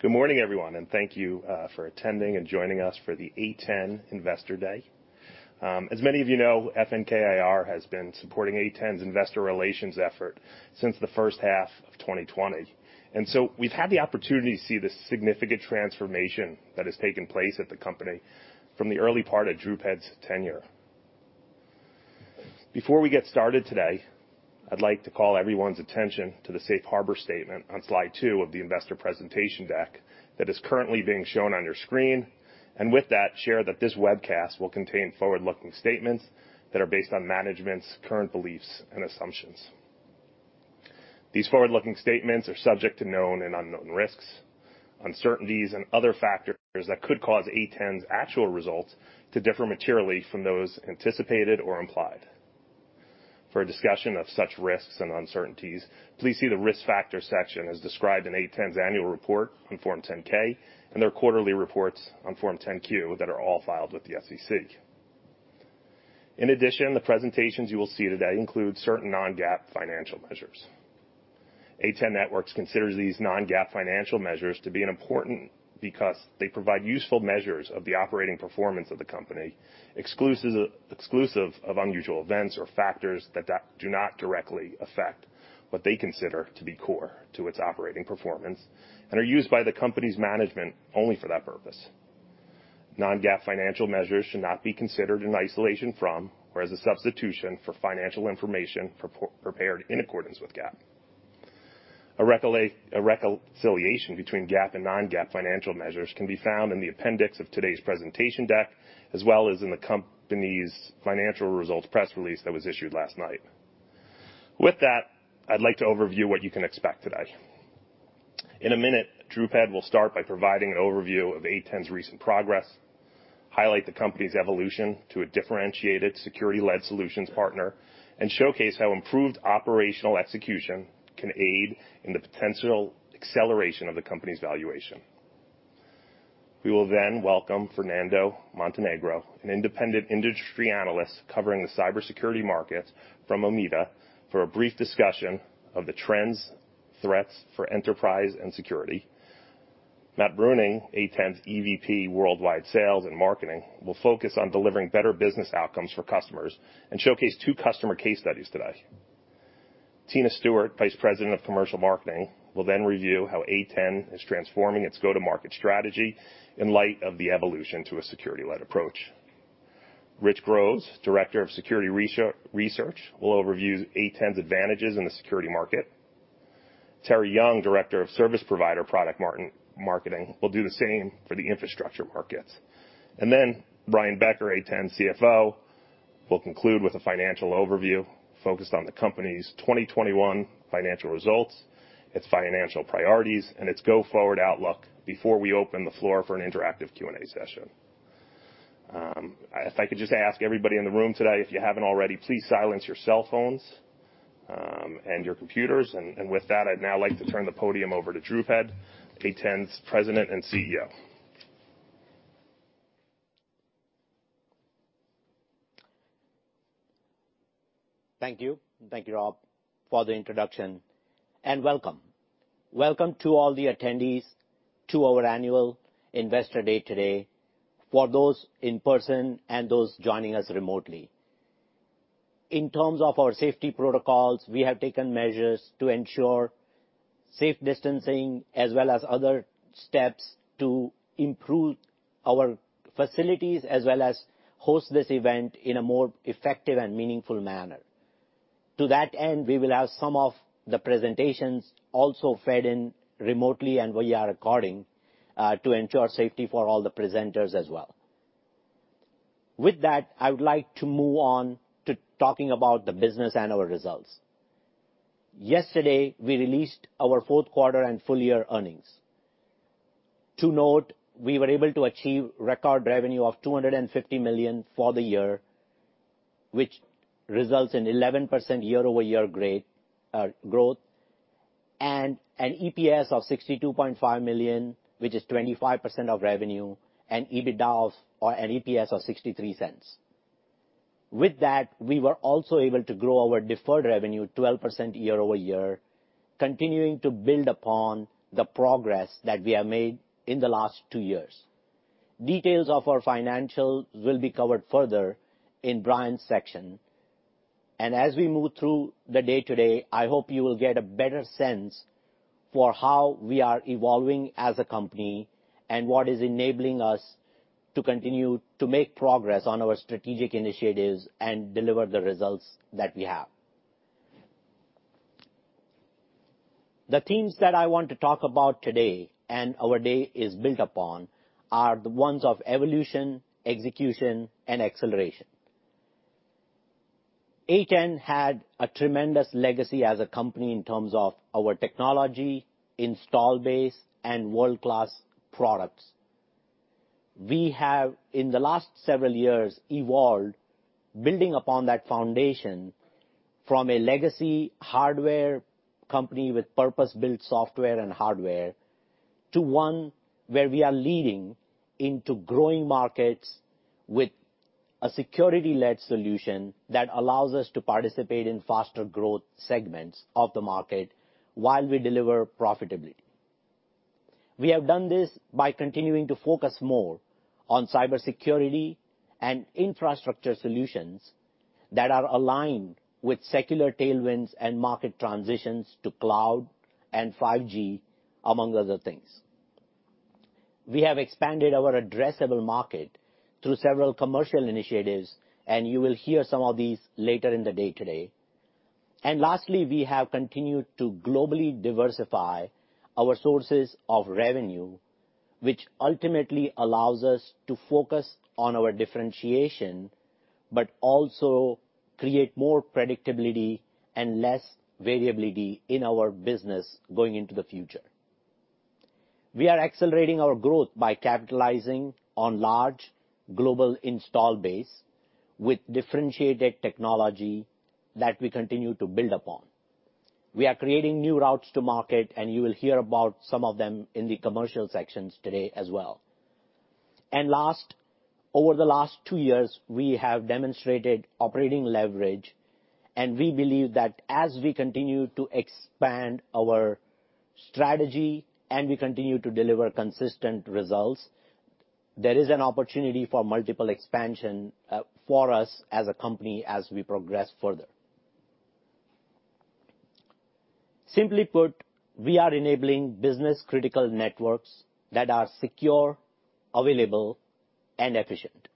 Good morning, everyone, and thank you for attending and joining us for the A10 Investor Day. As many of you know, FNK IR has been supporting A10's investor relations effort since the first half of 2020. We've had the opportunity to see the significant transformation that has taken place at the company from the early part of Dhrupad's tenure. Before we get started today, I'd like to call everyone's attention to the safe harbor statement on slide 2 of the investor presentation deck that is currently being shown on your screen. With that, share that this webcast will contain forward-looking statements that are based on management's current beliefs and assumptions. These forward-looking statements are subject to known and unknown risks, uncertainties and other factors that could cause A10's actual results to differ materially from those anticipated or implied. For a discussion of such risks and uncertainties, please see the Risk Factors section as described in A10's annual report on Form 10-K and their quarterly reports on Form 10-Q that are all filed with the SEC. In addition, the presentations you will see today include certain non-GAAP financial measures. A10 Networks considers these non-GAAP financial measures to be important because they provide useful measures of the operating performance of the company, exclusive of unusual events or factors that do not directly affect what they consider to be core to its operating performance and are used by the company's management only for that purpose. Non-GAAP financial measures should not be considered in isolation from, or as a substitution for financial information prepared in accordance with GAAP. A reconciliation between GAAP and non-GAAP financial measures can be found in the appendix of today's presentation deck, as well as in the company's financial results press release that was issued last night. With that, I'd like to overview what you can expect today. In a minute, Dhrupad will start by providing an overview of A10's recent progress, highlight the company's evolution to a differentiated security-led solutions partner, and showcase how improved operational execution can aid in the potential acceleration of the company's valuation. We will then welcome Fernando Montenegro, an independent industry analyst covering the cybersecurity market from Omdia, for a brief discussion of the trends, threats for enterprise and security. Matt Bruening, A10's EVP, Worldwide Sales and Marketing, will focus on delivering better business outcomes for customers and showcase two customer case studies today. Tina Stewart, Vice President of Commercial Marketing, will then review how A10 is transforming its go-to-market strategy in light of the evolution to a security-led approach. Rich Groves, Director of Security Research, will overview A10's advantages in the security market. Terry Young, Director of Service Provider Product Marketing, will do the same for the infrastructure market. Brian Becker, A10 CFO, will conclude with a financial overview focused on the company's 2021 financial results, its financial priorities, and its go-forward outlook before we open the floor for an interactive Q&A session. If I could just ask everybody in the room today, if you haven't already, please silence your cell phones and your computers. With that, I'd now like to turn the podium over to Dhrupad, A10's President and CEO. Thank you. Thank you, Rob, for the introduction, and welcome. Welcome to all the attendees to our annual investor day today, for those in person and those joining us remotely. In terms of our safety protocols, we have taken measures to ensure safe distancing as well as other steps to improve our facilities, as well as host this event in a more effective and meaningful manner. To that end, we will have some of the presentations also fed in remotely and via recording to ensure safety for all the presenters as well. With that, I would like to move on to talking about the business and our results. Yesterday, we released our Q4 and full-year earnings. To note, we were able to achieve record revenue of $250 million for the year, which results in 11% year-over-year growth, and an EPS of $0.63. With that, we were also able to grow our deferred revenue 12% year-over-year, continuing to build upon the progress that we have made in the last two years. Details of our financials will be covered further in Brian's section. As we move through the day today, I hope you will get a better sense for how we are evolving as a company and what is enabling us to continue to make progress on our strategic initiatives and deliver the results that we have. The themes that I want to talk about today, and our day is built upon, are the ones of evolution, execution, and acceleration. A10 had a tremendous legacy as a company in terms of our technology, install base, and world-class products. We have, in the last several years, evolved building upon that foundation from a legacy hardware company with purpose-built software and hardware to one where we are leading into growing markets with a security-led solution that allows us to participate in faster growth segments of the market while we deliver profitability. We have done this by continuing to focus more on cybersecurity and infrastructure solutions that are aligned with secular tailwinds and market transitions to cloud and 5G, among other things. We have expanded our addressable market through several commercial initiatives, and you will hear some of these later in the day today. Lastly, we have continued to globally diversify our sources of revenue, which ultimately allows us to focus on our differentiation, but also create more predictability and less variability in our business going into the future. We are accelerating our growth by capitalizing on large global install base with differentiated technology that we continue to build upon. We are creating new routes to market, and you will hear about some of them in the commercial sections today as well. Last, over the last two years, we have demonstrated operating leverage, and we believe that as we continue to expand our strategy and we continue to deliver consistent results, there is an opportunity for multiple expansion, for us as a company, as we progress further. Simply put, we are enabling business-critical networks that are secure, available, and efficient.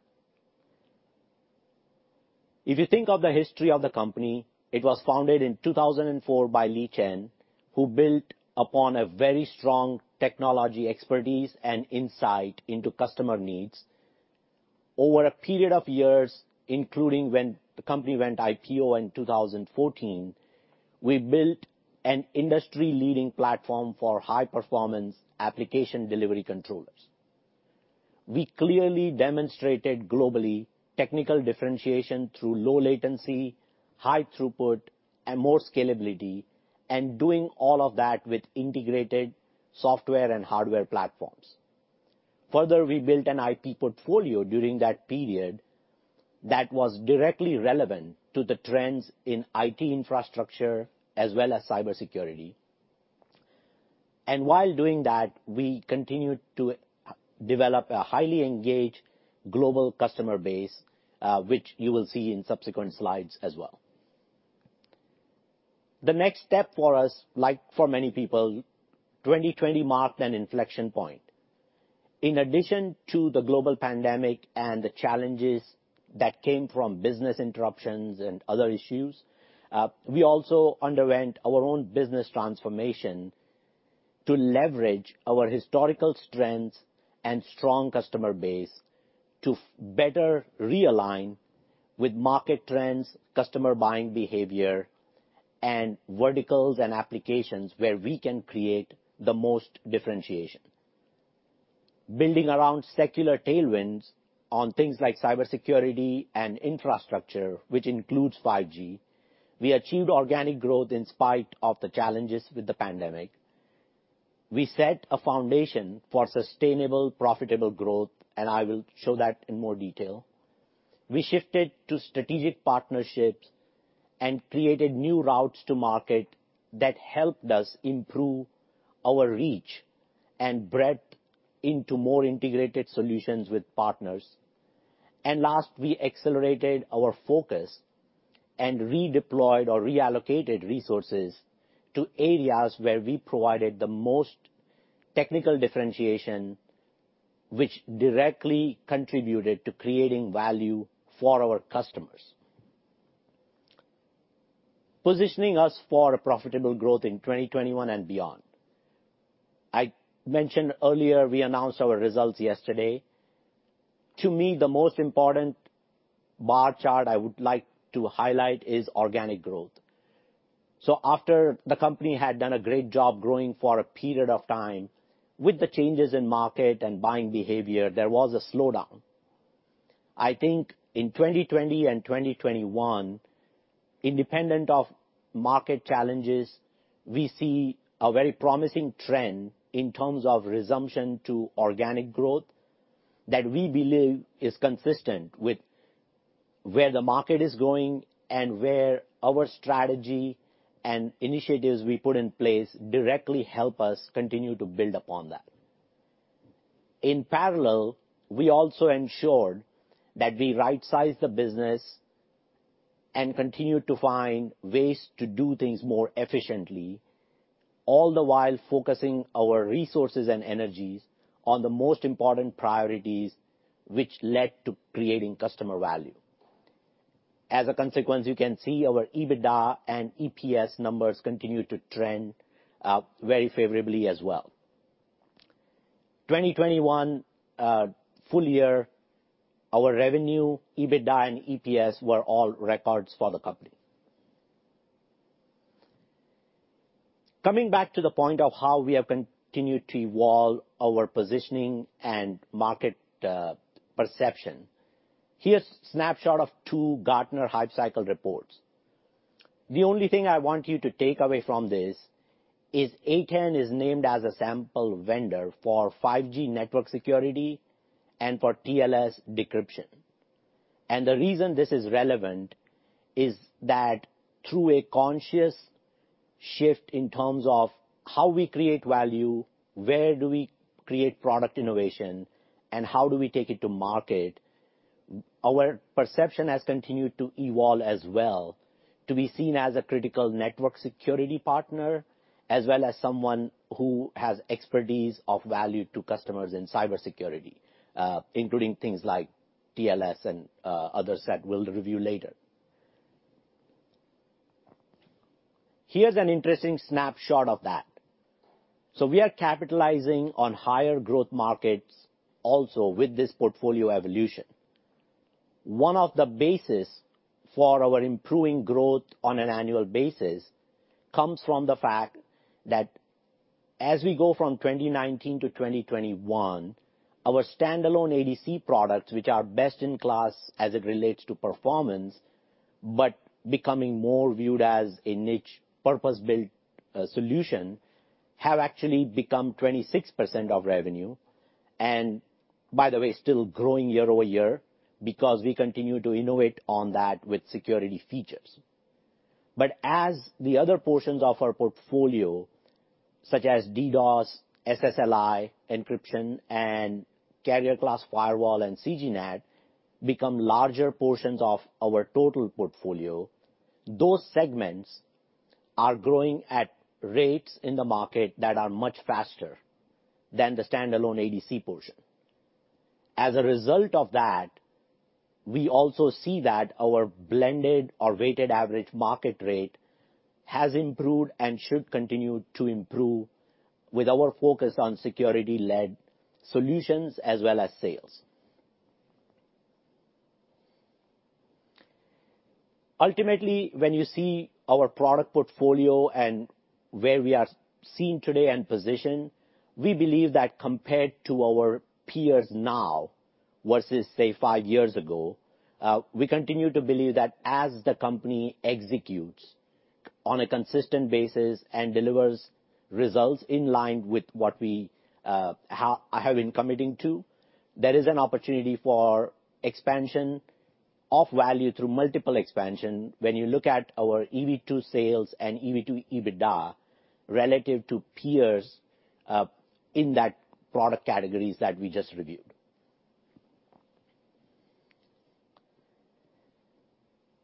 If you think of the history of the company, it was founded in 2004 by Lee Chen, who built upon a very strong technology expertise and insight into customer needs. Over a period of years, including when the company went IPO in 2014, we built an industry-leading platform for high-performance application delivery controllers. We clearly demonstrated globally technical differentiation through low latency, high throughput, and more scalability, and doing all of that with integrated software and hardware platforms. Further, we built an IP portfolio during that period that was directly relevant to the trends in IT infrastructure as well as cybersecurity. While doing that, we continued to develop a highly engaged global customer base, which you will see in subsequent slides as well. The next step for us, like for many people, 2020 marked an inflection point. In addition to the global pandemic and the challenges that came from business interruptions and other issues, we also underwent our own business transformation to leverage our historical strengths and strong customer base to better realign with market trends, customer buying behavior, and verticals and applications where we can create the most differentiation. Building around secular tailwinds on things like cybersecurity and infrastructure, which includes 5G, we achieved organic growth in spite of the challenges with the pandemic. We set a foundation for sustainable, profitable growth, and I will show that in more detail. We shifted to strategic partnerships and created new routes to market that helped us improve our reach and breadth into more integrated solutions with partners. Last, we accelerated our focus and redeployed or reallocated resources to areas where we provided the most technical differentiation, which directly contributed to creating value for our customers. Positioning us for a profitable growth in 2021 and beyond. I mentioned earlier we announced our results yesterday. To me, the most important bar chart I would like to highlight is organic growth. After the company had done a great job growing for a period of time, with the changes in market and buying behavior, there was a slowdown. I think in 2020 and 2021, independent of market challenges, we see a very promising trend in terms of resumption to organic growth that we believe is consistent with where the market is going and where our strategy and initiatives we put in place directly help us continue to build upon that. In parallel, we also ensured that we right-size the business and continue to find ways to do things more efficiently, all the while focusing our resources and energies on the most important priorities which led to creating customer value. As a consequence, you can see our EBITDA and EPS numbers continue to trend, very favorably as well. 2021 full year, our revenue, EBITDA, and EPS were all records for the company. Coming back to the point of how we have continued to evolve our positioning and market, perception, here's snapshot of 2 Gartner Hype Cycle reports. The only thing I want you to take away from this is A10 is named as a sample vendor for 5G network security and for TLS decryption. The reason this is relevant is that through a conscious shift in terms of how we create value, where do we create product innovation, and how do we take it to market, our perception has continued to evolve as well, to be seen as a critical network security partner, as well as someone who has expertise of value to customers in cybersecurity, including things like TLS and others that we'll review later. Here's an interesting snapshot of that. We are capitalizing on higher growth markets also with this portfolio evolution. One of the bases for our improving growth on an annual basis comes from the fact that as we go from 2019-2021, our standalone ADC products, which are best in class as it relates to performance, but becoming more viewed as a niche purpose-built solution, have actually become 26% of revenue. By the way, still growing year-over-year because we continue to innovate on that with security features. As the other portions of our portfolio, such as DDoS, SSLi, encryption, and carrier-class firewall and CGNAT, become larger portions of our total portfolio, those segments are growing at rates in the market that are much faster than the standalone ADC portion. As a result of that, we also see that our blended or weighted average market rate has improved and should continue to improve with our focus on security-led solutions as well as sales. Ultimately, when you see our product portfolio and where we are seen today and positioned, we believe that compared to our peers now versus, say, five years ago, we continue to believe that as the company executes on a consistent basis and delivers results in line with what I have been committing to, there is an opportunity for expansion of value through multiple expansion when you look at our EV/Sales and EV/EBITDA relative to peers, in that product categories that we just reviewed.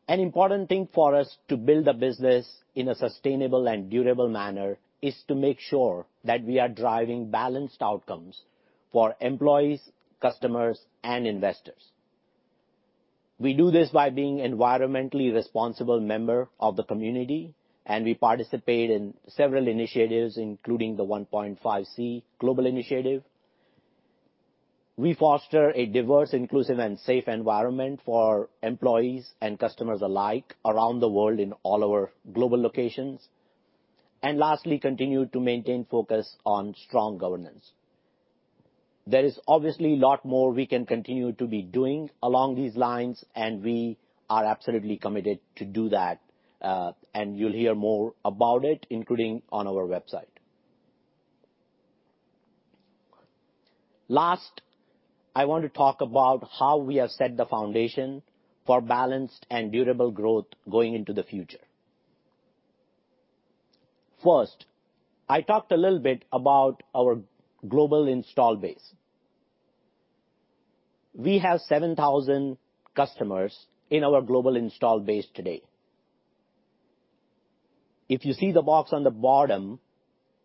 An important thing for us to build a business in a sustainable and durable manner is to make sure that we are driving balanced outcomes for employees, customers, and investors. We do this by being environmentally responsible member of the community, and we participate in several initiatives, including the 1.5°C global initiative. We foster a diverse, inclusive, and safe environment for employees and customers alike around the world in all our global locations. Lastly, continue to maintain focus on strong governance. There is obviously a lot more we can continue to be doing along these lines, and we are absolutely committed to do that, and you'll hear more about it, including on our website. Last, I want to talk about how we have set the foundation for balanced and durable growth going into the future. First, I talked a little bit about our global install base. We have 7,000 customers in our global install base today. If you see the box on the bottom,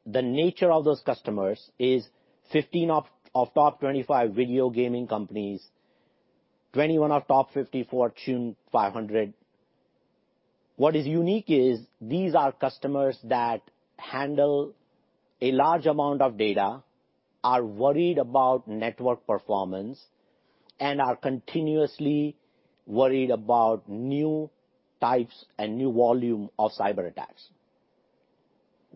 the nature of those customers is 15 of top 25 video gaming companies, 21 of top 50 Fortune 500. What is unique is these are customers that handle a large amount of data, are worried about network performance, and are continuously worried about new types and new volume of cyberattacks.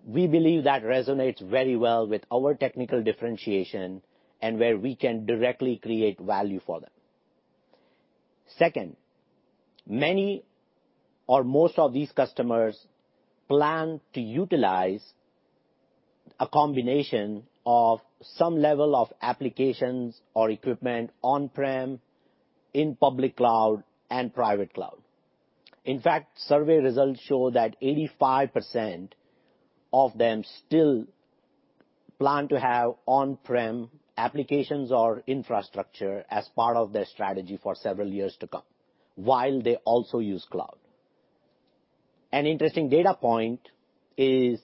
We believe that resonates very well with our technical differentiation and where we can directly create value for them. Second, many or most of these customers plan to utilize a combination of some level of applications or equipment on-prem, in public cloud, and private cloud. In fact, survey results show that 85% of them still plan to have on-prem applications or infrastructure as part of their strategy for several years to come, while they also use cloud. An interesting data point is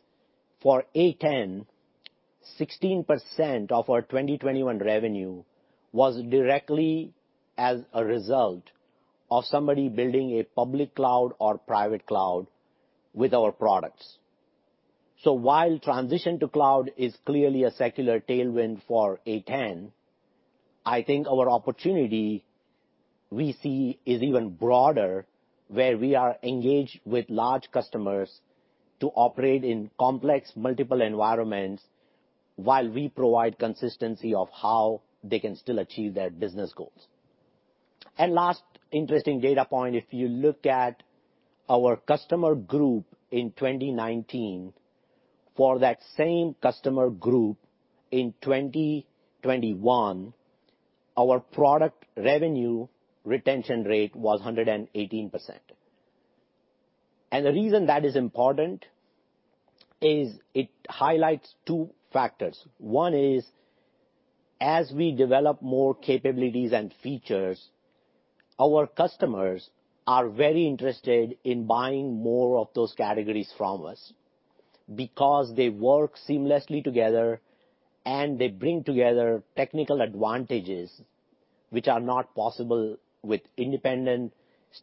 for A10, 16% of our 2021 revenue was directly as a result of somebody building a public cloud or private cloud with our products. While transition to cloud is clearly a secular tailwind for A10, I think our opportunity we see is even broader, where we are engaged with large customers to operate in complex multiple environments while we provide consistency of how they can still achieve their business goals. Last interesting data point, if you look at our customer group in 2019, for that same customer group in 2021, our product revenue retention rate was 118%. The reason that is important is it highlights two factors. One is, as we develop more capabilities and features, our customers are very interested in buying more of those categories from us because they work seamlessly together, and they bring together technical advantages which are not possible with independent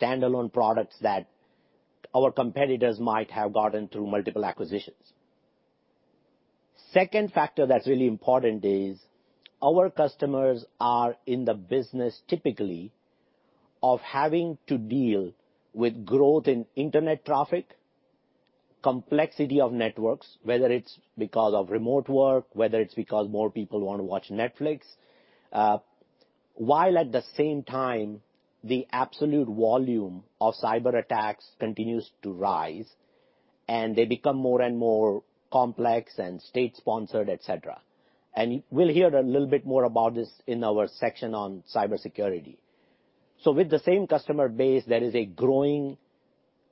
standalone products that our competitors might have gotten through multiple acquisitions. Second factor that's really important is our customers are in the business typically of having to deal with growth in internet traffic, complexity of networks, whether it's because of remote work, whether it's because more people wanna watch Netflix, while at the same time the absolute volume of cyberattacks continues to rise, and they become more and more complex and state-sponsored, et cetera. We'll hear a little bit more about this in our section on cybersecurity. With the same customer base, there is a growing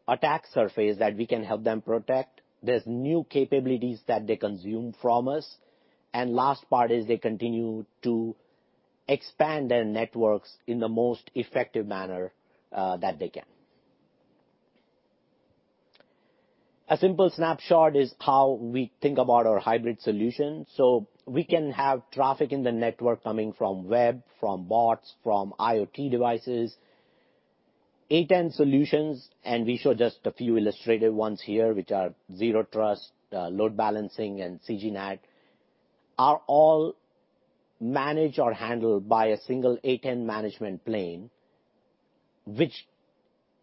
attack surface that we can help them protect. There's new capabilities that they consume from us. Last part is they continue to expand their networks in the most effective manner that they can. A simple snapshot is how we think about our hybrid solution. We can have traffic in the network coming from web, from bots, from IoT devices. A10 solutions, and we show just a few illustrative ones here, which are Zero Trust, load balancing, and CGNAT, are all managed or handled by a single A10 management plane, which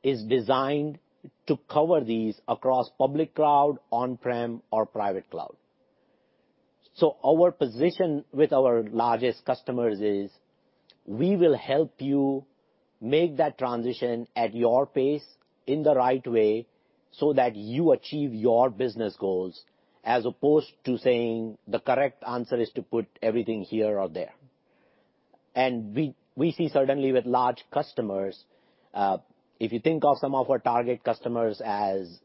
is designed to cover these across public cloud, on-prem, or private cloud. Our position with our largest customers is, we will help you make that transition at your pace in the right way so that you achieve your business goals, as opposed to saying the correct answer is to put everything here or there. We see certainly with large customers, if you think of some of our target customers as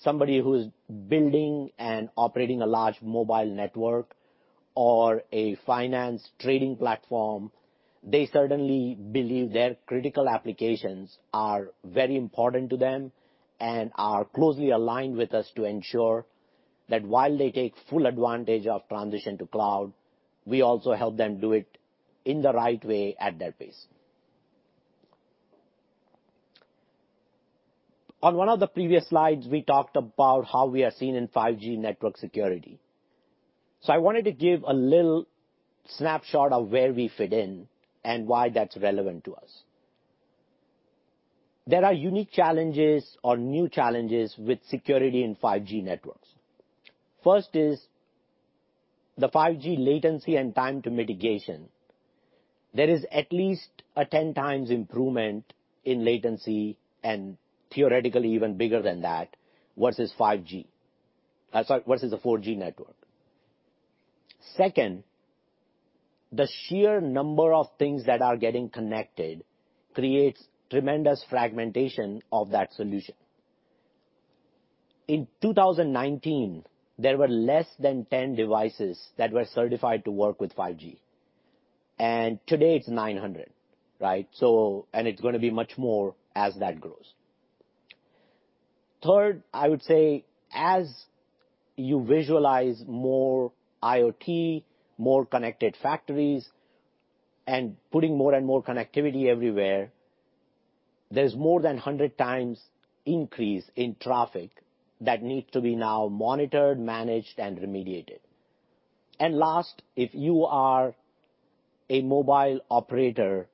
somebody who's building and operating a large mobile network or a finance trading platform, they certainly believe their critical applications are very important to them and are closely aligned with us to ensure that while they take full advantage of transition to cloud, we also help them do it in the right way at their pace. On one of the previous slides, we talked about how we are seen in 5G network security. I wanted to give a little snapshot of where we fit in and why that's relevant to us. There are unique challenges or new challenges with security in 5G networks. First is the 5G latency and time to mitigation. There is at least a 10 times improvement in latency and theoretically even bigger than that versus a 4G network. Second, the sheer number of things that are getting connected creates tremendous fragmentation of that solution. In 2019, there were less than 10 devices that were certified to work with 5G, and today it's 900, right? It's gonna be much more as that grows. Third, I would say as you visualize more IoT, more connected factories, and putting more and more connectivity everywhere, there's more than 100 times increase in traffic that needs to be now monitored, managed, and remediated. Last, if you are a mobile operator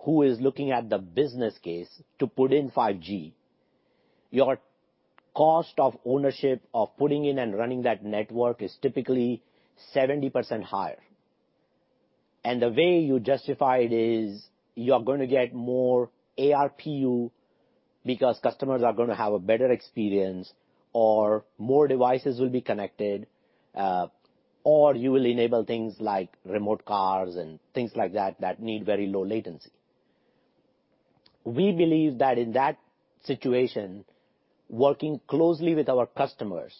who is looking at the business case to put in 5G, your cost of ownership of putting in and running that network is typically 70% higher. The way you justify it is you're gonna get more ARPU because customers are gonna have a better experience or more devices will be connected, or you will enable things like remote cars and things like that need very low latency. We believe that in that situation, working closely with our customers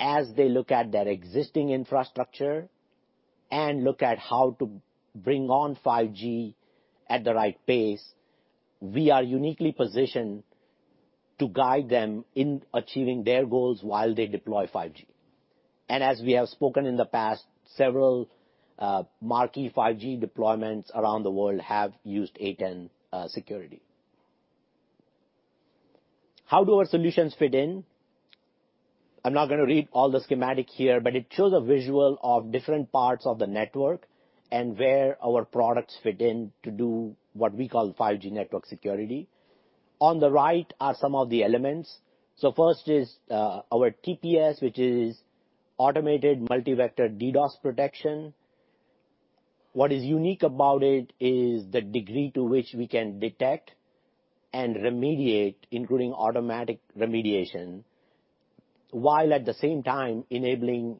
as they look at their existing infrastructure and look at how to bring on 5G at the right pace, we are uniquely positioned to guide them in achieving their goals while they deploy 5G. As we have spoken in the past, several marquee 5G deployments around the world have used A10 security. How do our solutions fit in? I'm not gonna read all the schematic here, but it shows a visual of different parts of the network and where our products fit in to do what we call 5G network security. On the right are some of the elements. First is, our TPS, which is automated multi-vector DDoS protection. What is unique about it is the degree to which we can detect and remediate, including automatic remediation, while at the same time enabling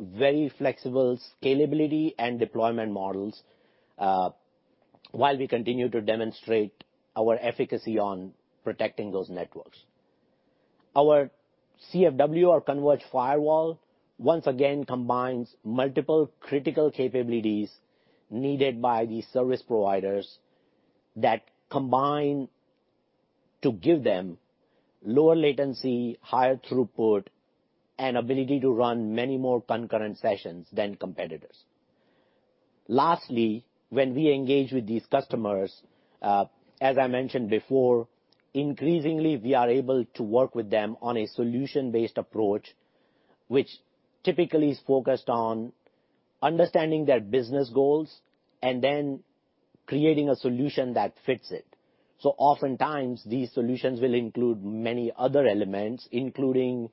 very flexible scalability and deployment models, while we continue to demonstrate our efficacy on protecting those networks. Our CFW or converged firewall, once again combines multiple critical capabilities needed by these service providers that combine to give them lower latency, higher throughput, and ability to run many more concurrent sessions than competitors. Lastly, when we engage with these customers, as I mentioned before, increasingly we are able to work with them on a solution-based approach, which typically is focused on understanding their business goals and then creating a solution that fits it. Oftentimes these solutions will include many other elements, including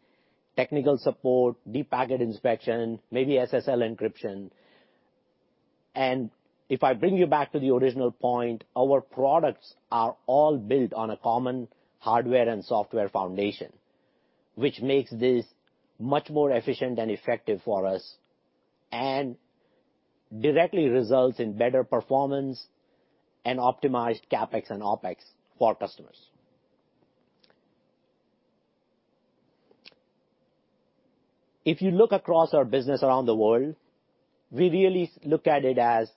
technical support, Deep Packet Inspection, maybe SSL encryption. If I bring you back to the original point, our products are all built on a common hardware and software foundation, which makes this much more efficient and effective for us and directly results in better performance and optimized CapEx and OpEx for customers. If you look across our business around the world, we really look at it as,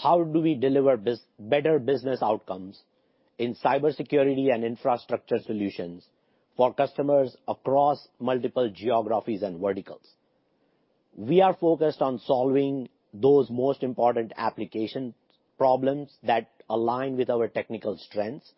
how do we deliver better business outcomes in cybersecurity and infrastructure solutions for customers across multiple geographies and verticals? We are focused on solving those most important application problems that align with our technical strengths.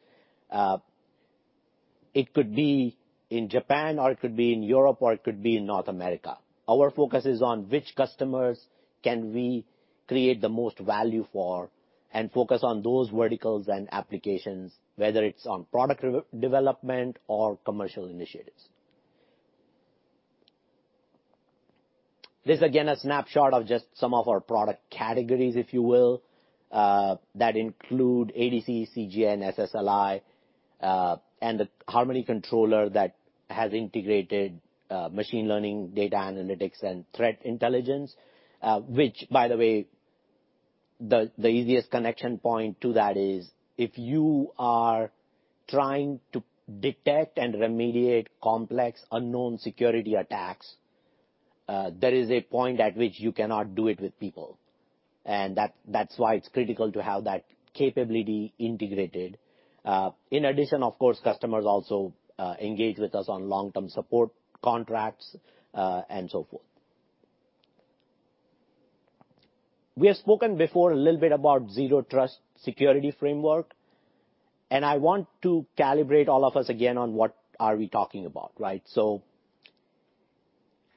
It could be in Japan or it could be in Europe or it could be in North America. Our focus is on which customers can we create the most value for and focus on those verticals and applications, whether it's on product development or commercial initiatives. This is again a snapshot of just some of our product categories, if you will, that include ADC, CGN, SSLi, and the Harmony Controller that has integrated machine learning, data analytics, and threat intelligence, which by the way, the easiest connection point to that is if you are trying to detect and remediate complex unknown security attacks, there is a point at which you cannot do it with people. That's why it's critical to have that capability integrated. In addition, of course, customers also engage with us on long-term support contracts, and so forth. We have spoken before a little bit about Zero Trust security framework, and I want to calibrate all of us again on what are we talking about, right?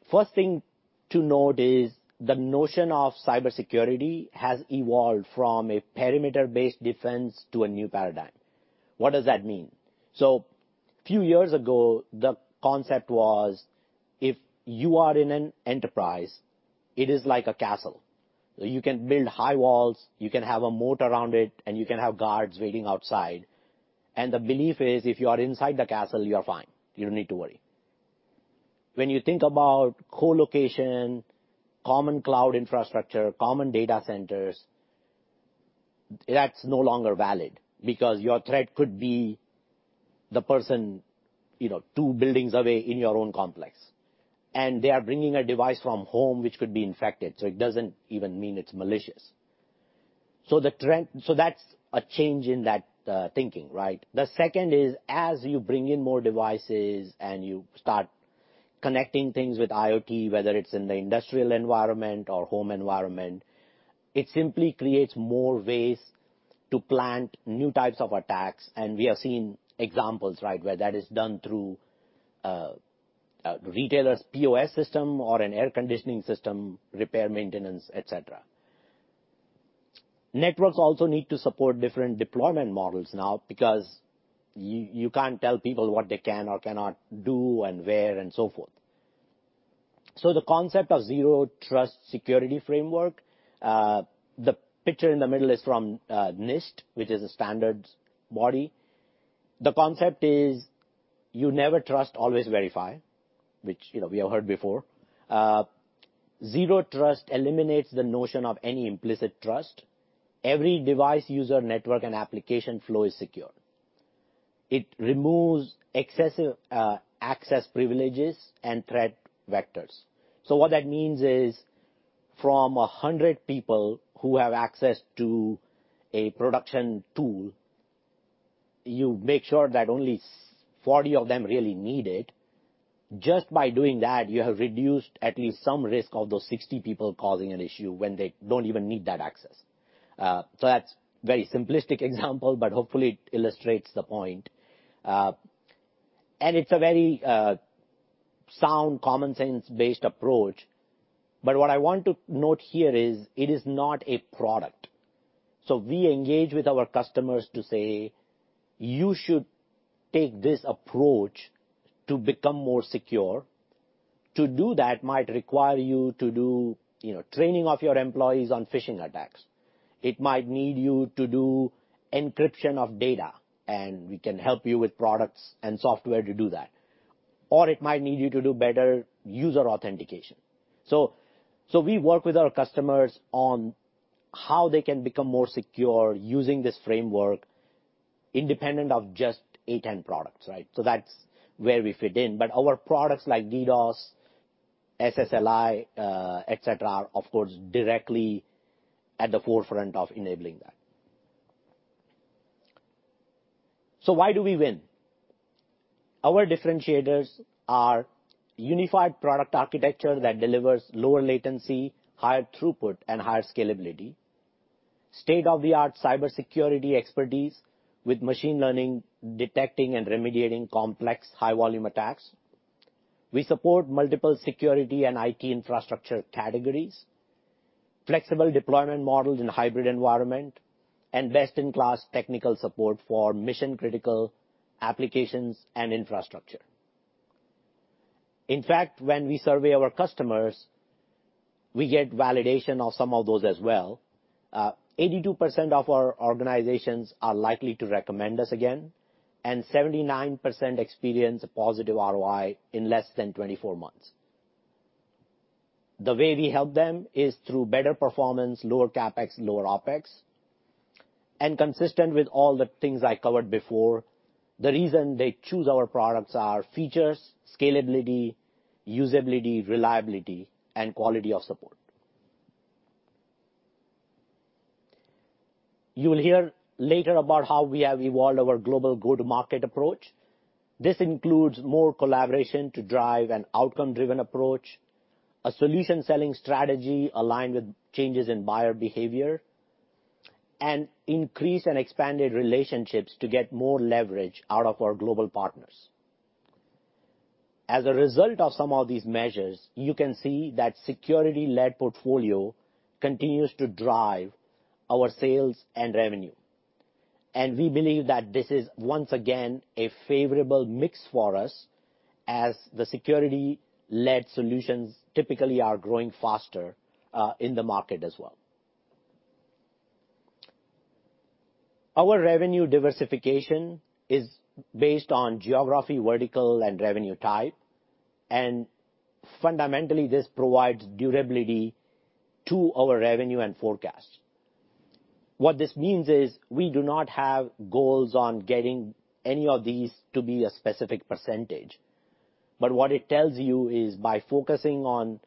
First thing to note is the notion of cybersecurity has evolved from a perimeter-based defense to a new paradigm. What does that mean? Few years ago, the concept was, if you are in an enterprise, it is like a castle. You can build high walls, you can have a moat around it, and you can have guards waiting outside. The belief is if you are inside the castle, you're fine. You don't need to worry. When you think about co-location, common cloud infrastructure, common data centers, that's no longer valid because your threat could be the person, you know, two buildings away in your own complex, and they are bringing a device from home which could be infected, so it doesn't even mean it's malicious. That's a change in that thinking, right? The second is, as you bring in more devices and you start connecting things with IoT, whether it's in the industrial environment or home environment, it simply creates more ways to plant new types of attacks. We have seen examples, right, where that is done through a retailer's POS system or an air conditioning system, repair, maintenance, et cetera. Networks also need to support different deployment models now because you can't tell people what they can or cannot do and where and so forth. The concept of Zero Trust security framework, the picture in the middle is from NIST, which is a standards body. The concept is you never trust, always verify, which, you know, we have heard before. Zero Trust eliminates the notion of any implicit trust. Every device, user, network, and application flow is secure. It removes excessive access privileges and threat vectors. What that means is, from 100 people who have access to a production tool, you make sure that only 40 of them really need it. Just by doing that, you have reduced at least some risk of those 60 people causing an issue when they don't even need that access. That's a very simplistic example, but hopefully it illustrates the point. It's a very sound, common sense-based approach. What I want to note here is it is not a product. We engage with our customers to say, "You should take this approach to become more secure. To do that might require you to do, you know, training of your employees on phishing attacks. It might need you to do encryption of data, and we can help you with products and software to do that. Or it might need you to do better user authentication." We work with our customers on how they can become more secure using this framework independent of just A10 products, right? That's where we fit in. Our products like DDoS, SSLi, et cetera, are of course, directly at the forefront of enabling that. Why do we win? Our differentiators are unified product architecture that delivers lower latency, higher throughput, and higher scalability. State-of-the-art cybersecurity expertise with machine learning, detecting and remediating complex high-volume attacks. We support multiple security and IT infrastructure categories, flexible deployment models in hybrid environment, and best-in-class technical support for mission-critical applications and infrastructure. In fact, when we survey our customers, we get validation of some of those as well. 82% of our organizations are likely to recommend us again, and 79% experience a positive ROI in less than 24 months. The way we help them is through better performance, lower CapEx, lower OpEx. Consistent with all the things I covered before, the reason they choose our products are features, scalability, usability, reliability, and quality of support. You will hear later about how we have evolved our global go-to-market approach. This includes more collaboration to drive an outcome-driven approach, a solution selling strategy aligned with changes in buyer behavior, and increased and expanded relationships to get more leverage out of our global partners. As a result of some of these measures, you can see that security-led portfolio continues to drive our sales and revenue. We believe that this is, once again, a favorable mix for us as the security-led solutions typically are growing faster in the market as well. Our revenue diversification is based on geography, vertical, and revenue type, and fundamentally, this provides durability to our revenue and forecast. What this means is we do not have goals on getting any of these to be a specific percentage, but what it tells you is by focusing on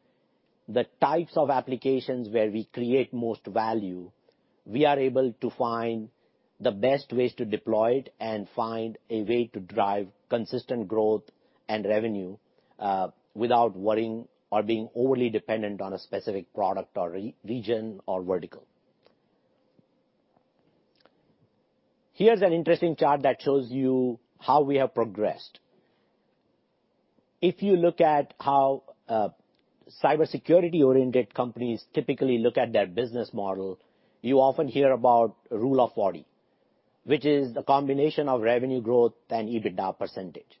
the types of applications where we create most value, we are able to find the best ways to deploy it and find a way to drive consistent growth and revenue, without worrying or being overly dependent on a specific product or region or vertical. Here's an interesting chart that shows you how we have progressed. If you look at how cybersecurity-oriented companies typically look at their business model, you often hear about Rule of 40, which is the combination of revenue growth and EBITDA percentage.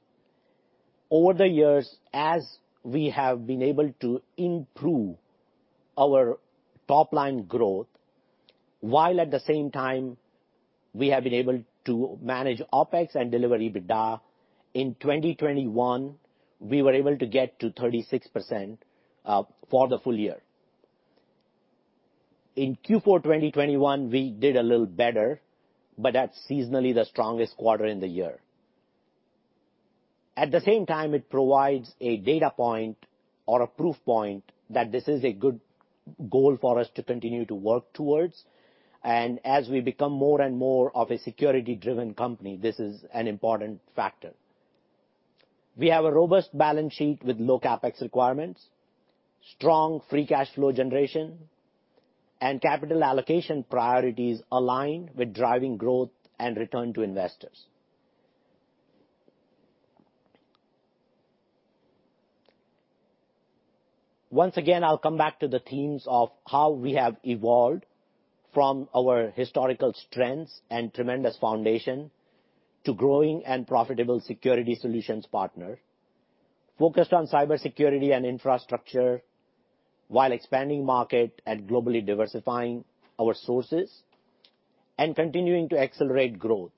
Over the years, as we have been able to improve our top-line growth, while at the same time we have been able to manage OpEx and deliver EBITDA, in 2021, we were able to get to 36%, for the full year. In Q4 2021, we did a little better, but that's seasonally the strongest quarter in the year. At the same time, it provides a data point or a proof point that this is a good goal for us to continue to work towards, and as we become more and more of a security-driven company, this is an important factor. We have a robust balance sheet with low CapEx requirements, strong free cash flow generation, and capital allocation priorities aligned with driving growth and return to investors. Once again, I'll come back to the themes of how we have evolved from our historical strengths and tremendous foundation to growing and profitable security solutions partner, focused on cybersecurity and infrastructure while expanding market and globally diversifying our sources and continuing to accelerate growth.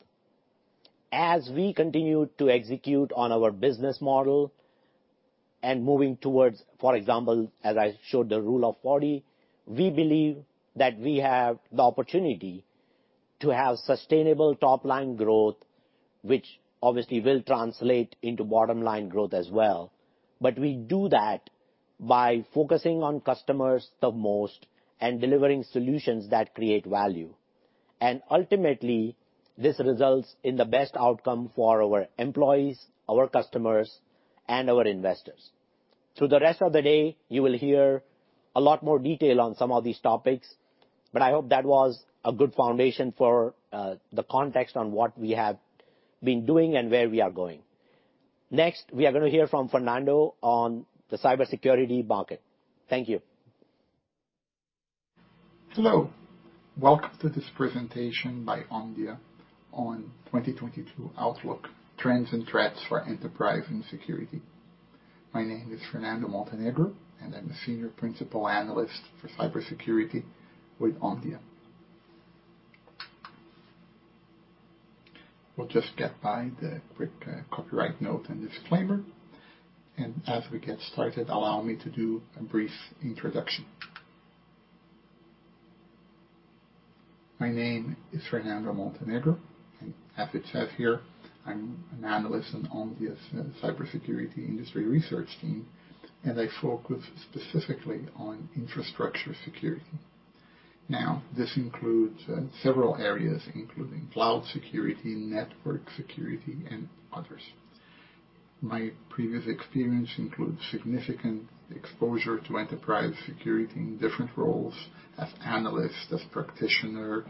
As we continue to execute on our business model and moving towards, for example, as I showed the Rule of 40, we believe that we have the opportunity to have sustainable top-line growth, which obviously will translate into bottom-line growth as well. We do that by focusing on customers the most and delivering solutions that create value. Ultimately, this results in the best outcome for our employees, our customers, and our investors. Through the rest of the day, you will hear a lot more detail on some of these topics, but I hope that was a good foundation for the context on what we have been doing and where we are going. Next, we are gonna hear from Fernando Montenegro on the cybersecurity market. Thank you. Hello. Welcome to this presentation by Omdia on 2022 outlook: Trends and Threats for Enterprise and Security. My name is Fernando Montenegro, and I'm a senior principal analyst for cybersecurity with Omdia. We'll just get by the quick copyright note and disclaimer, and as we get started, allow me to do a brief introduction. My name is Fernando Montenegro, and as it says here, I'm an analyst on Omdia's cybersecurity industry research team, and I focus specifically on infrastructure security. Now, this includes several areas, including cloud security, network security, and others. My previous experience includes significant exposure to enterprise security in different roles as analyst, as practitioner,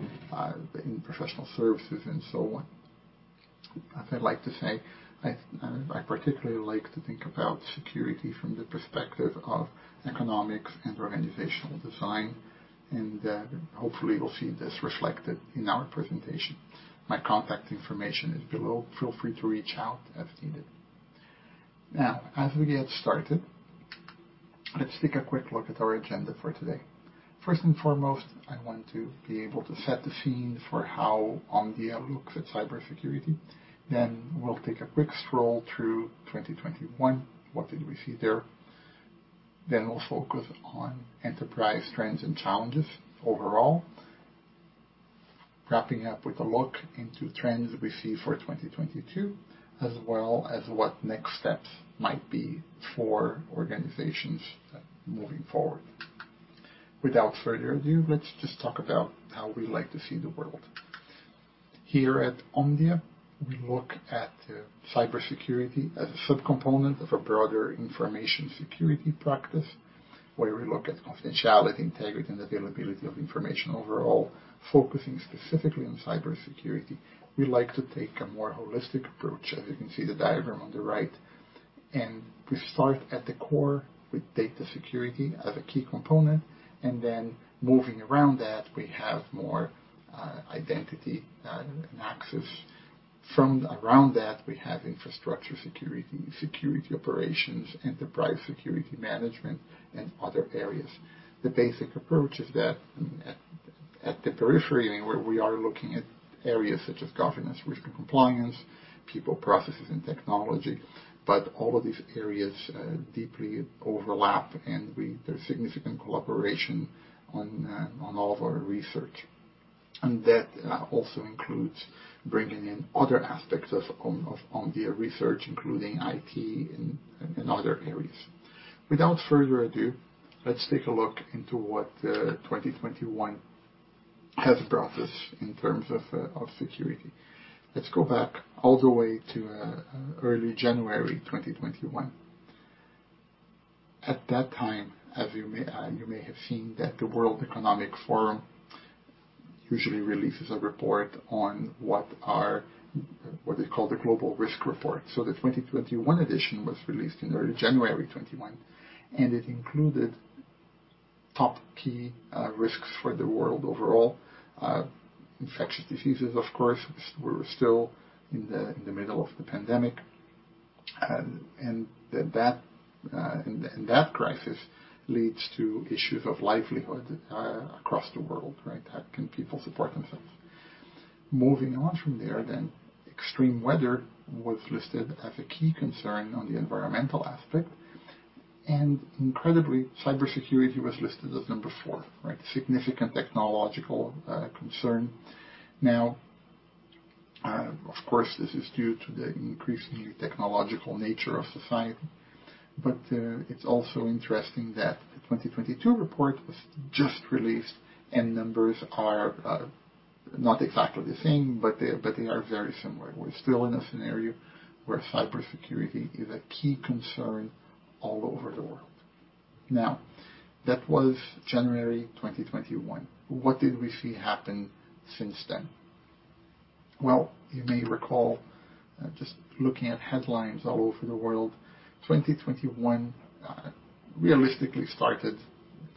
in professional services, and so on. As I like to say, I particularly like to think about security from the perspective of economics and organizational design, and hopefully you'll see this reflected in our presentation. My contact information is below. Feel free to reach out as needed. Now, as we get started, let's take a quick look at our agenda for today. First and foremost, I want to be able to set the scene for how Omdia looks at cybersecurity. Then we'll take a quick scroll through 2021. What did we see there? Then we'll focus on enterprise trends and challenges overall. Wrapping up with a look into trends we see for 2022, as well as what next steps might be for organizations moving forward. Without further ado, let's just talk about how we like to see the world. Here at Omdia, we look at cybersecurity as a subcomponent of a broader information security practice, where we look at confidentiality, integrity and availability of information overall, focusing specifically on cybersecurity. We like to take a more holistic approach, as you can see the diagram on the right, and we start at the core with data security as a key component, and then moving around that we have more identity and access. From around that we have infrastructure security operations, enterprise security management, and other areas. The basic approach is that at the periphery, where we are looking at areas such as governance, risk and compliance, people, processes and technology. All of these areas deeply overlap. There's significant collaboration on all of our research. That also includes bringing in other aspects of Omdia research, including IT and other areas. Without further ado, let's take a look into what 2021 has brought us in terms of security. Let's go back all the way to early January 2021. At that time, as you may have seen that the World Economic Forum usually releases a report on what they call the Global Risks Report. The 2021 edition was released in early January 2021, and it included top key risks for the world overall. Infectious diseases, of course, we're still in the middle of the pandemic. That crisis leads to issues of livelihood across the world, right? How can people support themselves? Moving on from there, extreme weather was listed as a key concern on the environmental aspect, and incredibly, cybersecurity was listed as number 4. Right? Significant technological concern. Now, of course, this is due to the increasing technological nature of society. It's also interesting that the 2022 report was just released and numbers are not exactly the same, but they are very similar. We're still in a scenario where cybersecurity is a key concern all over the world. Now, that was January 2021. What did we see happen since then? Well, you may recall, just looking at headlines all over the world, 2021 realistically started,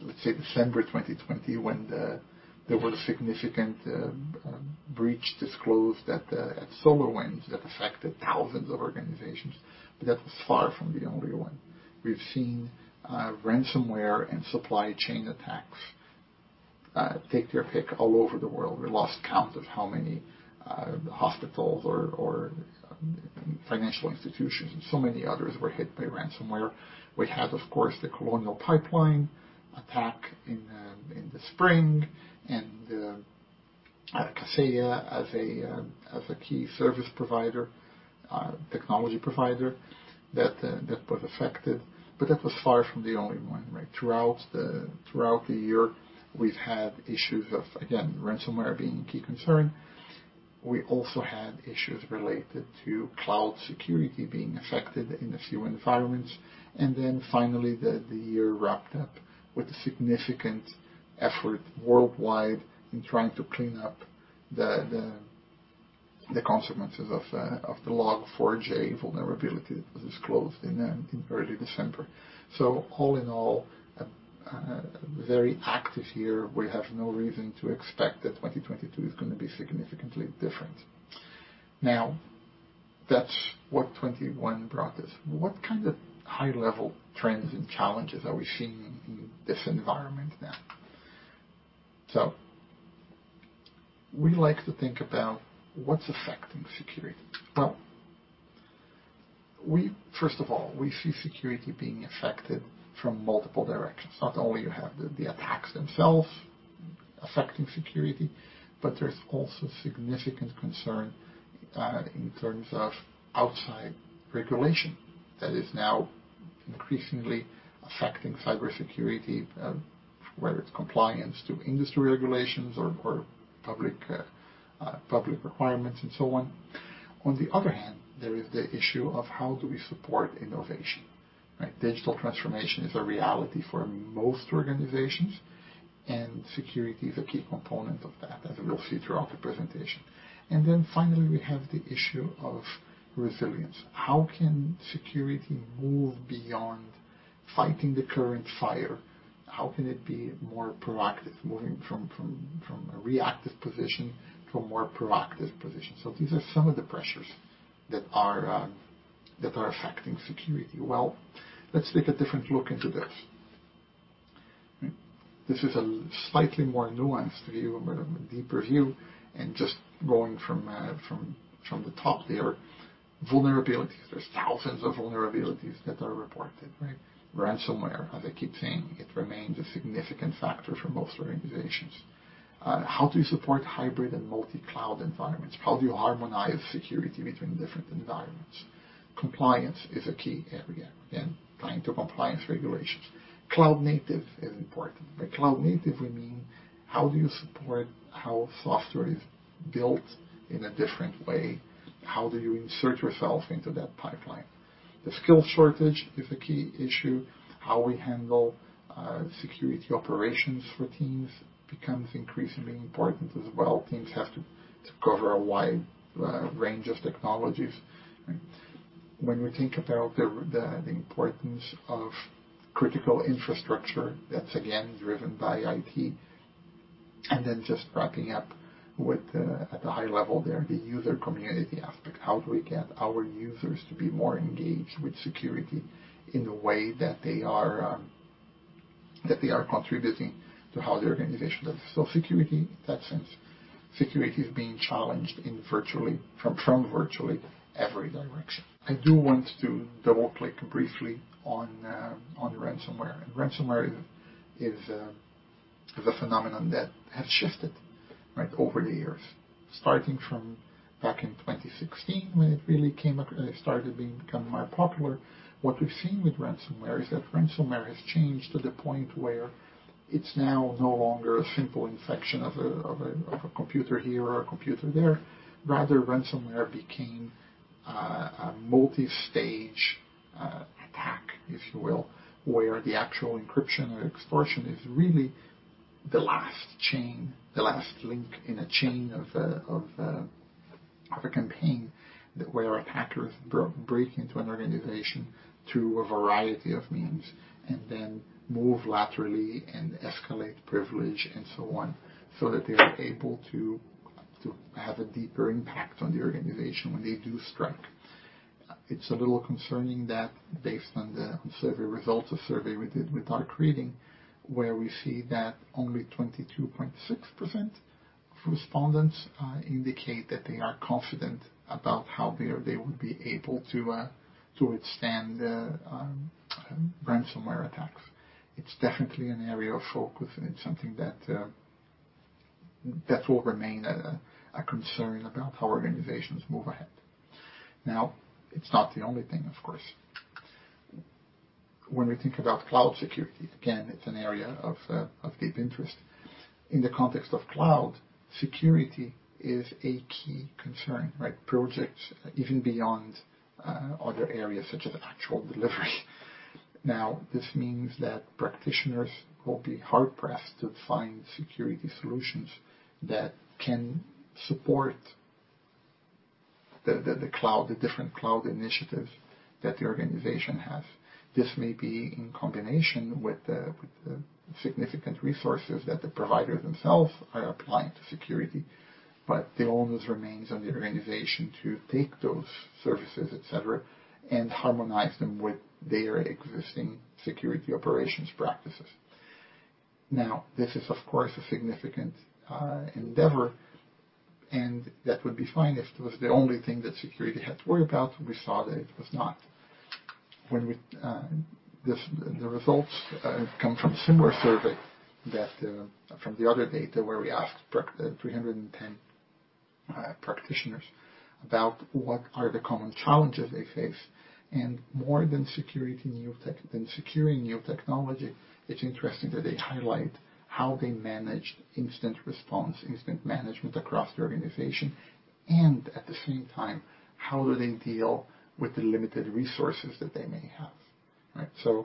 let's say December 2020, when there was a significant breach disclosed at SolarWinds that affected 1,000 of organizations. That was far from the only one. We've seen ransomware and supply chain attacks take their pick all over the world. We lost count of how many hospitals or financial institutions and so many others were hit by ransomware. We had, of course, the Colonial Pipeline attack in the spring and Kaseya as a key service provider technology provider that was affected. That was far from the only one, right? Throughout the year, we've had issues of, again, ransomware being a key concern. We also had issues related to cloud security being affected in a few environments. Then finally, the year wrapped up with a significant effort worldwide in trying to clean up the consequences of the Log4j vulnerability that was disclosed in early December. All in all, a very active year. We have no reason to expect that 2022 is gonna be significantly different. Now, that's what 2021 brought us. What kind of high-level trends and challenges are we seeing in this environment now? We like to think about what's affecting security. Well, first of all, we see security being affected from multiple directions. Not only you have the attacks themselves affecting security, but there's also significant concern in terms of outside regulation that is now increasingly affecting cybersecurity, whether it's compliance to industry regulations or public requirements and so on. On the other hand, there is the issue of how do we support innovation, right? Digital transformation is a reality for most organizations, and security is a key component of that, as we'll see throughout the presentation. Then finally, we have the issue of resilience. How can security move beyond fighting the current fire? How can it be more proactive, moving from a reactive position to a more proactive position? These are some of the pressures that are affecting security. Well, let's take a different look into this. This is a slightly more nuanced view, a deeper view. Just going from the top there. Vulnerabilities. There are 1,000 of vulnerabilities that are reported, right? Ransomware, as I keep saying, it remains a significant factor for most organizations. How do you support hybrid and multi-cloud environments? How do you harmonize security between different environments? Compliance is a key area. Again, tying to compliance regulations. Cloud native is important. By cloud native, we mean how do you support how software is built in a different way? How do you insert yourself into that pipeline? The skill shortage is a key issue. How we handle security operations for teams becomes increasingly important as well. Teams have to cover a wide range of technologies. When we think about the importance of critical infrastructure, that's again driven by IT. Just wrapping up with, at the high level there, the user community aspect. How do we get our users to be more engaged with security in a way that they are contributing to how the organization does? Security, in that sense, security is being challenged in virtually every direction. I do want to double-click briefly on ransomware. Ransomware is a phenomenon that has shifted, right, over the years, starting from back in 2016 when it really came up and it started become more popular. What we've seen with ransomware is that ransomware has changed to the point where it's now no longer a simple infection of a computer here or a computer there. Rather, ransomware became a multi-stage attack, if you will, where the actual encryption or extortion is really the last chain, the last link in a chain of a campaign where attackers break into an organization through a variety of means and then move laterally and escalate privilege and so on, so that they are able to have a deeper impact on the organization when they do strike. It's a little concerning that based on the survey results, a survey we did with Arcading, where we see that only 22.6% of respondents indicate that they are confident about how they would be able to withstand ransomware attacks. It's definitely an area of focus, and it's something that will remain a concern about how organizations move ahead. Now, it's not the only thing, of course. When we think about cloud security, again, it's an area of deep interest. In the context of cloud, security is a key concern, right? Projects even beyond other areas such as actual delivery. Now, this means that practitioners will be hard pressed to find security solutions that can support the different cloud initiatives that the organization has. This may be in combination with the significant resources that the providers themselves are applying to security, but the onus remains on the organization to take those services, et cetera, and harmonize them with their existing security operations practices. Now, this is, of course, a significant endeavor, and that would be fine if it was the only thing that security had to worry about. We saw that it was not. The results come from similar survey that from the other data where we asked 310 practitioners about what are the common challenges they face and more than securing new technology, it's interesting that they highlight how they manage incident response, incident management across the organization, and at the same time, how do they deal with the limited resources that they may have, right?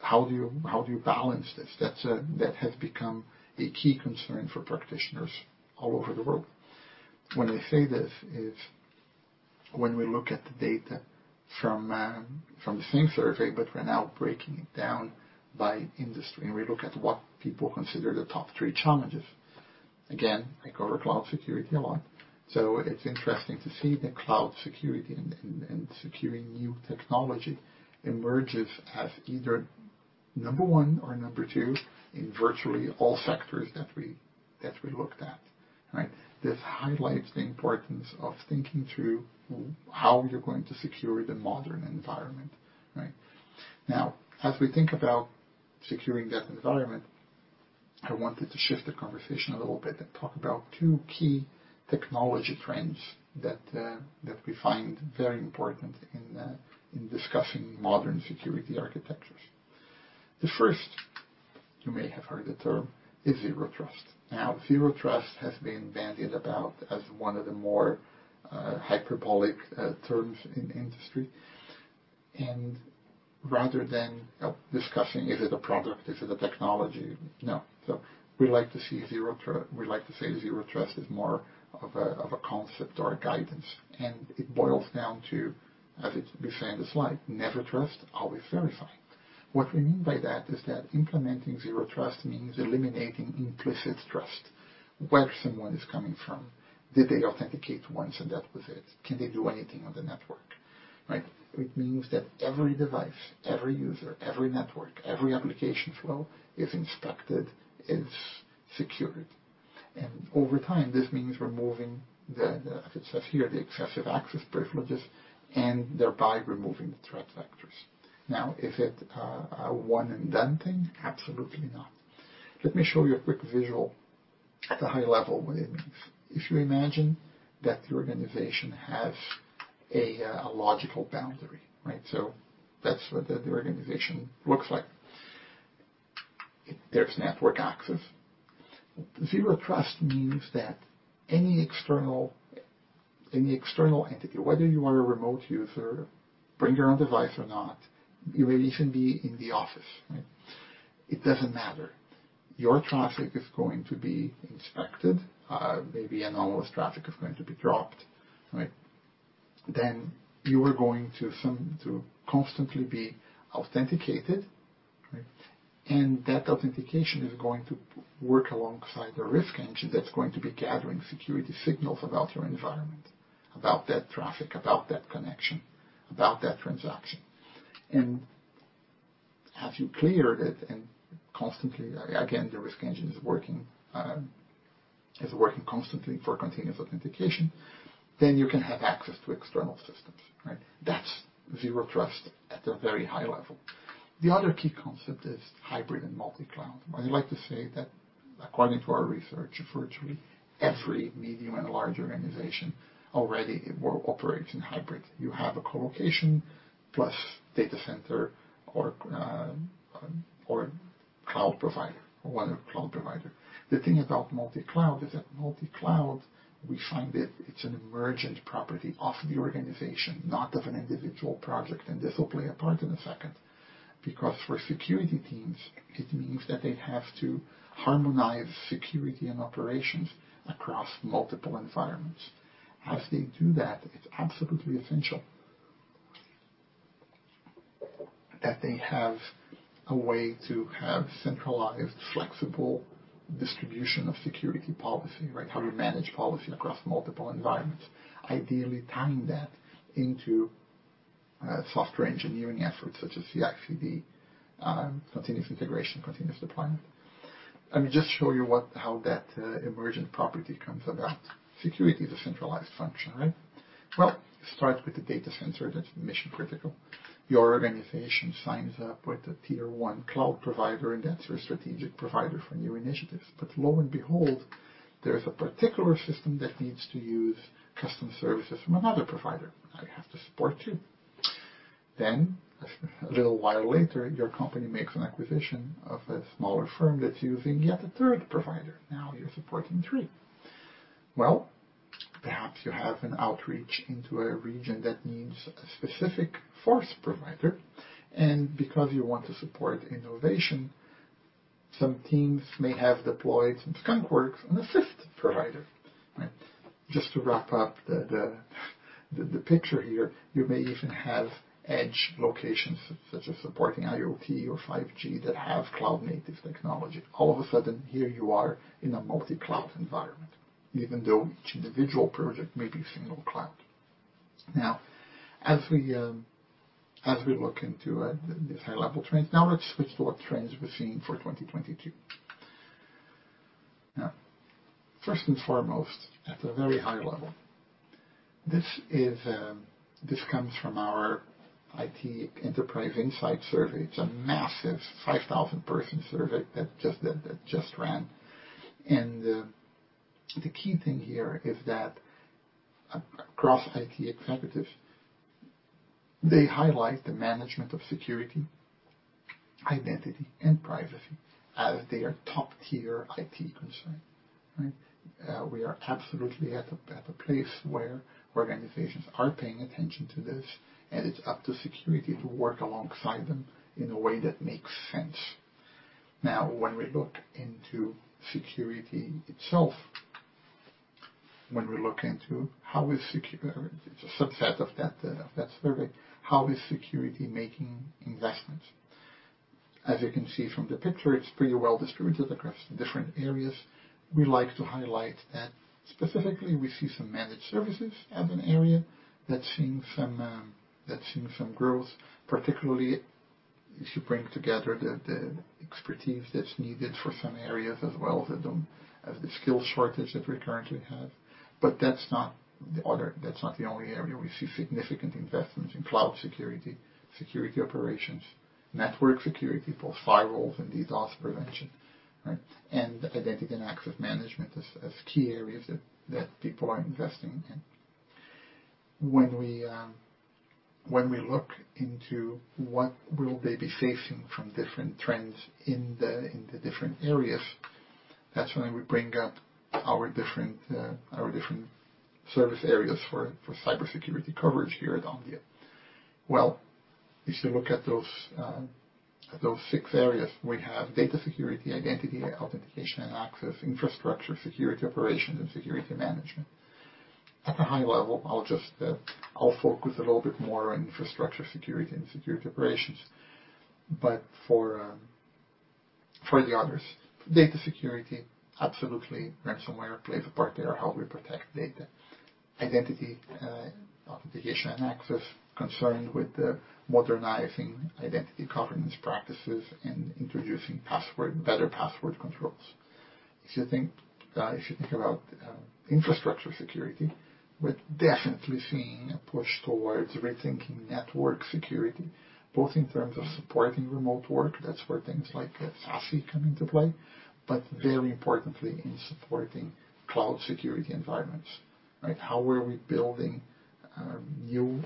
How do you balance this? That has become a key concern for practitioners all over the world. When I say this is when we look at the data from the same survey, but we're now breaking it down by industry, and we look at what people consider the top three challenges. Again, they cover cloud security a lot. It's interesting to see that cloud security and securing new technology emerges as either number one or number two in virtually all sectors that we looked at, right? This highlights the importance of thinking through how you're going to secure the modern environment, right? Now, as we think about securing that environment, I wanted to shift the conversation a little bit and talk about two key technology trends that we find very important in discussing modern security architectures. The first, you may have heard the term, is Zero Trust. Now, Zero Trust has been bandied about as one of the more hyperbolic terms in industry. Rather than discussing is it a product, is it a technology? No. We like to say Zero Trust is more of a concept or a guidance, and it boils down to, as it's being said in the slide, never trust, always verify. What we mean by that is that implementing Zero Trust means eliminating implicit trust. Where someone is coming from, did they authenticate once and that was it? Can they do anything on the network, right? It means that every device, every user, every network, every application flow is inspected, is secured. Over time, this means removing the as it says here, the excessive access privileges, and thereby removing the threat vectors. Now, is it a one and done thing? Absolutely not. Let me show you a quick visual at a high level what it means. If you imagine that your organization has a logical boundary, right? That's what the organization looks like. There's network access. Zero Trust means that any external entity, whether you are a remote user, bring your own device or not, you may even be in the office, right? It doesn't matter. Your traffic is going to be inspected, maybe anomalous traffic is going to be dropped, right? You are going to constantly be authenticated, right? That authentication is going to work alongside a risk engine that's going to be gathering security signals about your environment, about that traffic, about that connection, about that transaction. As you clear it and constantly, again, the risk engine is working constantly for continuous authentication, then you can have access to external systems, right? That's Zero Trust at a very high level. The other key concept is hybrid and multi-cloud. I'd like to say that according to our research, virtually every medium and large organization already were operating hybrid. You have a co-location plus data center or cloud provider or other cloud provider. The thing about multi-cloud is that multi-cloud, we find it's an emergent property of the organization, not of an individual project, and this will play a part in a second. Because for security teams, it means that they have to harmonize security and operations across multiple environments. As they do that, it's absolutely essential that they have a way to have centralized, flexible distribution of security policy, right? How we manage policy across multiple environments, ideally tying that into software engineering efforts such as CI/CD, continuous integration, continuous deployment. Let me just show you how that emergent property comes about. Security is a centralized function, right? Well, it starts with the data center that's mission-critical. Your organization signs up with a tier one cloud provider, and that's your strategic provider for new initiatives. Lo and behold, there's a particular system that needs to use custom services from another provider. Now you have to support two. A little while later, your company makes an acquisition of a smaller firm that's using yet a third provider. Now you're supporting three. Well, perhaps you have an outreach into a region that needs a specific fourth provider, and because you want to support innovation, some teams may have deployed some skunkworks and a fifth provider, right? Just to wrap up the picture here, you may even have edge locations, such as supporting IoT or 5G, that have cloud-native technology. All of a sudden, here you are in a multi-cloud environment, even though each individual project may be single cloud. Now, as we look into these high-level trends, now let's switch to what trends we're seeing for 2022. Now, first and foremost, at a very high level, this comes from our IT Enterprise Insight Survey. It's a massive 5,000-person survey that just ran. The key thing here is that across IT executives, they highlight the management of security, identity, and privacy as their top-tier IT concern, right? We are absolutely at a place where organizations are paying attention to this, and it's up to security to work alongside them in a way that makes sense. Now, when we look into security itself, when we look into how security or a subset of that survey, how is security making investments? As you can see from the picture, it's pretty well distributed across different areas. We like to highlight that specifically, we see some managed services as an area that's seeing some growth, particularly as you bring together the expertise that's needed for some areas as well that don't have the skill shortage that we currently have. That's not the only area. We see significant investments in cloud security operations, network security for firewalls and DDoS prevention, right? Identity and access management as key areas that people are investing in. When we look into what will they be facing from different trends in the different areas, that's when we bring up our different service areas for cybersecurity coverage here at Omdia. Well, if you look at those six areas, we have data security, identity, authentication, and access, infrastructure, security operations, and security management. At a high level, I'll focus a little bit more on infrastructure security and security operations. For the others, data security, absolutely, ransomware plays a part there, how we protect data. Identity, authentication, and access, concerned with modernizing identity governance practices and introducing better password controls. If you think about infrastructure security, we're definitely seeing a push towards rethinking network security, both in terms of supporting remote work, that's where things like SASE come into play, but very importantly, in supporting cloud security environments, right? How are we building new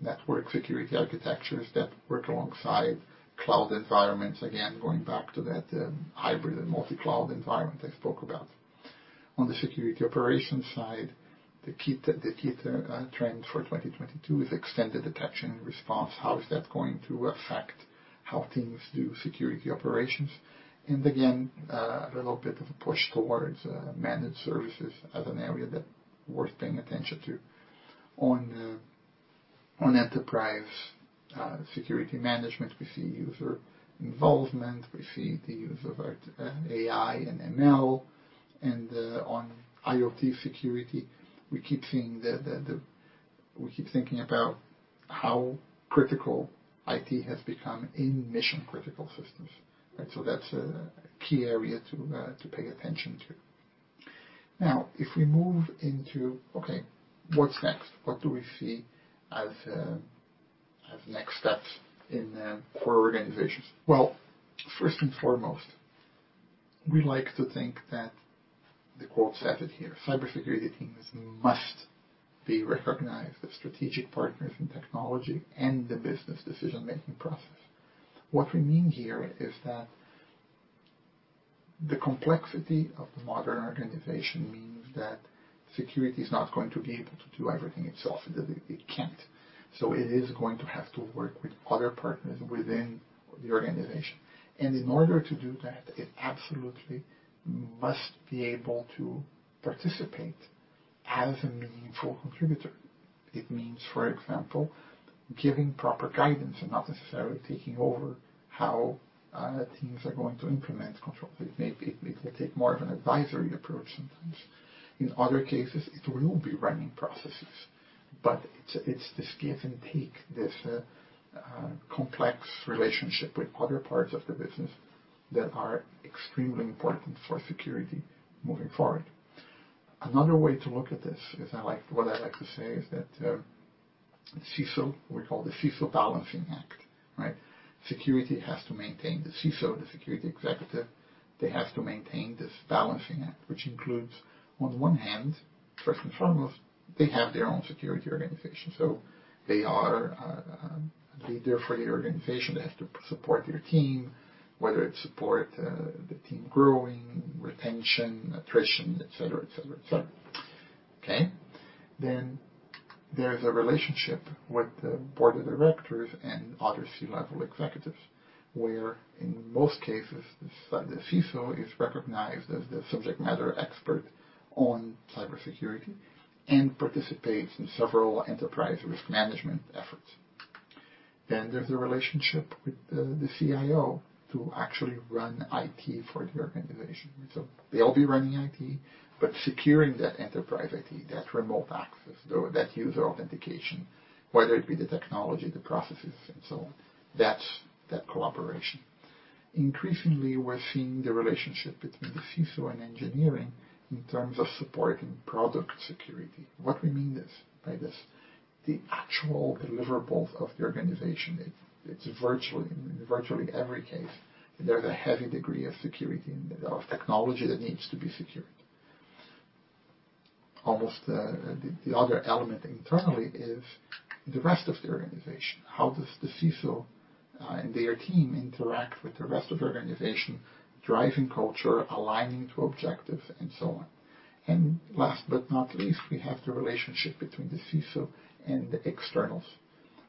network security architectures that work alongside cloud environments? Again, going back to that hybrid and multi-cloud environment I spoke about. On the security operations side, the key trend for 2022 is extended detection and response. How is that going to affect how teams do security operations? Again, a little bit of a push towards managed services as an area that worth paying attention to. On enterprise security management, we see user involvement, we see the use of AI and ML, and on IoT security, we keep thinking about how critical IT has become in mission-critical systems. Right, so that's a key area to pay attention to. Now, if we move into, okay, what's next? What do we see as next steps in core organizations? Well, first and foremost, we like to think that the quote said it here, "Cybersecurity teams must be recognized as strategic partners in technology and the business decision-making process." What we mean here is that the complexity of the modern organization means that security is not going to be able to do everything itself. It can't. It is going to have to work with other partners within the organization. In order to do that, it absolutely must be able to participate as a meaningful contributor. It means, for example, giving proper guidance and not necessarily taking over how teams are going to implement control. It may take more of an advisory approach sometimes. In other cases, it will be running processes, but it's this give and take, this complex relationship with other parts of the business that are extremely important for security moving forward. Another way to look at this is what I like to say is that we call the CISO balancing act, right? The CISO, the security executive, they have to maintain this balancing act, which includes, on the one hand, first and foremost, they have their own security organization. So they are a leader for the organization. They have to support their team, whether it's supporting the team growing, retention, attrition, et cetera. Okay? There's a relationship with the board of directors and other C-level executives, where in most cases, the CISO is recognized as the subject matter expert on cybersecurity and participates in several enterprise risk management efforts. There's a relationship with the CIO to actually run IT for the organization. They'll be running IT, but securing that enterprise IT, that remote access, that user authentication, whether it be the technology, the processes and so on. That's that collaboration. Increasingly, we're seeing the relationship between the CISO and engineering in terms of supporting product security. What we mean is, by this, the actual deliverables of the organization, it's virtually, in virtually every case, there's a heavy degree of security of technology that needs to be secured. Almost, the other element internally is the rest of the organization. How does the CISO and their team interact with the rest of the organization, driving culture, aligning to objectives, and so on. Last but not least, we have the relationship between the CISO and the externals.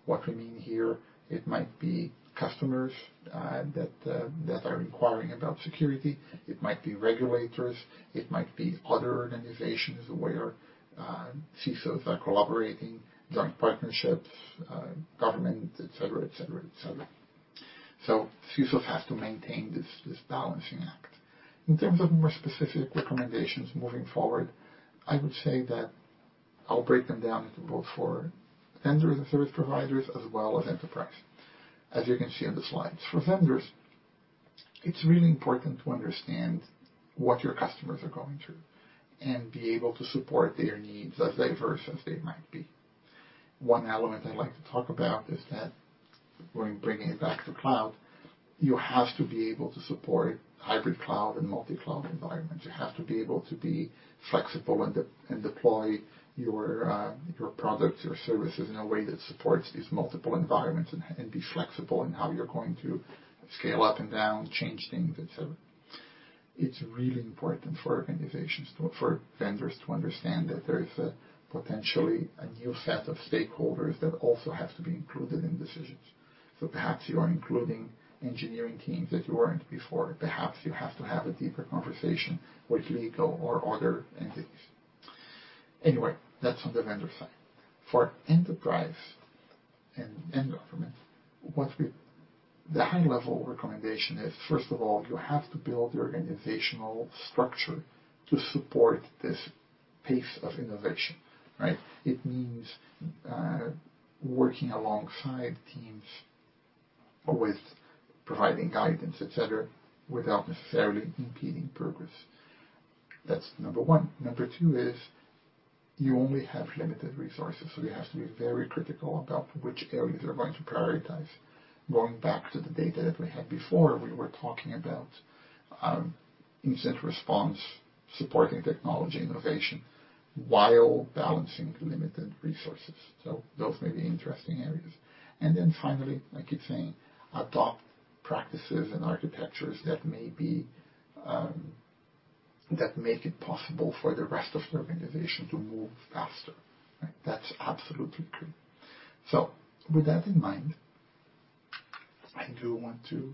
What we mean here, it might be customers that are inquiring about security, it might be regulators, it might be other organizations where CISOs are collaborating, joint partnerships, government, et cetera, et cetera, et cetera. CISOs have to maintain this balancing act. In terms of more specific recommendations moving forward, I would say that I'll break them down into both for vendors and service providers as well as enterprise, as you can see on the slides. For vendors, it's really important to understand what your customers are going through and be able to support their needs as diverse as they might be. One element I'd like to talk about is that when bringing it back to cloud, you have to be able to support hybrid cloud and multi-cloud environments. You have to be able to be flexible and deploy your products, your services in a way that supports these multiple environments and be flexible in how you're going to scale up and down, change things, etc. It's really important for vendors to understand that there is potentially a new set of stakeholders that also have to be included in decisions. Perhaps you are including engineering teams that you weren't before. Perhaps you have to have a deeper conversation with legal or other entities. Anyway, that's on the vendor side. For enterprise and government, the high-level recommendation is, first of all, you have to build the organizational structure to support this pace of innovation, right? It means, working alongside teams with providing guidance, etc., without necessarily impeding progress. That's number one. Number two is, you only have limited resources, so you have to be very critical about which areas you're going to prioritize. Going back to the data that we had before, we were talking about, incident response, supporting technology innovation, while balancing limited resources. Those may be interesting areas. Finally, I keep saying adopt practices and architectures that may be, that make it possible for the rest of the organization to move faster. Right? That's absolutely key. With that in mind, I do want to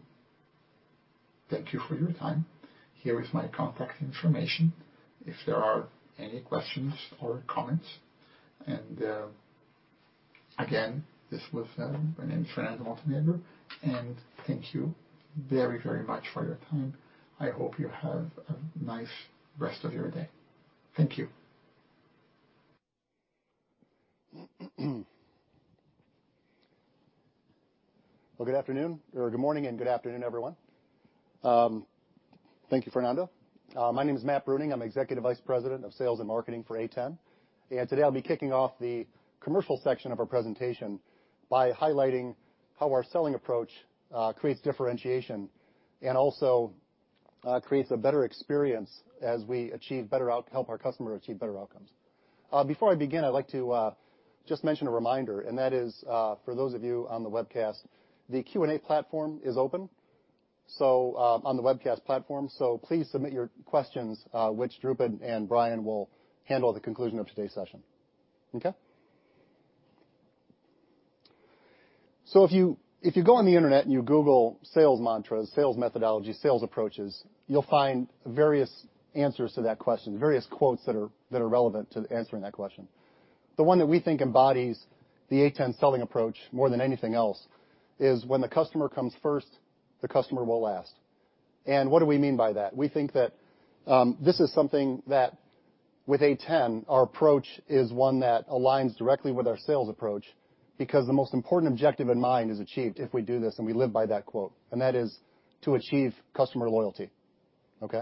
thank you for your time. Here is my contact information if there are any questions or comments. My name is Fernando Montenegro, and thank you very, very much for your time. I hope you have a nice rest of your day. Thank you. Well, good afternoon. Or good morning, and good afternoon, everyone. Thank you, Fernando. My name is Matt Bruening. I'm Executive Vice President of Sales and Marketing for A10. Today I'll be kicking off the commercial section of our presentation by highlighting how our selling approach creates differentiation and also creates a better experience as we help our customers achieve better outcomes. Before I begin, I'd like to just mention a reminder, and that is, for those of you on the webcast, the Q&A platform is open, so on the webcast platform. Please submit your questions, which Dhrupad and Brian will handle at the conclusion of today's session. Okay? If you go on the internet and you google sales mantras, sales methodology, sales approaches, you'll find various answers to that question, various quotes that are relevant to answering that question. The one that we think embodies the A10 selling approach more than anything else is, "When the customer comes first, the customer will last." What do we mean by that? We think that this is something that with A10, our approach is one that aligns directly with our sales approach because the most important objective in mind is achieved if we do this and we live by that quote, and that is to achieve customer loyalty. Okay?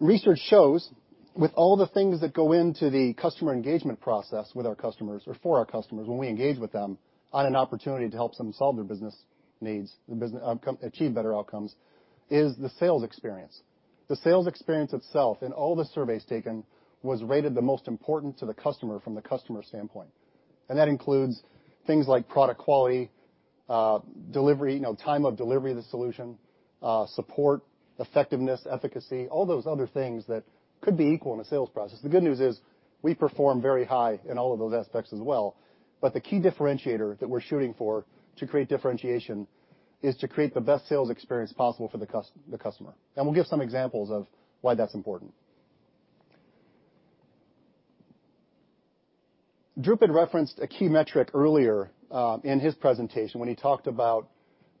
Research shows with all the things that go into the customer engagement process with our customers or for our customers, when we engage with them on an opportunity to help them solve their business needs, the business outcome achieve better outcomes is the sales experience. The sales experience itself, in all the surveys taken, was rated the most important to the customer from the customer standpoint. That includes things like product quality, delivery, you know, time of delivery of the solution, support, effectiveness, efficacy, all those other things that could be equal in a sales process. The good news is we perform very high in all of those aspects as well. The key differentiator that we're shooting for to create differentiation is to create the best sales experience possible for the customer. We'll give some examples of why that's important. Dhrupad Trivedi referenced a key metric earlier in his presentation when he talked about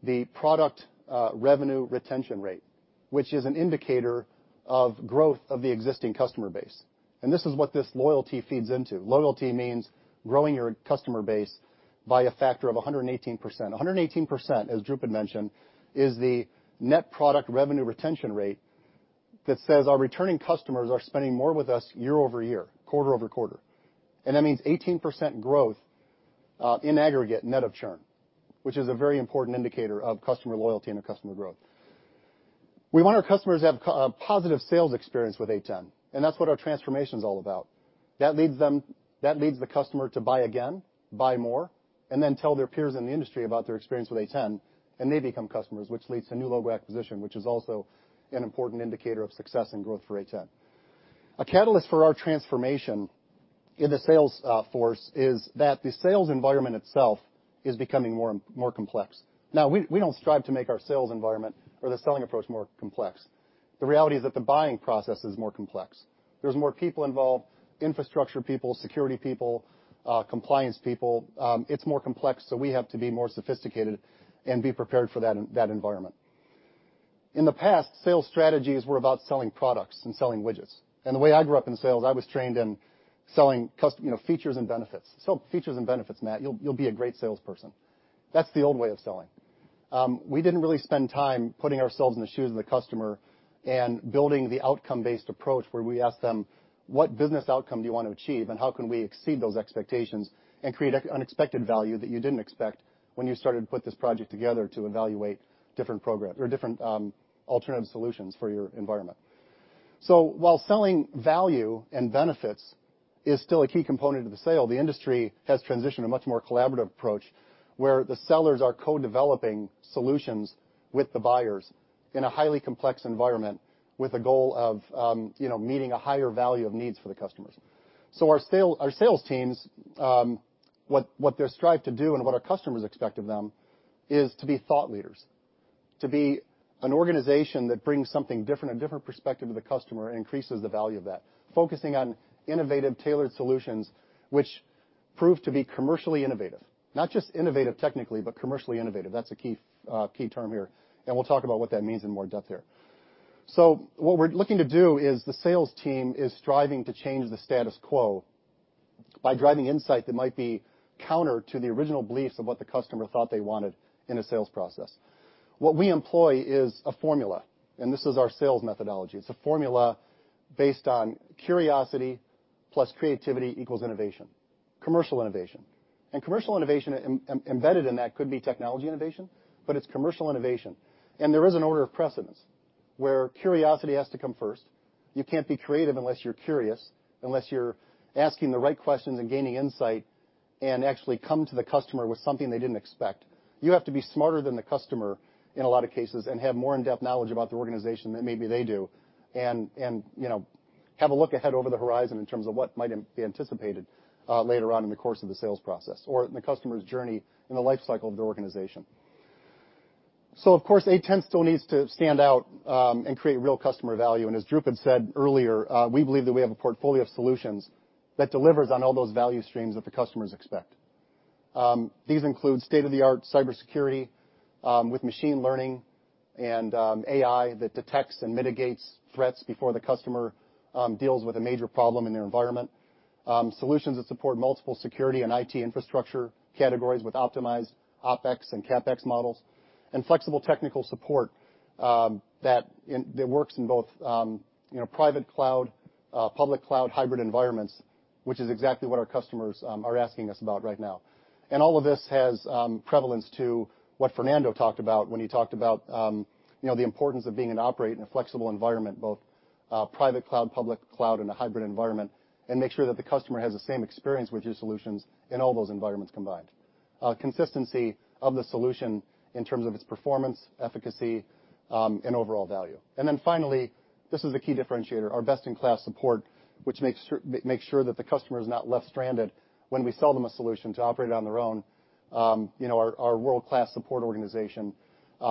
the product revenue retention rate, which is an indicator of growth of the existing customer base, and this is what this loyalty feeds into. Loyalty means growing your customer base by a factor of 118%. 118%, as Dhrupad Trivedi had mentioned, is the net product revenue retention rate that says our returning customers are spending more with us year-over-year, quarter-over-quarter. That means 18% growth in aggregate net of churn, which is a very important indicator of customer loyalty and of customer growth. We want our customers to have a positive sales experience with A10, and that's what our transformation is all about. That leads the customer to buy again, buy more, and then tell their peers in the industry about their experience with A10, and they become customers, which leads to new logo acquisition, which is also an important indicator of success and growth for A10. A catalyst for our transformation in the sales force is that the sales environment itself is becoming more complex. Now we don't strive to make our sales environment or the selling approach more complex. The reality is that the buying process is more complex. There's more people involved, infrastructure people, security people, compliance people, it's more complex, so we have to be more sophisticated and be prepared for that environment. In the past, sales strategies were about selling products and selling widgets. The way I grew up in sales, I was trained in selling, you know, features and benefits. Sell features and benefits, Matt. You'll be a great salesperson. That's the old way of selling. We didn't really spend time putting ourselves in the shoes of the customer and building the outcome-based approach where we ask them, what business outcome do you want to achieve, and how can we exceed those expectations and create unexpected value that you didn't expect when you started to put this project together to evaluate different programs or different alternative solutions for your environment. While selling value and benefits is still a key component of the sale, the industry has transitioned to a much more collaborative approach where the sellers are co-developing solutions with the buyers in a highly complex environment with a goal of, you know, meeting a higher value of needs for the customers. Our sales teams, what they strive to do and what our customers expect of them is to be thought leaders, to be an organization that brings something different, a different perspective to the customer and increases the value of that, focusing on innovative, tailored solutions which prove to be commercially innovative. Not just innovative technically, but commercially innovative. That's a key term here, and we'll talk about what that means in more depth here. What we're looking to do is the sales team is striving to change the status quo by driving insight that might be counter to the original beliefs of what the customer thought they wanted in a sales process. What we employ is a formula, and this is our sales methodology. It's a formula based on curiosity plus creativity equals innovation, commercial innovation. Commercial innovation embedded in that could be technology innovation, but it's commercial innovation. There is an order of precedence where curiosity has to come first. You can't be creative unless you're curious, unless you're asking the right questions and gaining insight and actually come to the customer with something they didn't expect. You have to be smarter than the customer in a lot of cases and have more in-depth knowledge about the organization than maybe they do, and you know, have a look ahead over the horizon in terms of what might be anticipated later on in the course of the sales process or in the customer's journey in the life cycle of the organization. Of course, A10 still needs to stand out and create real customer value. As Dhrupad had said earlier, we believe that we have a portfolio of solutions that delivers on all those value streams that the customers expect. These include state-of-the-art cybersecurity with machine learning and AI that detects and mitigates threats before the customer deals with a major problem in their environment. Solutions that support multiple security and IT infrastructure categories with optimized OpEx and CapEx models, and flexible technical support, that works in both, you know, private cloud, public cloud, hybrid environments, which is exactly what our customers are asking us about right now. All of this has relevance to what Fernando talked about when he talked about, you know, the importance of being able to operate in a flexible environment, both private cloud, public cloud, and a hybrid environment, and make sure that the customer has the same experience with your solutions in all those environments combined. Consistency of the solution in terms of its performance, efficacy, and overall value. Then finally, this is a key differentiator, our best-in-class support, which makes sure that the customer is not left stranded when we sell them a solution to operate on their own. You know, our world-class support organization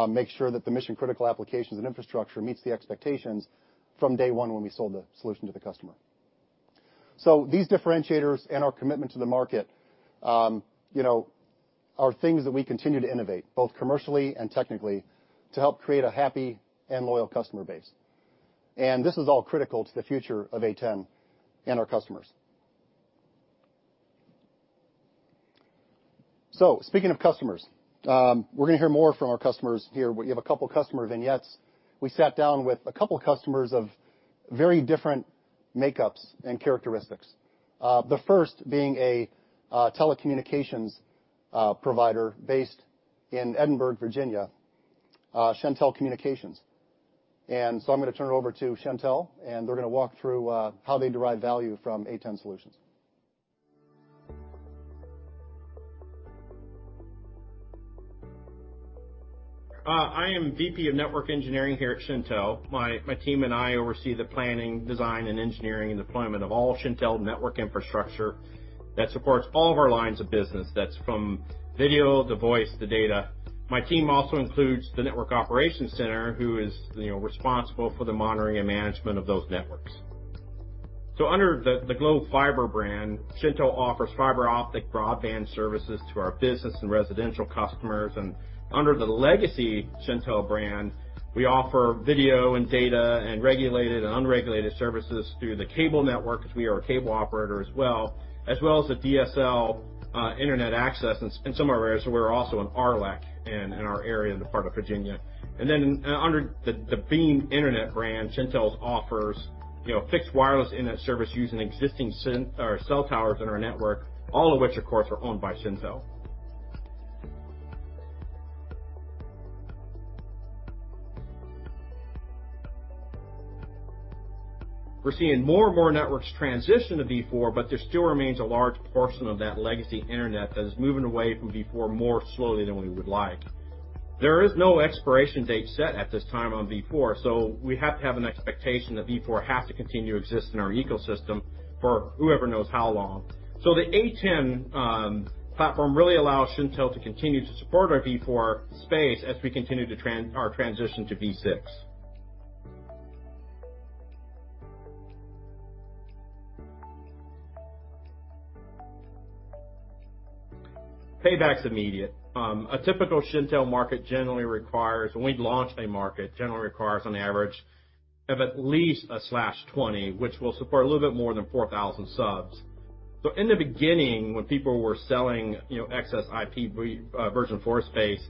makes sure that the mission-critical applications and infrastructure meets the expectations from day one when we sold the solution to the customer. These differentiators and our commitment to the market, you know, are things that we continue to innovate, both commercially and technically, to help create a happy and loyal customer base. This is all critical to the future of A10 and our customers. Speaking of customers, we're going to hear more from our customers here. We have a couple customer vignettes. We sat down with a couple customers of very different makeups and characteristics. The first being a telecommunications provider based in Edinburg, Virginia, Shentel Communications. I'm gonna turn it over to Shentel, and they're gonna walk through how they derive value from A10 solutions. I am VP of Network Engineering here at Shentel. My team and I oversee the planning, design, and engineering, and deployment of all Shentel network infrastructure that supports all of our lines of business. That's from video to voice to data. My team also includes the network operations center, who is responsible for the monitoring and management of those networks. Under the Glo Fiber brand, Shentel offers fiber optic broadband services to our business and residential customers. Under the legacy Shentel brand, we offer video and data and regulated and unregulated services through the cable network, because we are a cable operator as well as the DSL internet access in some areas. We're also an RLEC in our area in the part of Virginia. Under the Beam Internet brand, Shentel offers, you know, fixed wireless internet service using existing cell towers in our network, all of which of course are owned by Shentel. We're seeing more and more networks transition to v4, but there still remains a large portion of that legacy internet that is moving away from v4 more slowly than we would like. There is no expiration date set at this time on v4, so we have to have an expectation that v4 has to continue to exist in our ecosystem for who knows how long. The A10 platform really allows Shentel to continue to support our v4 space as we continue our transition to v6. Payback's immediate. A typical Shentel market generally requires... When we launch a market, it generally requires on average at least a /20, which will support a little bit more than 4,000 subs. In the beginning, when people were selling, you know, excess IPv4 space,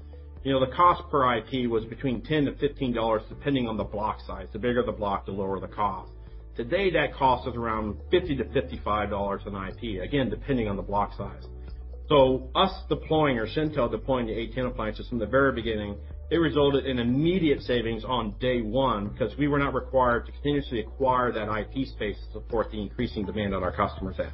you know, the cost per IP was between $10-$15, depending on the block size. The bigger the block, the lower the cost. Today, that cost is around $50-$55 an IP, again, depending on the block size. Us deploying or Shentel deploying the A10 appliances from the very beginning, it resulted in immediate savings on day one because we were not required to continuously acquire that IP space to support the increasing demand that our customers had.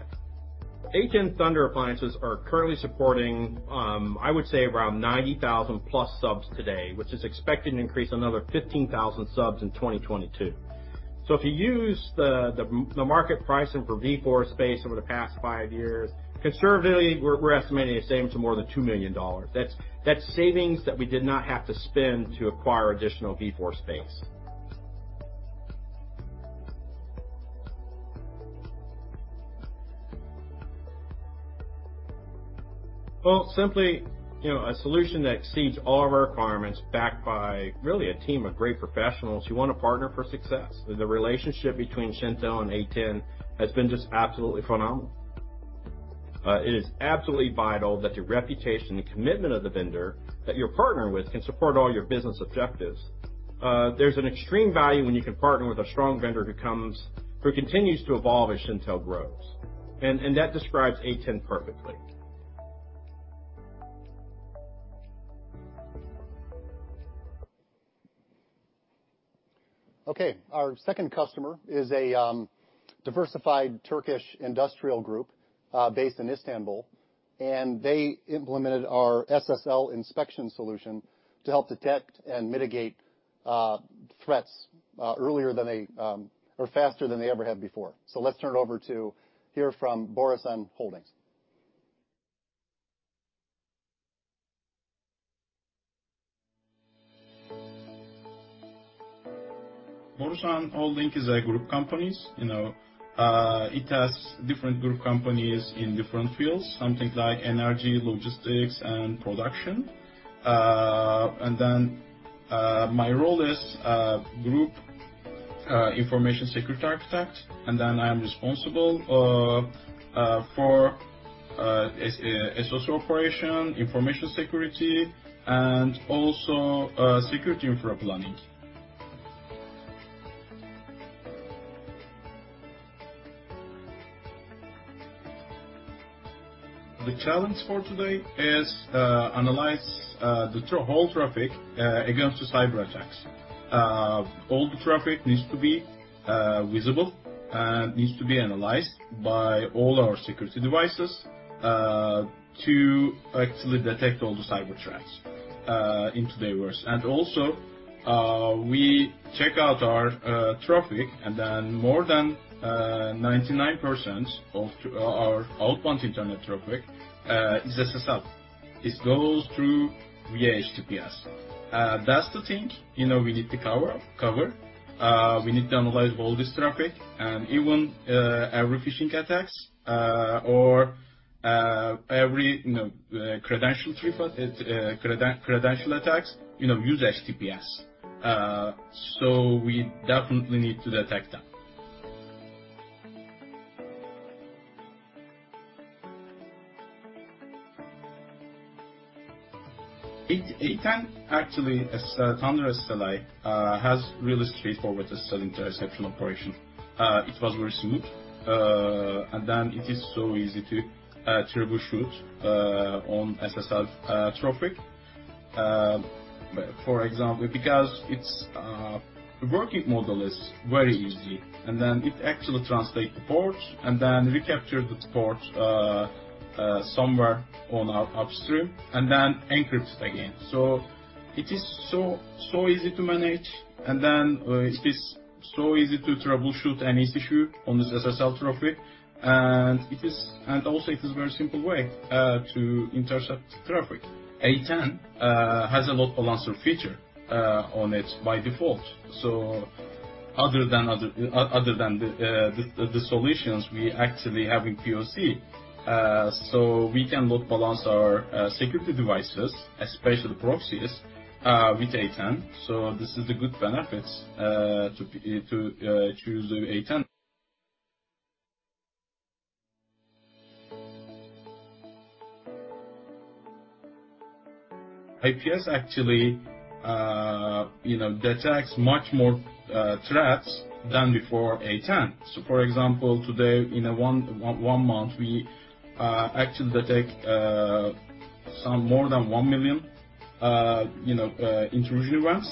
A10 Thunder appliances are currently supporting, I would say around 90,000+ subs today, which is expected to increase another 15,000 subs in 2022. If you use the market pricing for v4 space over the past 5 years, conservatively, we're estimating a savings of more than $2 million. That's savings that we did not have to spend to acquire additional v4 space. Well, simply, you know, a solution that exceeds all of our requirements backed by really a team of great professionals. You want to partner for success. The relationship between Shentel and A10 has been just absolutely phenomenal. It is absolutely vital that the reputation and commitment of the vendor that you're partnering with can support all your business objectives. There's an extreme value when you can partner with a strong vendor who continues to evolve as Shentel grows. That describes A10 perfectly. Okay. Our second customer is a diversified Turkish industrial group, based in Istanbul, and they implemented our SSL inspection solution to help detect and mitigate threats earlier than they or faster than they ever have before. Let's turn it over to hear from Borusan Holding. Borusan Holding is a group companies, you know. It has different group companies in different fields, something like energy, logistics, and production. My role is group information security architect, and then I'm responsible for SOC operation, information security, and also security infra planning. The challenge for today is to analyze the whole traffic against cyberattacks. All the traffic needs to be visible, needs to be analyzed by all our security devices to actually detect all the cyber threats in today's world. Also, we check our traffic, and then more than 99% of our outbound internet traffic is SSL. It goes through via HTTPS. That's the thing, you know, we need to cover. We need to analyze all this traffic and even every phishing attacks or every, you know, credential theft, credential attacks, you know, use HTTPS. We definitely need to detect that. A10 actually Thunder SSLi has really straightforward SSL interception operation. It was very smooth. It is so easy to troubleshoot on SSL traffic. For example, because it's the working model is very easy, and it actually translates the ports and recaptures the ports somewhere on our upstream and encrypts again. It is so easy to manage, and it is so easy to troubleshoot any issue on this SSL traffic. It is very simple way to intercept traffic. A10 has a load balancer feature on it by default. Other than the solutions we actually have in POC, we can load balance our security devices, especially the proxies, with A10. This is a good benefit to choose A10. IPS actually, you know, detects much more threats than before A10. For example, today, in a one month, we actually detect some more than 1 million, you know, intrusion events.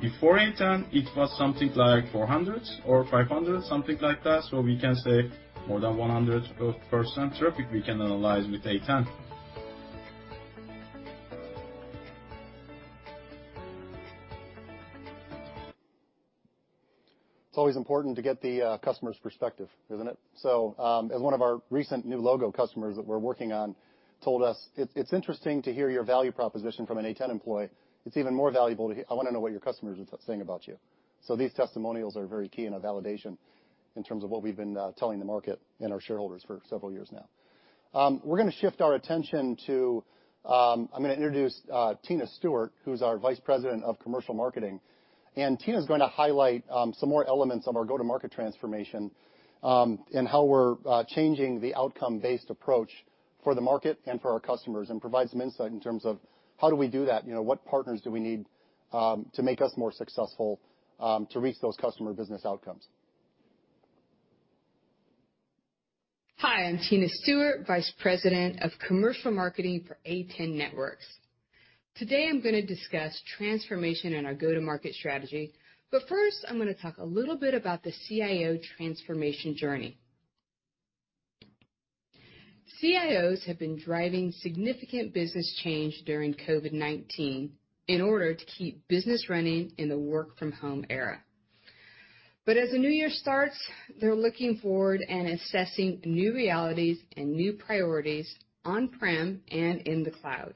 Before A10, it was something like 400 or 500, something like that. We can say more than 100% traffic we can analyze with A10. It's always important to get the customer's perspective, isn't it? As one of our recent new logo customers that we're working on told us, "It's interesting to hear your value proposition from an A10 employee. It's even more valuable to hear. I wanna know what your customers are saying about you." These testimonials are very key in a validation in terms of what we've been telling the market and our shareholders for several years now. We're gonna shift our attention. I'm gonna introduce Tina Stewart, who's our Vice President of Commercial Marketing. Tina is gonna highlight some more elements of our go-to-market transformation and how we're changing the outcome-based approach for the market and for our customers and provide some insight in terms of how do we do that, you know, what partners do we need to make us more successful to reach those customer business outcomes. Hi, I'm Tina Stewart, Vice President of Commercial Marketing for A10 Networks. Today I'm gonna discuss transformation in our go-to-market strategy, but first, I'm gonna talk a little bit about the CIO transformation journey. CIOs have been driving significant business change during COVID-19 in order to keep business running in the work-from-home era. As the new year starts, they're looking forward and assessing new realities and new priorities on-prem and in the cloud,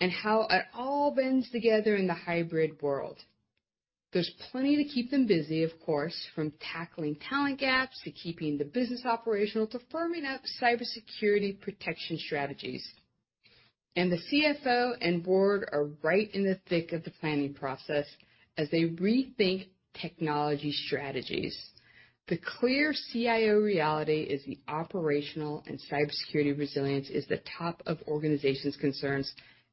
and how it all blends together in the hybrid world. There's plenty to keep them busy, of course, from tackling talent gaps, to keeping the business operational, to firming up cybersecurity protection strategies. The CFO and board are right in the thick of the planning process as they rethink technology strategies. The clear CIO reality is the operational and cybersecurity resilience is the top of organizations' concerns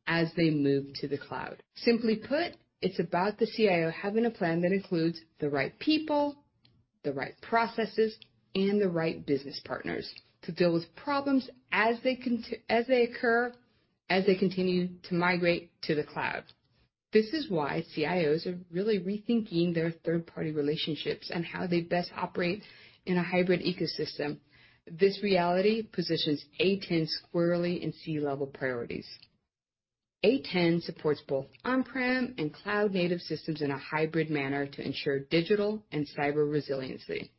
as they move to the cloud. Simply put, it's about the CIO having a plan that includes the right people, the right processes, and the right business partners to deal with problems as they occur, as they continue to migrate to the cloud. This is why CIOs are really rethinking their third-party relationships and how they best operate in a hybrid ecosystem. This reality positions A10 squarely in C-level priorities. A10 supports both on-prem and cloud-native systems in a hybrid manner to ensure digital and cyber resiliency.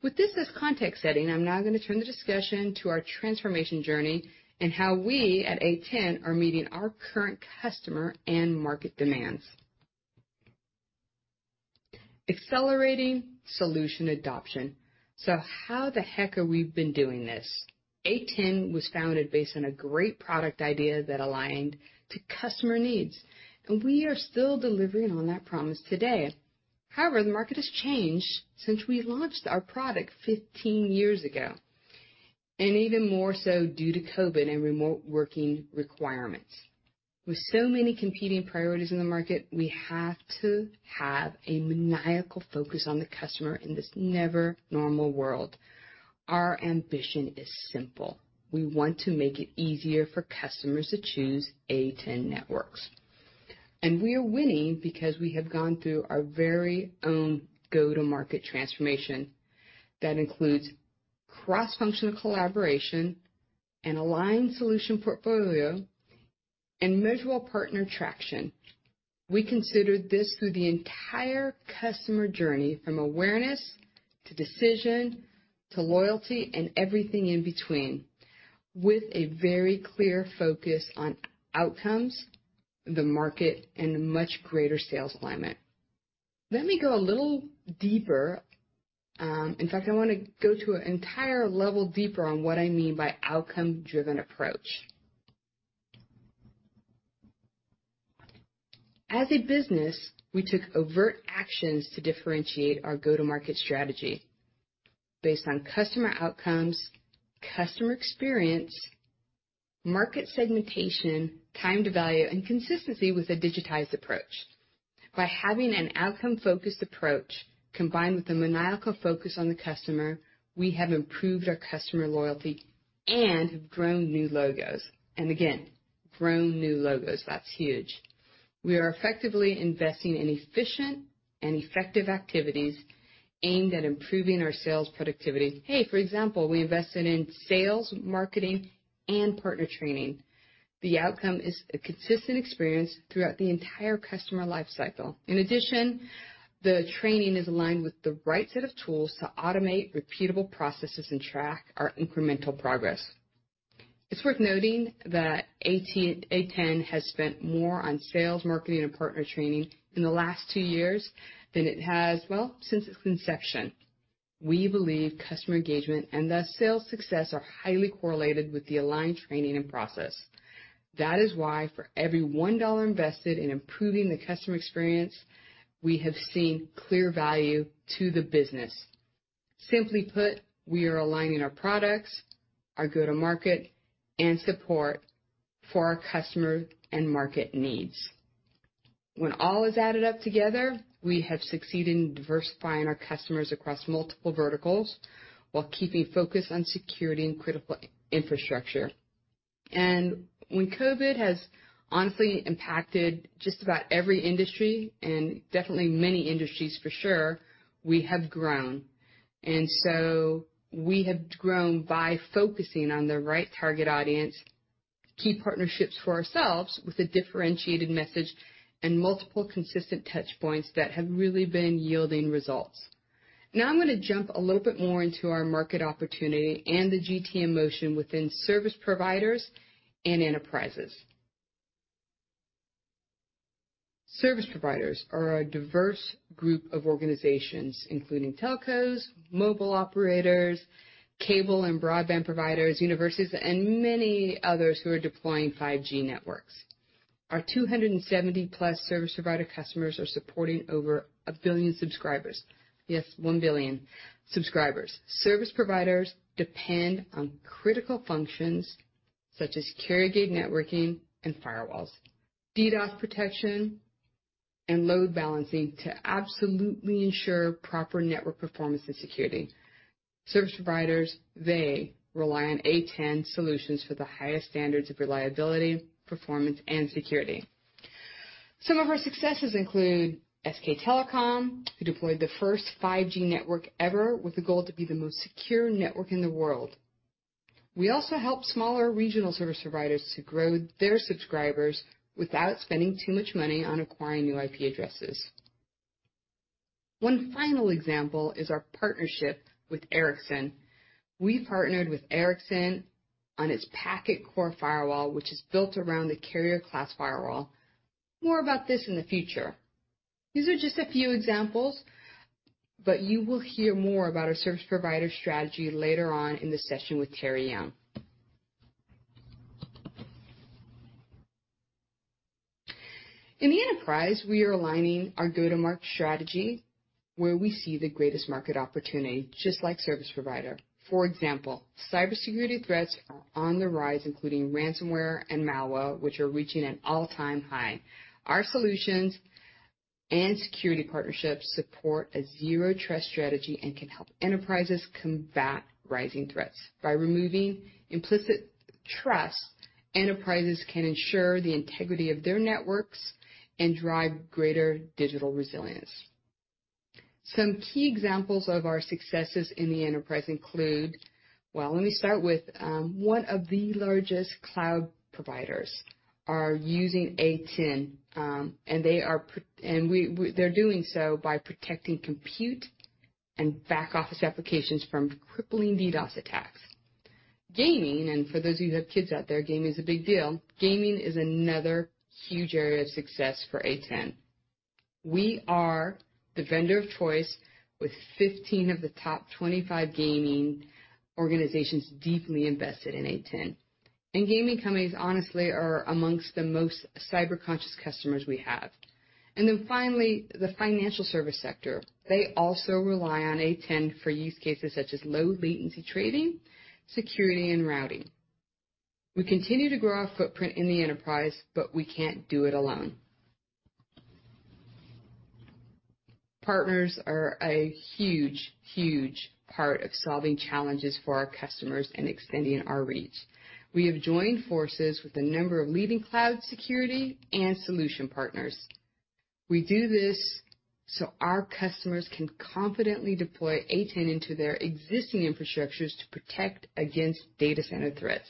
With this as context setting, I'm now gonna turn the discussion to our transformation journey and how we, at A10, are meeting our current customer and market demands. Accelerating solution adoption. How the heck have we been doing this? A10 was founded based on a great product idea that aligned to customer needs, and we are still delivering on that promise today. However, the market has changed since we launched our product 15 years ago, and even more so due to COVID and remote working requirements. With so many competing priorities in the market, we have to have a maniacal focus on the customer in this never normal world. Our ambition is simple. We want to make it easier for customers to choose A10 Networks. We are winning because we have gone through our very own go-to-market transformation that includes cross-functional collaboration, an aligned solution portfolio, and measurable partner traction. We considered this through the entire customer journey, from awareness to decision to loyalty and everything in between, with a very clear focus on outcomes, the market, and a much greater sales alignment. Let me go a little deeper. In fact, I wanna go to an entire level deeper on what I mean by outcome-driven approach. As a business, we took overt actions to differentiate our go-to-market strategy based on customer outcomes, customer experience, market segmentation, time to value, and consistency with a digitized approach. By having an outcome-focused approach combined with the maniacal focus on the customer, we have improved our customer loyalty and have grown new logos. That's huge. We are effectively investing in efficient and effective activities aimed at improving our sales productivity. Hey, for example, we invested in sales, marketing, and partner training. The outcome is a consistent experience throughout the entire customer life cycle. In addition, the training is aligned with the right set of tools to automate repeatable processes and track our incremental progress. It's worth noting that A10 has spent more on sales, marketing, and partner training in the last two years than it has, well, since its inception. We believe customer engagement and thus sales success are highly correlated with the aligned training and process. That is why for every $1 invested in improving the customer experience, we have seen clear value to the business. Simply put, we are aligning our products, our go-to market, and support for our customer and market needs. When all is added up together, we have succeeded in diversifying our customers across multiple verticals while keeping focus on security and critical infrastructure. When COVID has honestly impacted just about every industry and definitely many industries for sure, we have grown. We have grown by focusing on the right target audience, key partnerships for ourselves with a differentiated message and multiple consistent touch points that have really been yielding results. Now I'm gonna jump a little bit more into our market opportunity and the GTM motion within service providers and enterprises. Service providers are a diverse group of organizations, including telcos, mobile operators, cable and broadband providers, universities, and many others who are deploying 5G networks. Our 270+ service provider customers are supporting over 1 billion subscribers. Yes, 1 billion subscribers. Service providers depend on critical functions such as carrier grade networking and firewalls, DDoS protection, and load balancing to absolutely ensure proper network performance and security. Service providers, they rely on A10 solutions for the highest standards of reliability, performance and security. Some of our successes include SK Telecom, who deployed the first 5G network ever with the goal to be the most secure network in the world. We also help smaller regional service providers to grow their subscribers without spending too much money on acquiring new IP addresses. One final example is our partnership with Ericsson. We partnered with Ericsson on its packet core firewall, which is built around the carrier class firewall. More about this in the future. These are just a few examples, but you will hear more about our service provider strategy later on in the session with Terry Young. In the enterprise, we are aligning our go-to-market strategy where we see the greatest market opportunity, just like service provider. For example, cybersecurity threats are on the rise, including ransomware and malware, which are reaching an all-time high. Our solutions and security partnerships support a Zero Trust strategy and can help enterprises combat rising threats. By removing implicit trust, enterprises can ensure the integrity of their networks and drive greater digital resilience. Some key examples of our successes in the enterprise include. Well, let me start with one of the largest cloud providers are using A10, and they're doing so by protecting compute and back-office applications from crippling DDoS attacks. Gaming, and for those of you who have kids out there, gaming is a big deal. Gaming is another huge area of success for A10. We are the vendor of choice with 15 of the top 25 gaming organizations deeply invested in A10. Gaming companies honestly are among the most cyber-conscious customers we have. Finally, the financial service sector. They also rely on A10 for use cases such as low latency trading, security, and routing. We continue to grow our footprint in the enterprise, but we can't do it alone. Partners are a huge, huge part of solving challenges for our customers and extending our reach. We have joined forces with a number of leading cloud security and solution partners. We do this so our customers can confidently deploy A10 into their existing infrastructures to protect against data center threats,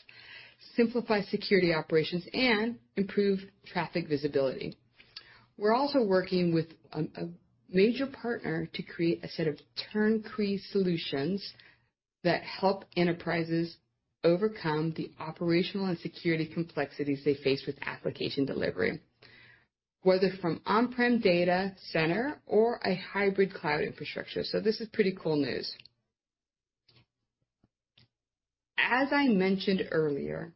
simplify security operations, and improve traffic visibility. We're also working with a major partner to create a set of turnkey solutions that help enterprises overcome the operational and security complexities they face with application delivery, whether from on-prem data center or a hybrid cloud infrastructure. This is pretty cool news. As I mentioned earlier,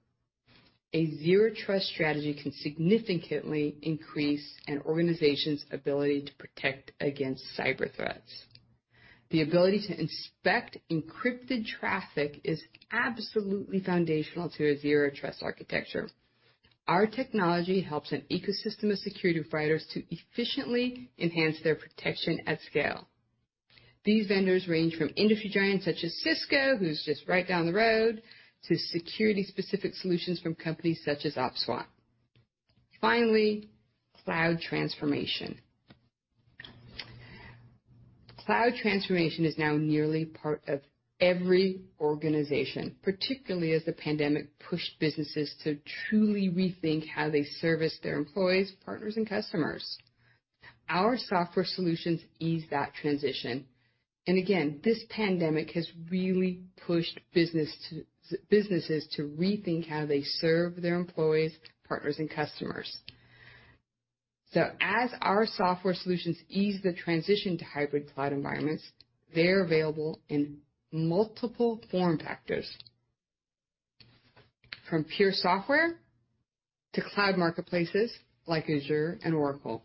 a Zero Trust strategy can significantly increase an organization's ability to protect against cyber threats. The ability to inspect encrypted traffic is absolutely foundational to a Zero Trust architecture. Our technology helps an ecosystem of security providers to efficiently enhance their protection at scale. These vendors range from industry giants such as Cisco, who's just right down the road, to security-specific solutions from companies such as OPSWAT. Finally, cloud transformation. Cloud transformation is now nearly part of every organization, particularly as the pandemic pushed businesses to truly rethink how they service their employees, partners, and customers. Our software solutions ease that transition, and again, this pandemic has really pushed businesses to rethink how they serve their employees, partners, and customers. As our software solutions ease the transition to hybrid cloud environments, they're available in multiple form factors, from pure software to cloud marketplaces like Azure and Oracle.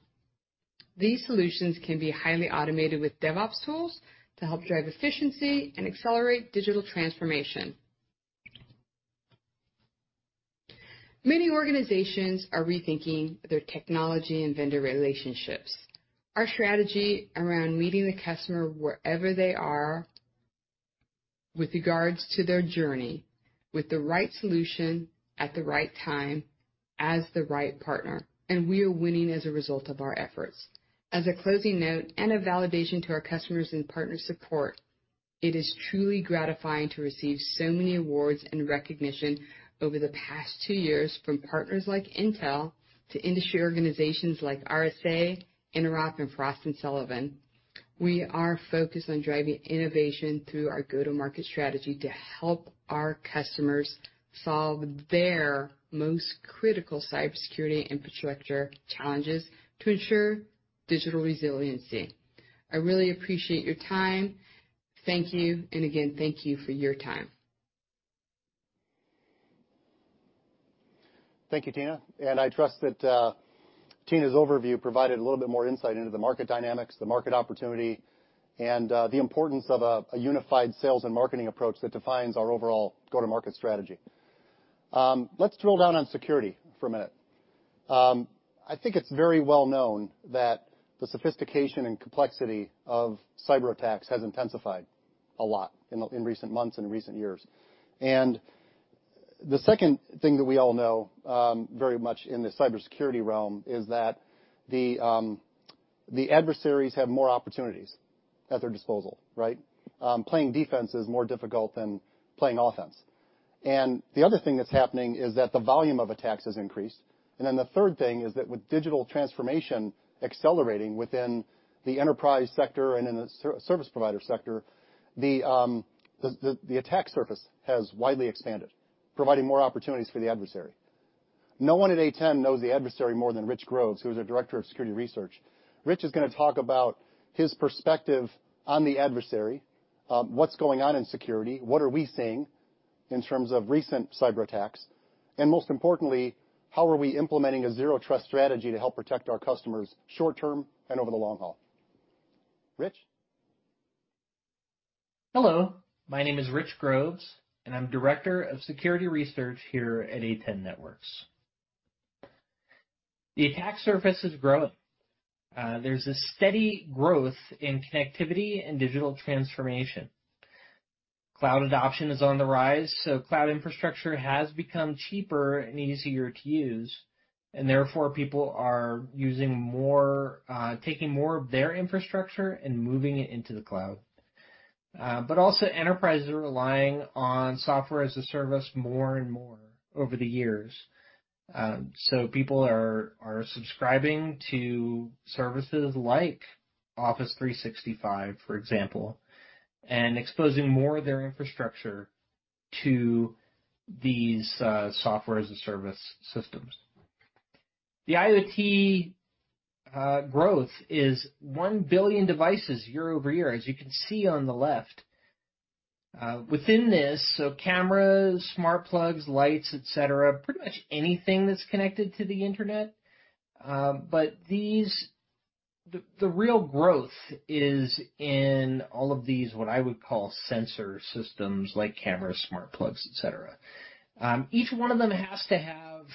These solutions can be highly automated with DevOps tools to help drive efficiency and accelerate digital transformation. Many organizations are rethinking their technology and vendor relationships. Our strategy around meeting the customer wherever they are with regards to their journey, with the right solution at the right time as the right partner, and we are winning as a result of our efforts. As a closing note and a validation to our customers and partner support, it is truly gratifying to receive so many awards and recognition over the past two years from partners like Intel to industry organizations like RSA, Interop, and Frost & Sullivan. We are focused on driving innovation through our go-to-market strategy to help our customers solve their most critical cybersecurity infrastructure challenges to ensure digital resiliency. I really appreciate your time. Thank you, and again, thank you for your time. Thank you, Tina, and I trust that Tina's overview provided a little bit more insight into the market dynamics, the market opportunity, and the importance of a unified sales and marketing approach that defines our overall go-to-market strategy. Let's drill down on security for a minute. I think it's very well known that the sophistication and complexity of cyberattacks has intensified a lot in recent months and recent years. The second thing that we all know very much in the cybersecurity realm is that the adversaries have more opportunities at their disposal, right? Playing defense is more difficult than playing offense. The other thing that's happening is that the volume of attacks has increased. The third thing is that with digital transformation accelerating within the enterprise sector and in the service provider sector, the attack surface has widely expanded, providing more opportunities for the adversary. No one at A10 knows the adversary more than Rich Groves, who is our Director of Security Research. Rich is gonna talk about his perspective on the adversary, what's going on in security, what are we seeing in terms of recent cyberattacks, and most importantly, how are we implementing a Zero Trust strategy to help protect our customers short-term and over the long haul. Rich. Hello, my name is Rich Groves, and I'm Director of Security Research here at A10 Networks. The attack surface is growing. There's a steady growth in connectivity and digital transformation. Cloud adoption is on the rise, so cloud infrastructure has become cheaper and easier to use, and therefore people are using more, taking more of their infrastructure and moving it into the cloud. But also enterprises are relying on software as a service more and more over the years. So people are subscribing to services like Office 365, for example, and exposing more of their infrastructure to these software as a service systems. The IoT growth is 1 billion devices year over year, as you can see on the left. Within this, cameras, smart plugs, lights, et cetera, pretty much anything that's connected to the internet. But these... The real growth is in all of these, what I would call sensor systems like cameras, smart plugs, et cetera. Each one of them has to have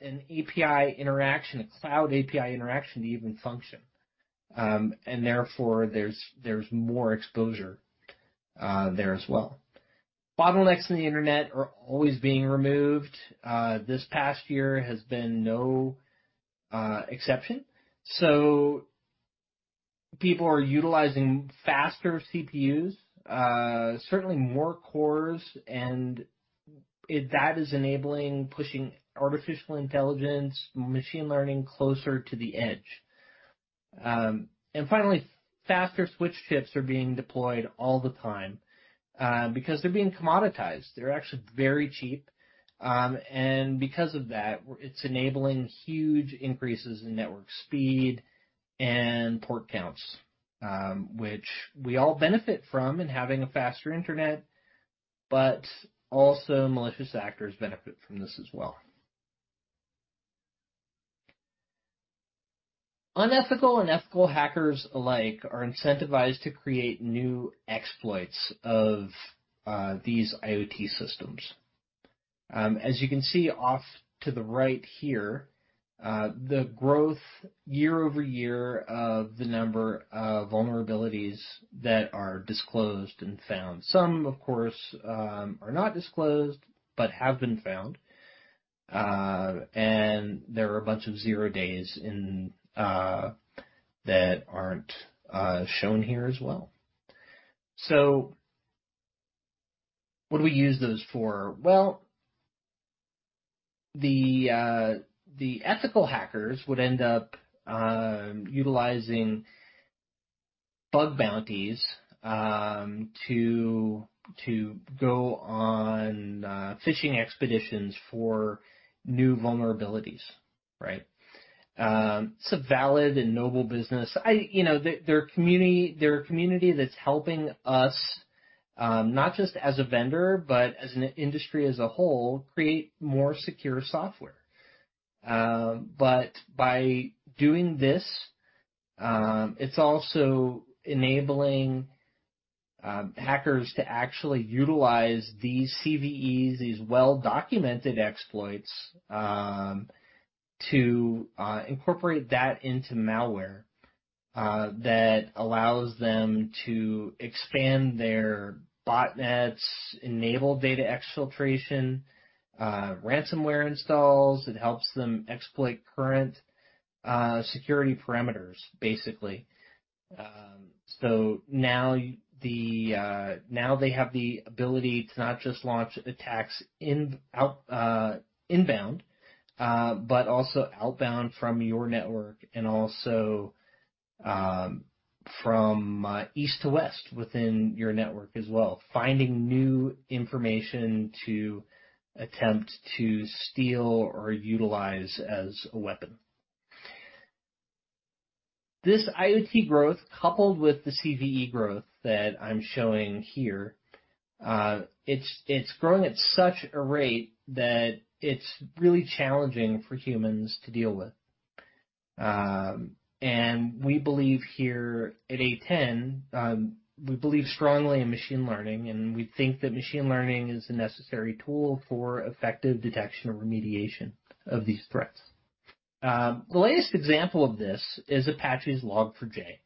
an API interaction, a cloud API interaction to even function. Therefore, there's more exposure there as well. Bottlenecks in the internet are always being removed. This past year has been no exception. People are utilizing faster CPUs, certainly more cores, and that is enabling pushing artificial intelligence, machine learning closer to the edge. Finally, faster switch chips are being deployed all the time, because they're being commoditized. They're actually very cheap. Because of that, it's enabling huge increases in network speed and port counts, which we all benefit from in having a faster internet, but also malicious actors benefit from this as well. Unethical and ethical hackers alike are incentivized to create new exploits of these IoT systems. As you can see off to the right here, the growth year-over-year of the number of vulnerabilities that are disclosed and found. Some, of course, are not disclosed, but have been found. There are a bunch of zero-days that aren't shown here as well. What do we use those for? Well, the ethical hackers would end up utilizing bug bounties to go on fishing expeditions for new vulnerabilities, right? It's a valid and noble business. You know, they're a community that's helping us not just as a vendor, but as an industry as a whole, create more secure software. By doing this, it's also enabling hackers to actually utilize these CVEs, these well-documented exploits, to incorporate that into malware that allows them to expand their botnets, enable data exfiltration, ransomware installs. It helps them exploit current security parameters, basically. Now they have the ability to not just launch attacks inbound, but also outbound from your network and also from east to west within your network as well, finding new information to attempt to steal or utilize as a weapon. This IoT growth, coupled with the CVE growth that I'm showing here, it's growing at such a rate that it's really challenging for humans to deal with. We believe strongly here at A10 in machine learning, and we think that machine learning is a necessary tool for effective detection and remediation of these threats. The latest example of this is Apache Log4j.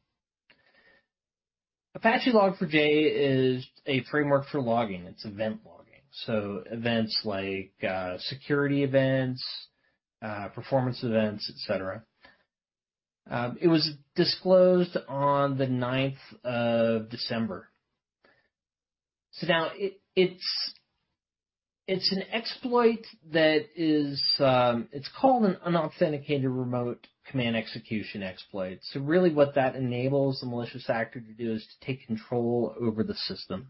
Apache Log4j is a framework for logging. It's event logging. Events like security events, performance events, et cetera. It was disclosed on the ninth of December. It's an exploit that is called an unauthenticated remote command execution exploit. Really what that enables the malicious actor to do is to take control over the system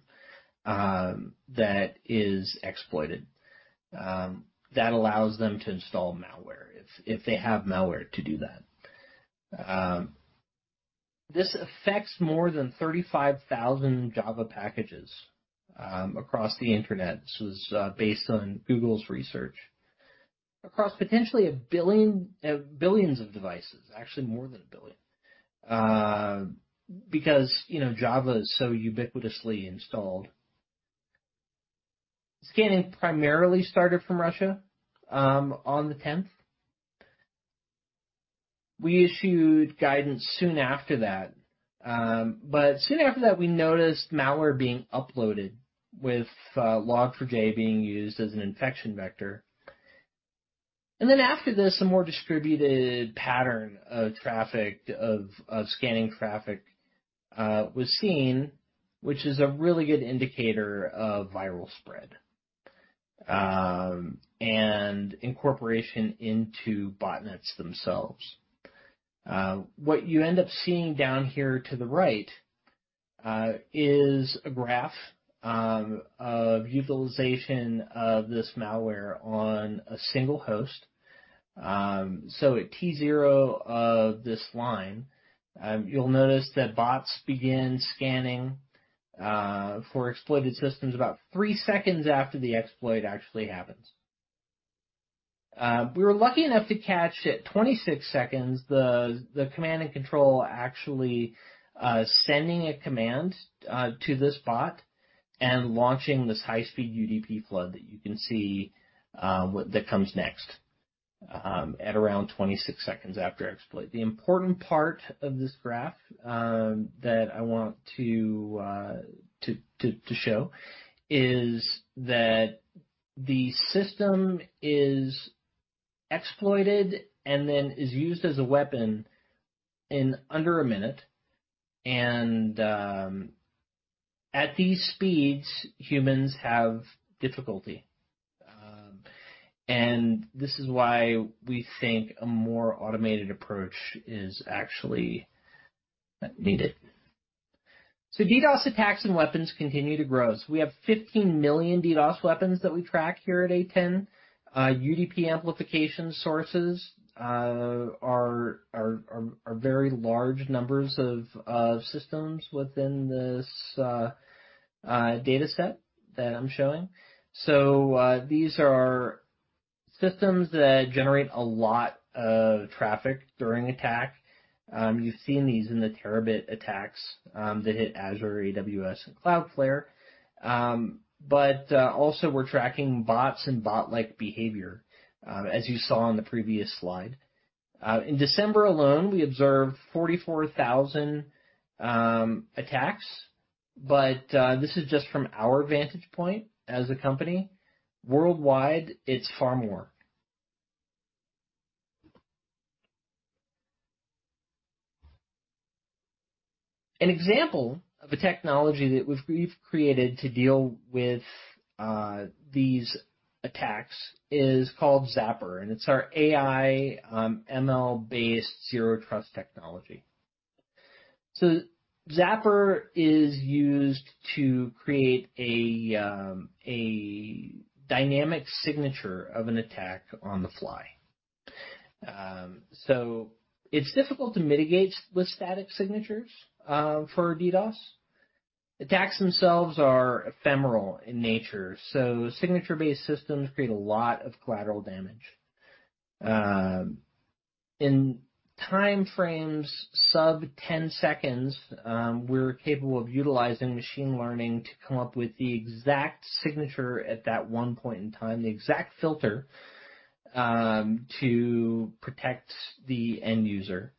that is exploited. That allows them to install malware if they have malware to do that. This affects more than 35,000 Java packages across the internet. This is based on Google's research. Across potentially billions of devices, actually more than 1 billion, because you know Java is so ubiquitously installed. Scanning primarily started from Russia on the tenth. We issued guidance soon after that. Soon after that, we noticed malware being uploaded with Log4j being used as an infection vector. After this, a more distributed pattern of scanning traffic was seen, which is a really good indicator of viral spread and incorporation into botnets themselves. What you end up seeing down here to the right is a graph of utilization of this malware on a single host. So at T zero of this line, you'll notice that bots begin scanning for exploited systems about 3 seconds after the exploit actually happens. We were lucky enough to catch at 26 seconds the command and control actually sending a command to this bot and launching this high-speed UDP flood that you can see, that comes next, at around 26 seconds after exploit. The important part of this graph that I want to show is that the system is exploited and then is used as a weapon in under a minute. At these speeds, humans have difficulty. This is why we think a more automated approach is actually needed. DDoS attacks and weapons continue to grow. We have 15 million DDoS weapons that we track here at A10. UDP amplification sources are very large numbers of systems within this dataset that I'm showing. Systems that generate a lot of traffic during attack. You've seen these in the terabit attacks that hit Azure, AWS, and Cloudflare. But also we're tracking bots and bot-like behavior as you saw on the previous slide. In December alone, we observed 44,000 attacks, but this is just from our vantage point as a company. Worldwide, it's far more. An example of a technology that we've created to deal with these attacks is called ZAP, and it's our AI, ML-based Zero Trust technology. ZAP is used to create a dynamic signature of an attack on the fly. It's difficult to mitigate with static signatures for DDoS. Attacks themselves are ephemeral in nature, so signature-based systems create a lot of collateral damage. In time frames sub-10 seconds, we're capable of utilizing machine learning to come up with the exact signature at that one point in time, the exact filter, to protect the end user.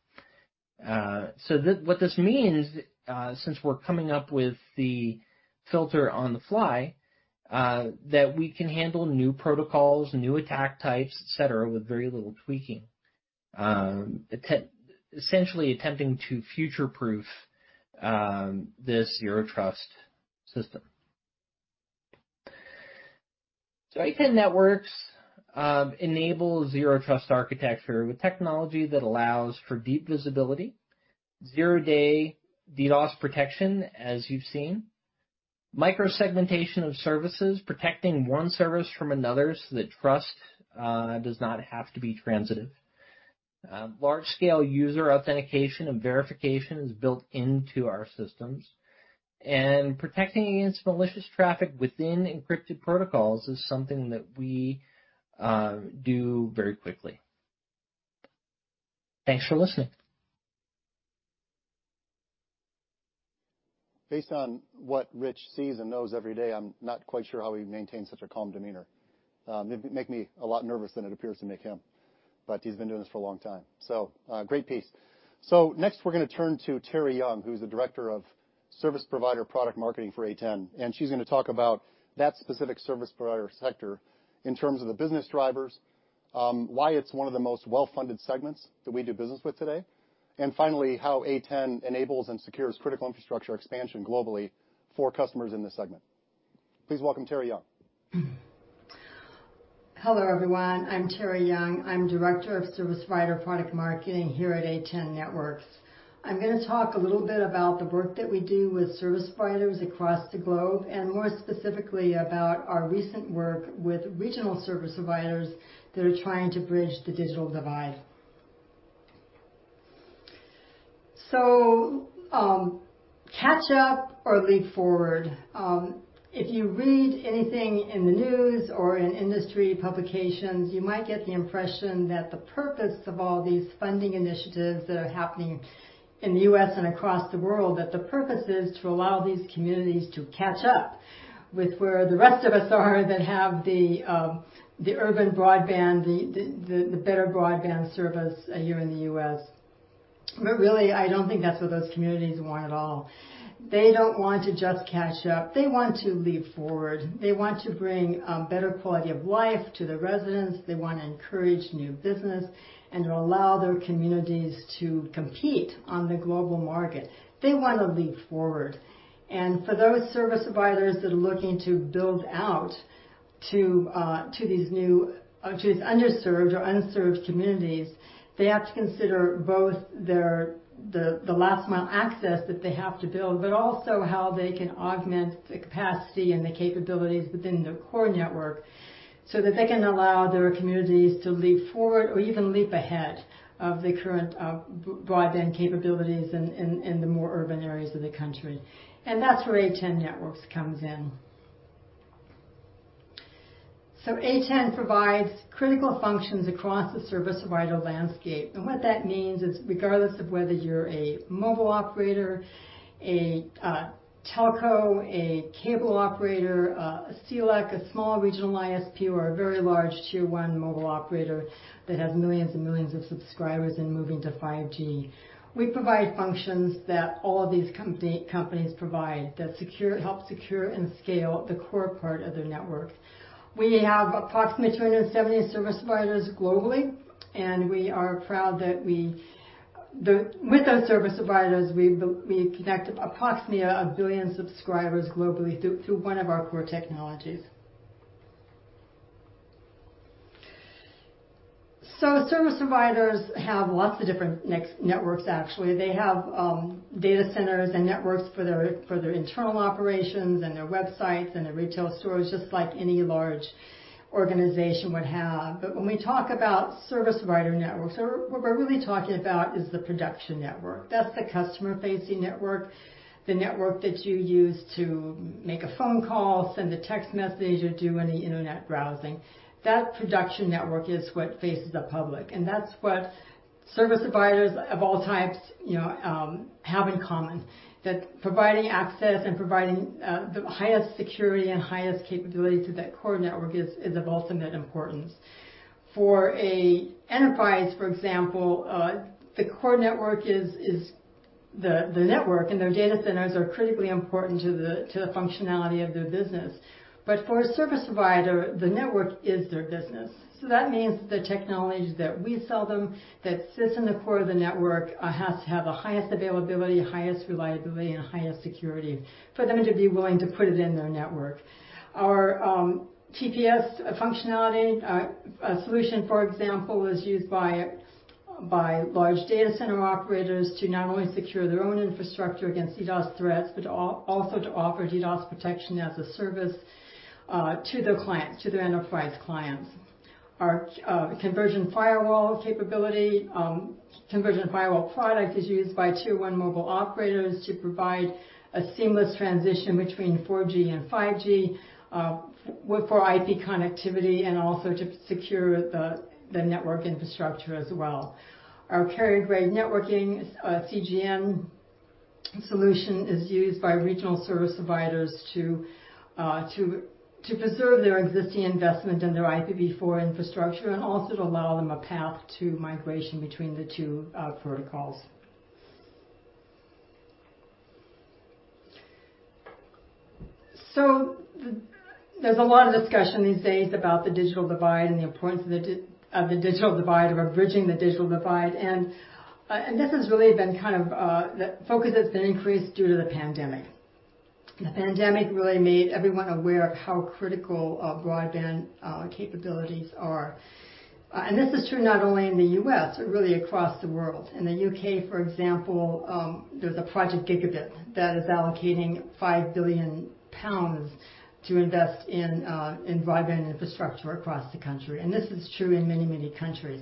What this means, since we're coming up with the filter on the fly, that we can handle new protocols, new attack types, et cetera, with very little tweaking. Essentially attempting to future-proof this Zero Trust system. A10 Networks enables Zero Trust architecture with technology that allows for deep visibility, zero-day DDoS protection, as you've seen. Micro-segmentation of services, protecting one service from another so that trust does not have to be transitive. Large-scale user authentication and verification is built into our systems. Protecting against malicious traffic within encrypted protocols is something that we do very quickly. Thanks for listening. Based on what Rich sees and knows every day, I'm not quite sure how he maintains such a calm demeanor. It'd make me a lot nervous than it appears to make him, but he's been doing this for a long time, so great piece. Next, we're gonna turn to Terry Young, who's the Director of Service Provider Product Marketing for A10, and she's gonna talk about that specific service provider sector in terms of the business drivers, why it's one of the most well-funded segments that we do business with today, and finally, how A10 enables and secures critical infrastructure expansion globally for customers in this segment. Please welcome Terry Young. Hello, everyone. I'm Terry Young. I'm Director of Service Provider Product Marketing here at A10 Networks. I'm gonna talk a little bit about the work that we do with service providers across the globe, and more specifically about our recent work with regional service providers that are trying to bridge the digital divide. Catch up or leap forward. If you read anything in the news or in industry publications, you might get the impression that the purpose of all these funding initiatives that are happening in the U.S. and across the world, that the purpose is to allow these communities to catch up with where the rest of us are that have the urban broadband, the better broadband service here in the U.S. But really, I don't think that's what those communities want at all. They don't want to just catch up. They want to leap forward. They want to bring a better quality of life to the residents. They want to encourage new business and to allow their communities to compete on the global market. They want to leap forward. For those service providers that are looking to build out to these underserved or unserved communities, they have to consider both their last mile access that they have to build, but also how they can augment the capacity and the capabilities within their core network so that they can allow their communities to leap forward or even leap ahead of the current broadband capabilities in the more urban areas of the country. That's where A10 Networks comes in. A10 provides critical functions across the service provider landscape. What that means is, regardless of whether you're a mobile operator, a telco, a cable operator, a CLEC, a small regional ISP, or a very large tier one mobile operator that has millions and millions of subscribers and moving to 5G, we provide functions that all these companies provide that secure, help secure and scale the core part of their network. We have approximately 270 service providers globally, and we are proud that with those service providers, we connect approximately 1 billion subscribers globally through one of our core technologies. Service providers have lots of different networks, actually. They have data centers and networks for their internal operations and their websites and their retail stores, just like any large organization would have. When we talk about service provider networks, what we're really talking about is the production network. That's the customer-facing network, the network that you use to make a phone call, send a text message, or do any Internet browsing. That production network is what faces the public, and that's what service providers of all types, you know, have in common that providing access and providing the highest security and highest capability to that core network is of ultimate importance. For an enterprise, for example, the core network is the network, and their data centers are critically important to the functionality of their business. For a service provider, the network is their business. That means the technologies that we sell them that sits in the core of the network has to have the highest availability, highest reliability, and highest security for them to be willing to put it in their network. Our TPS functionality solution, for example, is used by large data center operators to not only secure their own infrastructure against DDoS threats, but also to offer DDoS protection as a service to their client, to their enterprise clients. Our convergent firewall capability, convergent firewall product is used by tier one mobile operators to provide a seamless transition between 4G and 5G for IP connectivity and also to secure the network infrastructure as well. Our carrier grade networking, CGN solution is used by regional service providers to preserve their existing investment in their IPv4 infrastructure and also to allow them a path to migration between the two protocols. There's a lot of discussion these days about the digital divide and the importance of the digital divide, of bridging the digital divide. This has really been kind of the focus has been increased due to the pandemic. The pandemic really made everyone aware of how critical broadband capabilities are. This is true not only in the U.S., but really across the world. In the U.K., for example, there's a Project Gigabit that is allocating 5 billion pounds to invest in broadband infrastructure across the country, and this is true in many, many countries.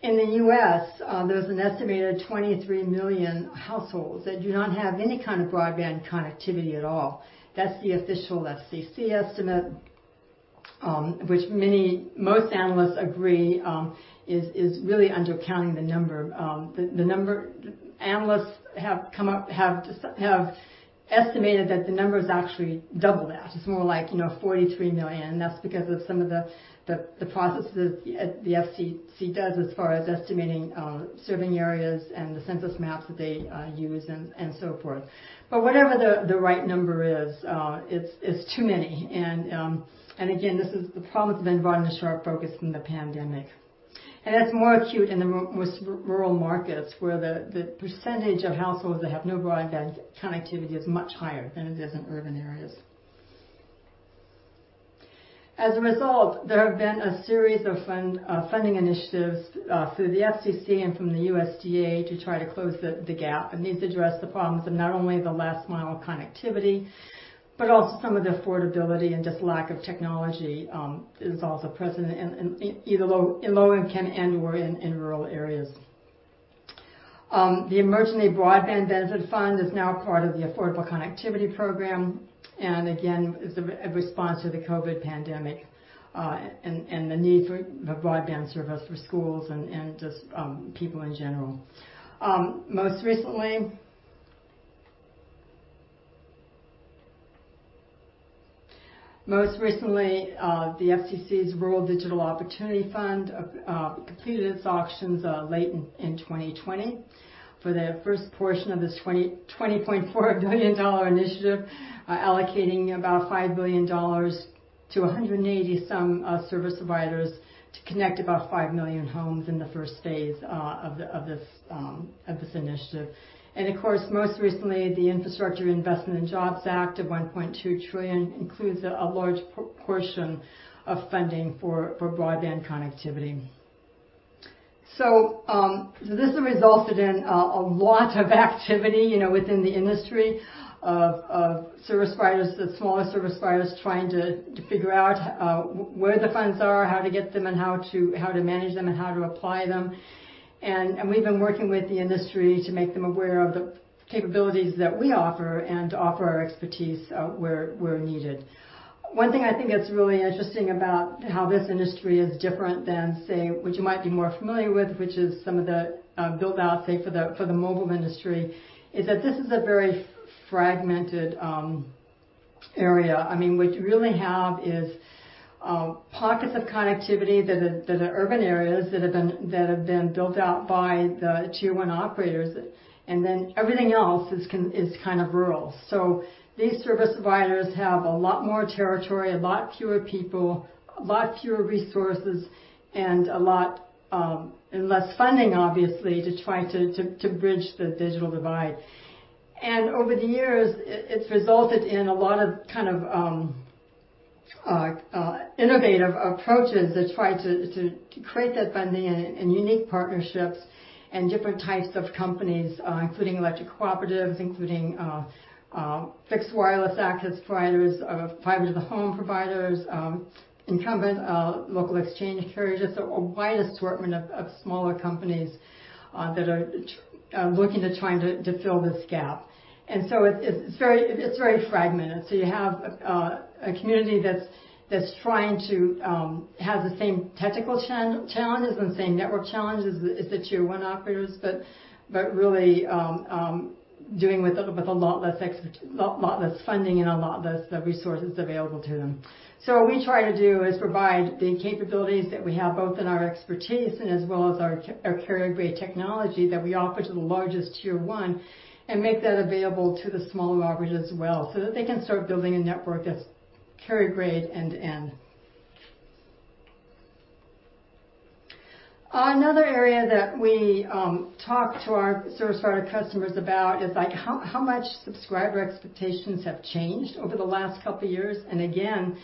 In the U.S., there's an estimated 23 million households that do not have any kind of broadband connectivity at all. That's the official FCC estimate, which most analysts agree is really undercounting the number. The number analysts have estimated that the number is actually double that. It's more like, you know, 43 million, and that's because of some of the processes the FCC does as far as estimating serving areas and the census maps that they use and so forth. But whatever the right number is, it's too many. These problems have been brought into sharp focus in the pandemic. That's more acute in the most rural markets, where the percentage of households that have no broadband connectivity is much higher than it is in urban areas. As a result, there have been a series of funding initiatives through the FCC and from the USDA to try to close the gap. It needs to address the problems of not only the last mile connectivity, but also some of the affordability and just lack of technology is also present in either low-income and/or in rural areas. The Emergency Broadband Benefit Program is now part of the Affordable Connectivity Program, and again, is a response to the COVID pandemic and the need for the broadband service for schools and just people in general. Most recently, the FCC's Rural Digital Opportunity Fund completed its auctions late in 2020 for the first portion of this $20.4 billion initiative, allocating about $5 billion to about 180 service providers to connect about 5 million homes in the first phase of this initiative. Of course, most recently, the Infrastructure Investment and Jobs Act of $1.2 trillion includes a large portion of funding for broadband connectivity. This has resulted in a lot of activity, you know, within the industry of service providers, the smaller service providers trying to figure out where the funds are, how to get them, and how to manage them, and how to apply them. We've been working with the industry to make them aware of the capabilities that we offer and to offer our expertise, where needed. One thing I think that's really interesting about how this industry is different than, say, what you might be more familiar with, which is some of the build out, say, for the mobile industry, is that this is a very fragmented area. I mean, what you really have is pockets of connectivity that are urban areas that have been built out by the tier one operators, and then everything else is kind of rural. These service providers have a lot more territory, a lot fewer people, a lot fewer resources, and a lot, and less funding, obviously, to try to bridge the digital divide. Over the years, it's resulted in a lot of kind of innovative approaches that try to create that funding and unique partnerships and different types of companies, including electric cooperatives, fixed wireless access providers, fiber to the home providers, incumbent local exchange carriers, just a wide assortment of smaller companies that are looking to try to fill this gap. It's very fragmented. You have a community that's trying to have the same technical challenges and same network challenges as the Tier 1 operators, but really doing with a lot less expertise, a lot less funding and a lot less resources available to them. What we try to do is provide the capabilities that we have, both in our expertise and as well as our carrier grade technology that we offer to the largest Tier One, and make that available to the smaller operators as well, so that they can start building a network that's carrier grade end-to-end. Another area that we talk to our service provider customers about is, like, how much subscriber expectations have changed over the last couple of years, and again,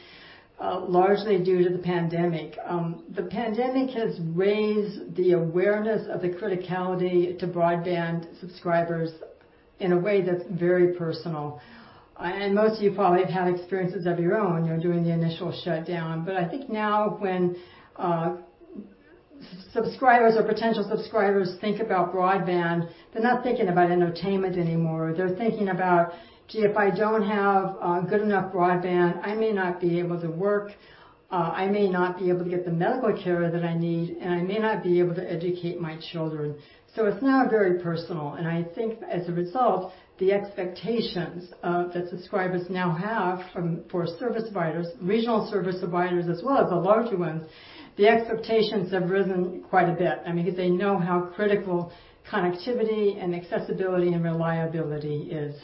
largely due to the pandemic. The pandemic has raised the awareness of the criticality to broadband subscribers in a way that's very personal. And most of you probably have had experiences of your own, you know, during the initial shutdown. But I think now when subscribers or potential subscribers think about broadband, they're not thinking about entertainment anymore. They're thinking about, "Gee, if I don't have good enough broadband, I may not be able to work, I may not be able to get the medical care that I need, and I may not be able to educate my children." It's now very personal, and I think as a result, the expectations that subscribers now have for service providers, regional service providers as well as the larger ones, the expectations have risen quite a bit. I mean, 'cause they know how critical connectivity and accessibility and reliability is.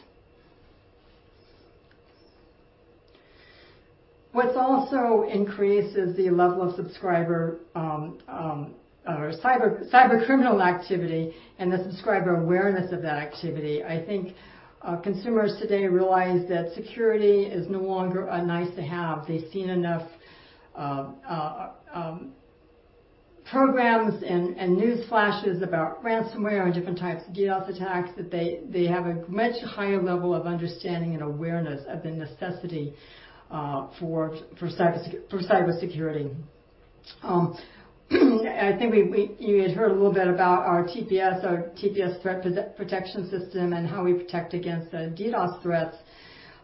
What's also increased is the level of subscriber or cyber criminal activity and the subscriber awareness of that activity. I think consumers today realize that security is no longer a nice-to-have. They've seen enough programs and news flashes about ransomware or different types of DDoS attacks that they have a much higher level of understanding and awareness of the necessity for cybersecurity. I think you guys heard a little bit about our TPS threat protection system and how we protect against DDoS threats.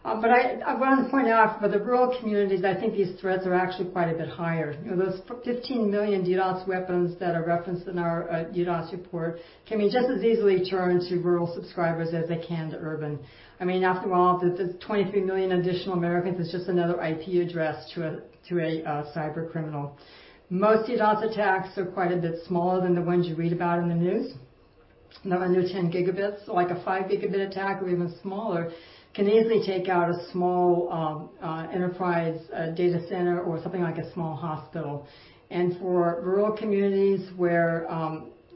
I wanna point out for the rural communities. I think these threats are actually quite a bit higher. You know, those 15 million DDoS weapons that are referenced in our DDoS report can be just as easily turned to rural subscribers as they can to urban. I mean, after all, the 23 million additional Americans is just another IP address to a cyber criminal. Most DDoS attacks are quite a bit smaller than the ones you read about in the news. They're under 10 gigabits. Like a 5 gigabit attack or even smaller can easily take out a small enterprise data center or something like a small hospital. For rural communities where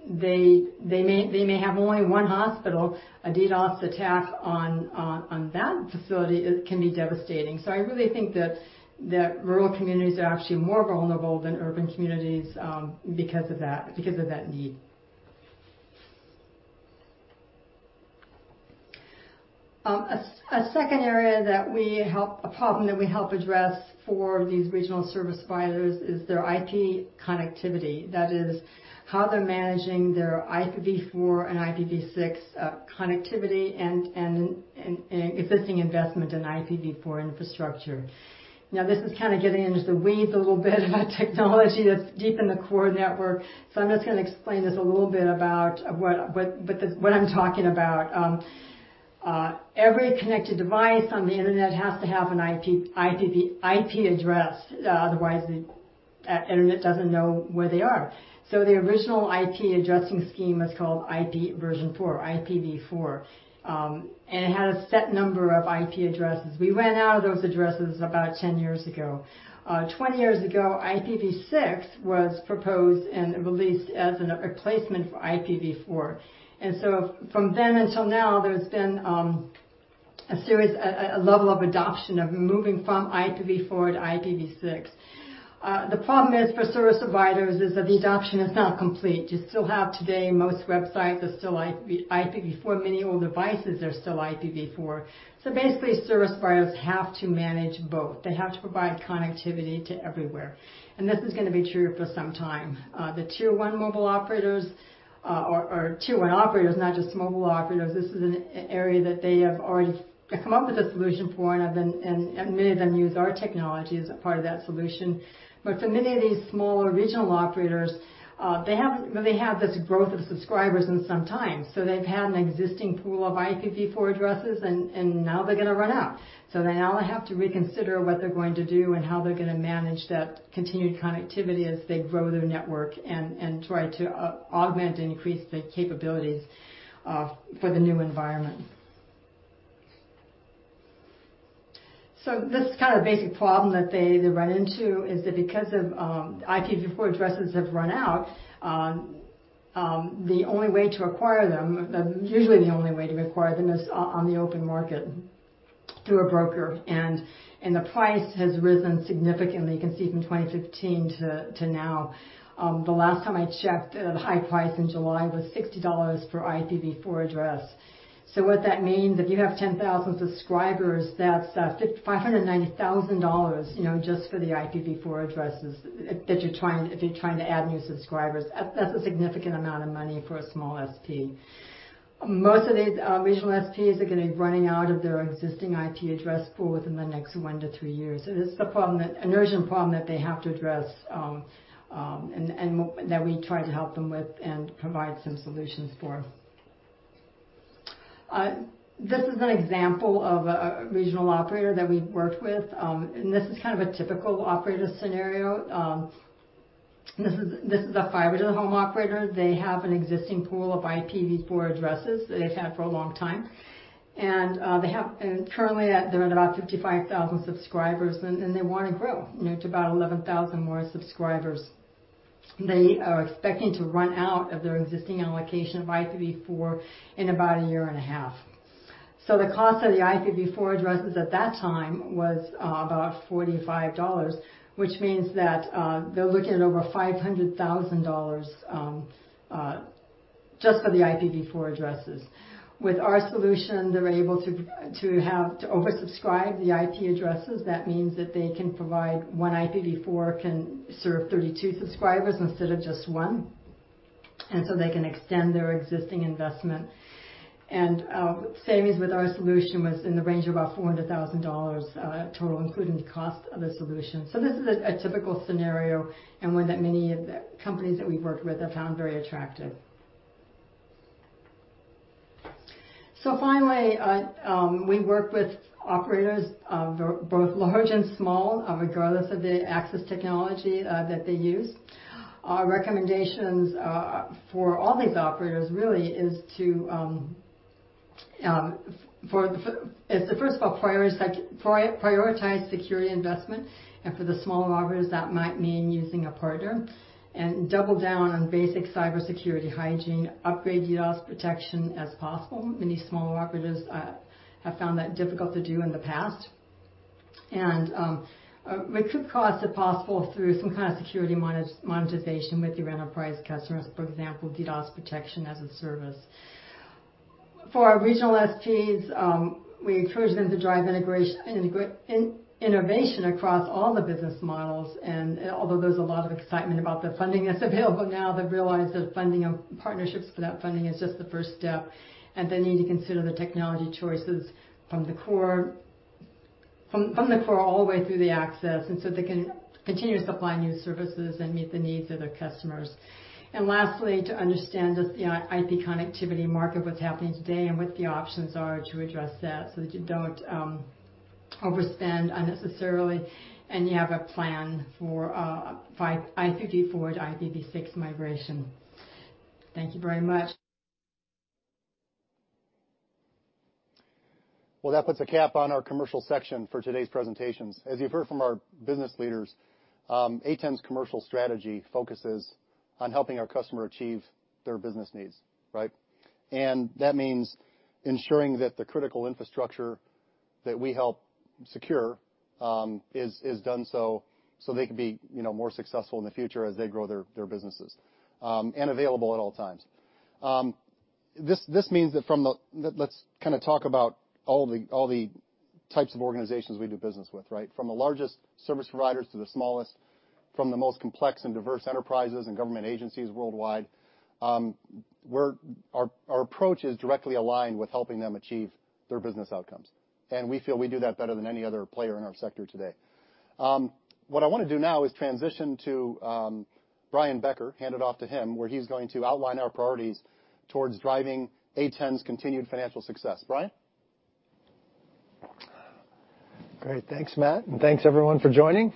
they may have only one hospital, a DDoS attack on that facility can be devastating. I really think that rural communities are actually more vulnerable than urban communities because of that need. A second problem that we help address for these regional service providers is their IP connectivity. That is how they're managing their IPv4 and IPv6 connectivity and an existing investment in IPv4 infrastructure. Now, this is kind of getting into the weeds a little bit about technology that's deep in the core network, so I'm just gonna explain this a little bit about what I'm talking about. Every connected device on the internet has to have an IP address, otherwise the internet doesn't know where they are. The original IP addressing scheme was called IP version four, IPv4, and it had a set number of IP addresses. We ran out of those addresses about 10 years ago. Twenty years ago, IPv6 was proposed and released as a replacement for IPv4. From then until now, there's been a serious level of adoption of moving from IPv4 to IPv6. The problem for service providers is that the adoption is not complete. You still have, today, most websites are still IPv4. Many old devices are still IPv4. So basically, service providers have to manage both. They have to provide connectivity to everywhere. This is gonna be true for some time. The Tier One mobile operators, or Tier One operators, not just mobile operators. This is an area that they have already come up with a solution for, and many of them use our technology as a part of that solution. For many of these smaller regional operators, they haven't really had this growth of subscribers in some time. They've had an existing pool of IPv4 addresses, and now they're gonna run out. They now have to reconsider what they're going to do and how they're gonna manage that continued connectivity as they grow their network and try to augment and increase the capabilities for the new environment. This is kind of the basic problem that they run into, is that because IPv4 addresses have run out, the only way to acquire them, usually the only way to acquire them is on the open market through a broker. The price has risen significantly. You can see from 2015 to now. The last time I checked, the high price in July was $60 for IPv4 address. What that means, if you have 10,000 subscribers, that's $590,000, you know, just for the IPv4 addresses that you're trying. If you're trying to add new subscribers. That's a significant amount of money for a small SP. Most of these regional SPs are going to be running out of their existing IPv4 address pool within the next 1-3 years. This is a problem, an urgent problem that they have to address, and that we try to help them with and provide some solutions for. This is an example of a regional operator that we've worked with, and this is kind of a typical operator scenario. This is a fiber-to-the-home operator. They have an existing pool of IPv4 addresses that they've had for a long time, and they're at about 55,000 subscribers, and they wanna grow, you know, to about 11,000 more subscribers. They are expecting to run out of their existing allocation of IPv4 in about a year and a half. The cost of the IPv4 addresses at that time was about $45, which means that they're looking at over $500,000 just for the IPv4 addresses. With our solution, they were able to oversubscribe the IP addresses. That means that they can provide; one IPv4 can serve 32 subscribers instead of just one. Savings with our solution was in the range of about $400,000 total, including the cost of the solution. This is a typical scenario and one that many of the companies that we've worked with have found very attractive. Finally, we work with operators, both large and small, regardless of the access technology that they use. Our recommendations for all these operators really is to first of all, prioritize security investment, and for the smaller operators, that might mean using a partner, and double down on basic cybersecurity hygiene, upgrade DDoS protection as possible. Many smaller operators have found that difficult to do in the past. Recoup costs if possible through some kind of security monetization with your enterprise customers, for example, DDoS protection as a service. For our regional SPs, we encourage them to drive innovation across all the business models, and although there's a lot of excitement about the funding that's available now, they've realized that funding of partnerships for that funding is just the first step, and they need to consider the technology choices from the core all the way through the access, so they can continue to supply new services and meet the needs of their customers. Lastly, to understand the IP connectivity market, what's happening today, and what the options are to address that, so that you don't overspend unnecessarily, and you have a plan for IPv4 to IPv6 migration. Thank you very much. Well, that puts a cap on our commercial section for today's presentations. As you've heard from our business leaders, A10's commercial strategy focuses on helping our customer achieve their business needs, right? And that means ensuring that the critical infrastructure that we help secure is done so they can be, you know, more successful in the future as they grow their businesses and available at all times. Let's kinda talk about all the types of organizations we do business with, right? From the largest service providers to the smallest, from the most complex and diverse enterprises and government agencies worldwide, our approach is directly aligned with helping them achieve their business outcomes, and we feel we do that better than any other player in our sector today. What I wanna do now is transition to Brian Becker, hand it off to him, where he's going to outline our priorities towards driving A10's continued financial success. Brian? Great. Thanks, Matt, and thanks everyone for joining.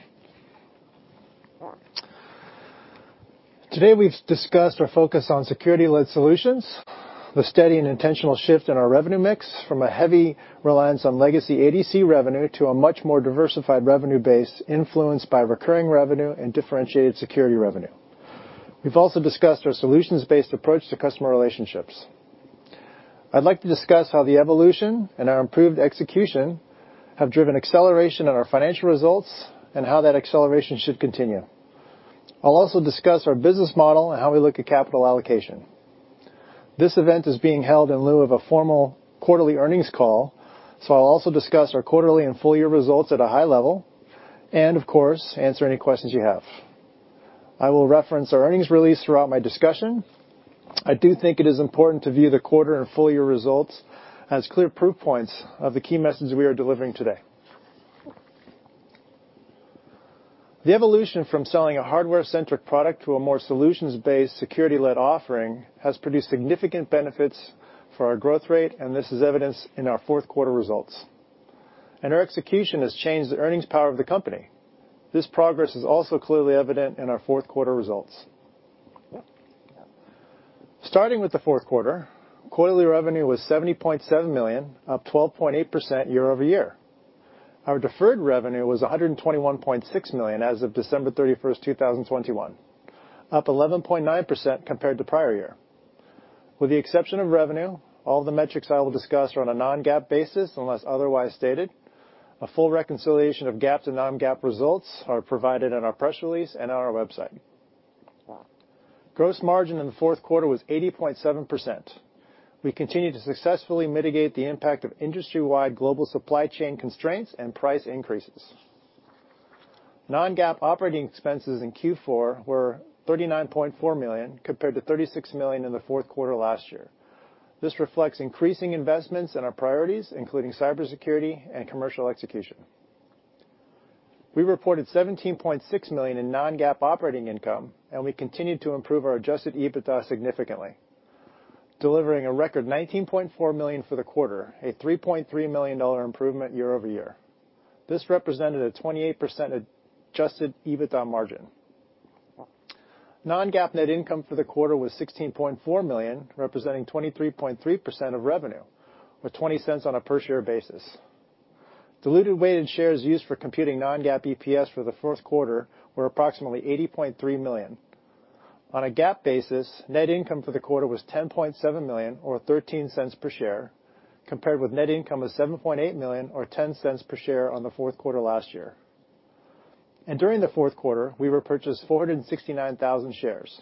Today, we've discussed our focus on security-led solutions, the steady and intentional shift in our revenue mix from a heavy reliance on legacy ADC revenue to a much more diversified revenue base influenced by recurring revenue and differentiated security revenue. We've also discussed our solutions-based approach to customer relationships. I'd like to discuss how the evolution and our improved execution have driven acceleration in our financial results and how that acceleration should continue. I'll also discuss our business model and how we look at capital allocation. This event is being held in lieu of a formal quarterly earnings call, so I'll also discuss our quarterly and full-year results at a high level and, of course, answer any questions you have. I will reference our earnings release throughout my discussion. I do think it is important to view the quarter and full-year results as clear proof points of the key messages we are delivering today. The evolution from selling a hardware-centric product to a more solutions-based security-led offering has produced significant benefits for our growth rate, and this is evidenced in our Q4 results. Our execution has changed the earnings power of the company. This progress is also clearly evident in our Q4 results. Starting with the Q4, quarterly revenue was $70.7 million, up 12.8% year-over-year. Our deferred revenue was $121.6 million as of December 31, 2021, up 11.9% compared to prior year. With the exception of revenue, all the metrics I will discuss are on a non-GAAP basis unless otherwise stated. A full reconciliation of GAAP to non-GAAP results are provided in our press release and on our website. Gross margin in the Q4 was 80.7%. We continue to successfully mitigate the impact of industry-wide global supply chain constraints and price increases. Non-GAAP operating expenses in Q4 were $39.4 million compared to $36 million in the Q4 last year. This reflects increasing investments in our priorities, including cybersecurity and commercial execution. We reported $17.6 million in non-GAAP operating income, and we continued to improve our adjusted EBITDA significantly, delivering a record $19.4 million for the quarter, a $3.3 million improvement year over year. This represented a 28% adjusted EBITDA margin. Non-GAAP net income for the quarter was $16.4 million, representing 23.3% of revenue, or $0.20 on a per-share basis. Diluted weighted shares used for computing non-GAAP EPS for the Q4 were approximately 80.3 million. On a GAAP basis, net income for the quarter was $10.7 million or $0.13 per share, compared with net income of $7.8 million or $0.10 per share on the Q4 last year. During the Q4, we repurchased 469,000 shares.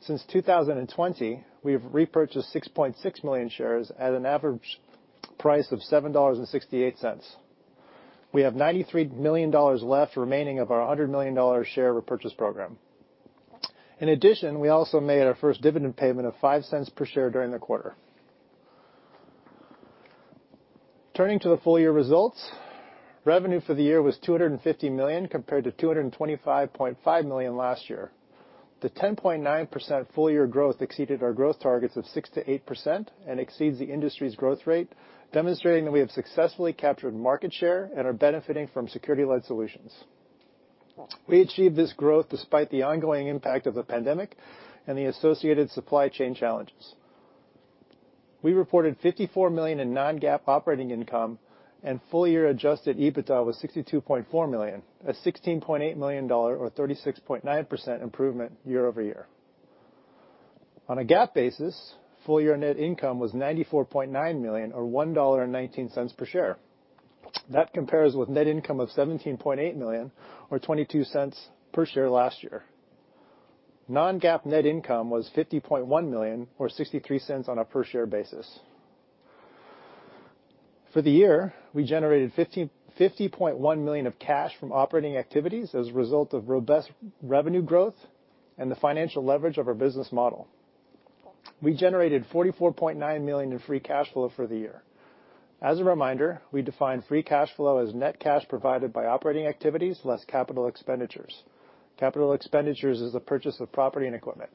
Since 2020, we have repurchased 6.6 million shares at an average price of $7.68. We have $93 million left remaining of our $100 million share repurchase program. In addition, we also made our first dividend payment of $0.05 per share during the quarter. Turning to the full year results, revenue for the year was $250 million, compared to $225.5 million last year. The 10.9% full year growth exceeded our growth targets of 6%-8% and exceeds the industry's growth rate, demonstrating that we have successfully captured market share and are benefiting from security-led solutions. We achieved this growth despite the ongoing impact of the pandemic and the associated supply chain challenges. We reported $54 million in non-GAAP operating income, and full year adjusted EBITDA was $62.4 million, a $16.8 million or 36.9% improvement year over year. On a GAAP basis, full year net income was $94.9 million or $1.19 per share. That compares with net income of $17.8 million or $0.22 per share last year. Non-GAAP net income was $50.1 million or $0.63 per share. For the year, we generated $50.1 million of cash from operating activities as a result of robust revenue growth and the financial leverage of our business model. We generated $44.9 million in free cash flow for the year. As a reminder, we define free cash flow as net cash provided by operating activities less capital expenditures. Capital expenditures is the purchase of property and equipment.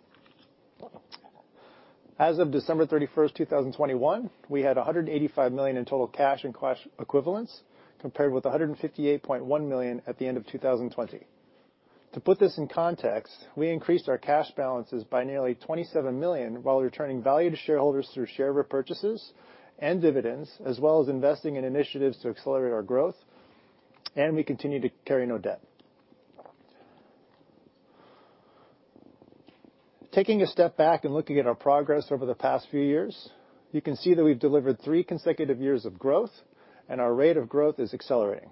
As of December 31, 2021, we had $185 million in total cash and cash equivalents, compared with $158.1 million at the end of 2020. To put this in context, we increased our cash balances by nearly $27 million while returning value to shareholders through share repurchases and dividends, as well as investing in initiatives to accelerate our growth, and we continue to carry no debt. Taking a step back and looking at our progress over the past few years, you can see that we've delivered three consecutive years of growth and our rate of growth is accelerating.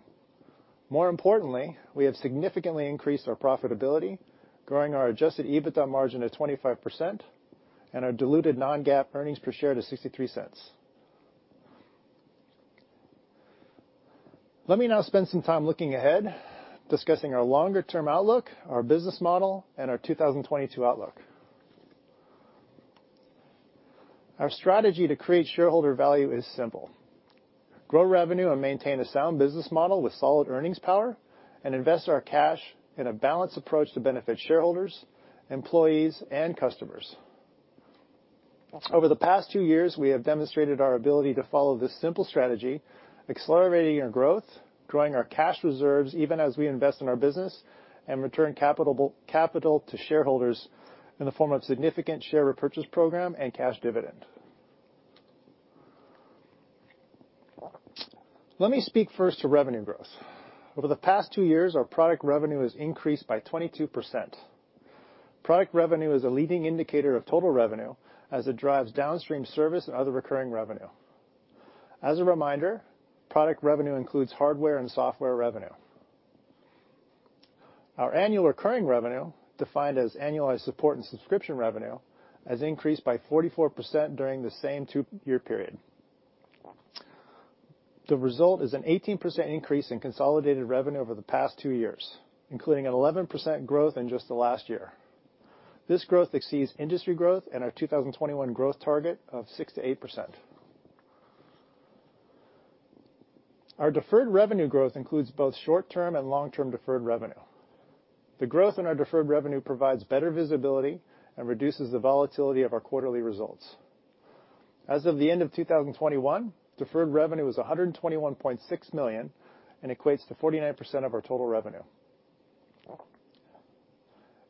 More importantly, we have significantly increased our profitability, growing our adjusted EBITDA margin to 25% and our diluted non-GAAP earnings per share to $0.63. Let me now spend some time looking ahead, discussing our longer-term outlook, our business model, and our 2022 outlook. Our strategy to create shareholder value is simple: grow revenue and maintain a sound business model with solid earnings power, and invest our cash in a balanced approach to benefit shareholders, employees, and customers. Over the past two years, we have demonstrated our ability to follow this simple strategy, accelerating our growth, growing our cash reserves even as we invest in our business, and return capital to shareholders in the form of significant share repurchase program and cash dividend. Let me speak first to revenue growth. Over the past two years, our product revenue has increased by 22%. Product revenue is a leading indicator of total revenue as it drives downstream service and other recurring revenue. As a reminder, product revenue includes hardware and software revenue. Our annual recurring revenue, defined as annualized support and subscription revenue, has increased by 44% during the same two-year period. The result is an 18% increase in consolidated revenue over the past two years, including an 11% growth in just the last year. This growth exceeds industry growth and our 2021 growth target of 6%-8%. Our deferred revenue growth includes both short-term and long-term deferred revenue. The growth in our deferred revenue provides better visibility and reduces the volatility of our quarterly results. As of the end of 2021, deferred revenue was $121.6 million and equates to 49% of our total revenue.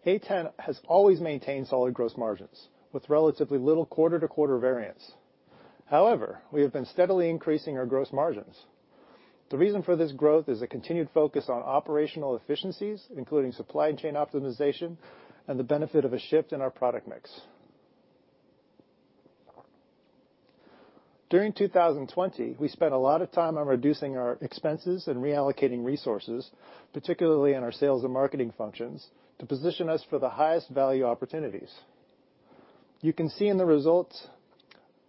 A10 has always maintained solid gross margins with relatively little quarter-to-quarter variance. However, we have been steadily increasing our gross margins. The reason for this growth is a continued focus on operational efficiencies, including supply chain optimization and the benefit of a shift in our product mix. During 2020, we spent a lot of time on reducing our expenses and reallocating resources, particularly in our sales and marketing functions, to position us for the highest value opportunities. You can see in the results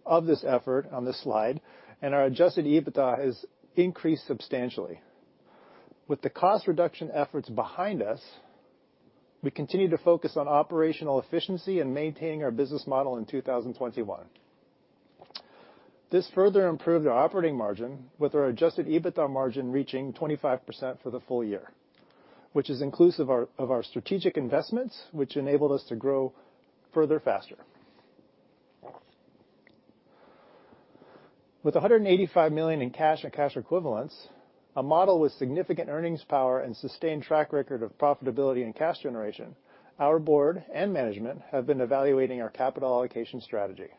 of this effort on this slide, and our adjusted EBITDA has increased substantially. With the cost reduction efforts behind us, we continue to focus on operational efficiency and maintaining our business model in 2021. This further improved our operating margin with our adjusted EBITDA margin reaching 25% for the full year, which is inclusive of our strategic investments, which enabled us to grow further faster. With $185 million in cash and cash equivalents, a model with significant earnings power and sustained track record of profitability and cash generation, our board and management have been evaluating our capital allocation strategy.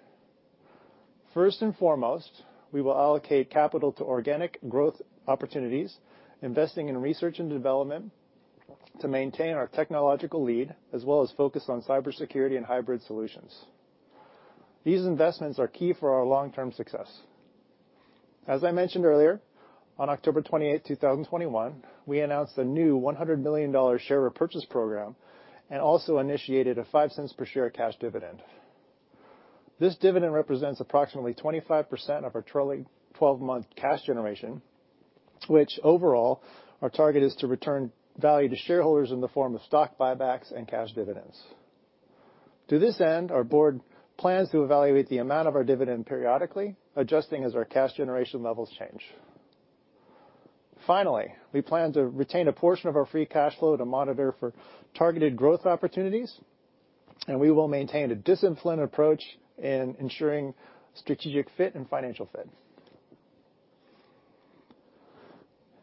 First and foremost, we will allocate capital to organic growth opportunities, investing in research and development to maintain our technological lead, as well as focus on cybersecurity and hybrid solutions. These investments are key for our long-term success. As I mentioned earlier, on October 28, 2021, we announced a new $100 million share repurchase program and also initiated a $0.05 per share cash dividend. This dividend represents approximately 25% of our 12-month cash generation, which overall our target is to return value to shareholders in the form of stock buybacks and cash dividends. To this end, our board plans to evaluate the amount of our dividend periodically, adjusting as our cash generation levels change. Finally, we plan to retain a portion of our free cash flow to monitor for targeted growth opportunities, and we will maintain a disciplined approach in ensuring strategic fit and financial fit.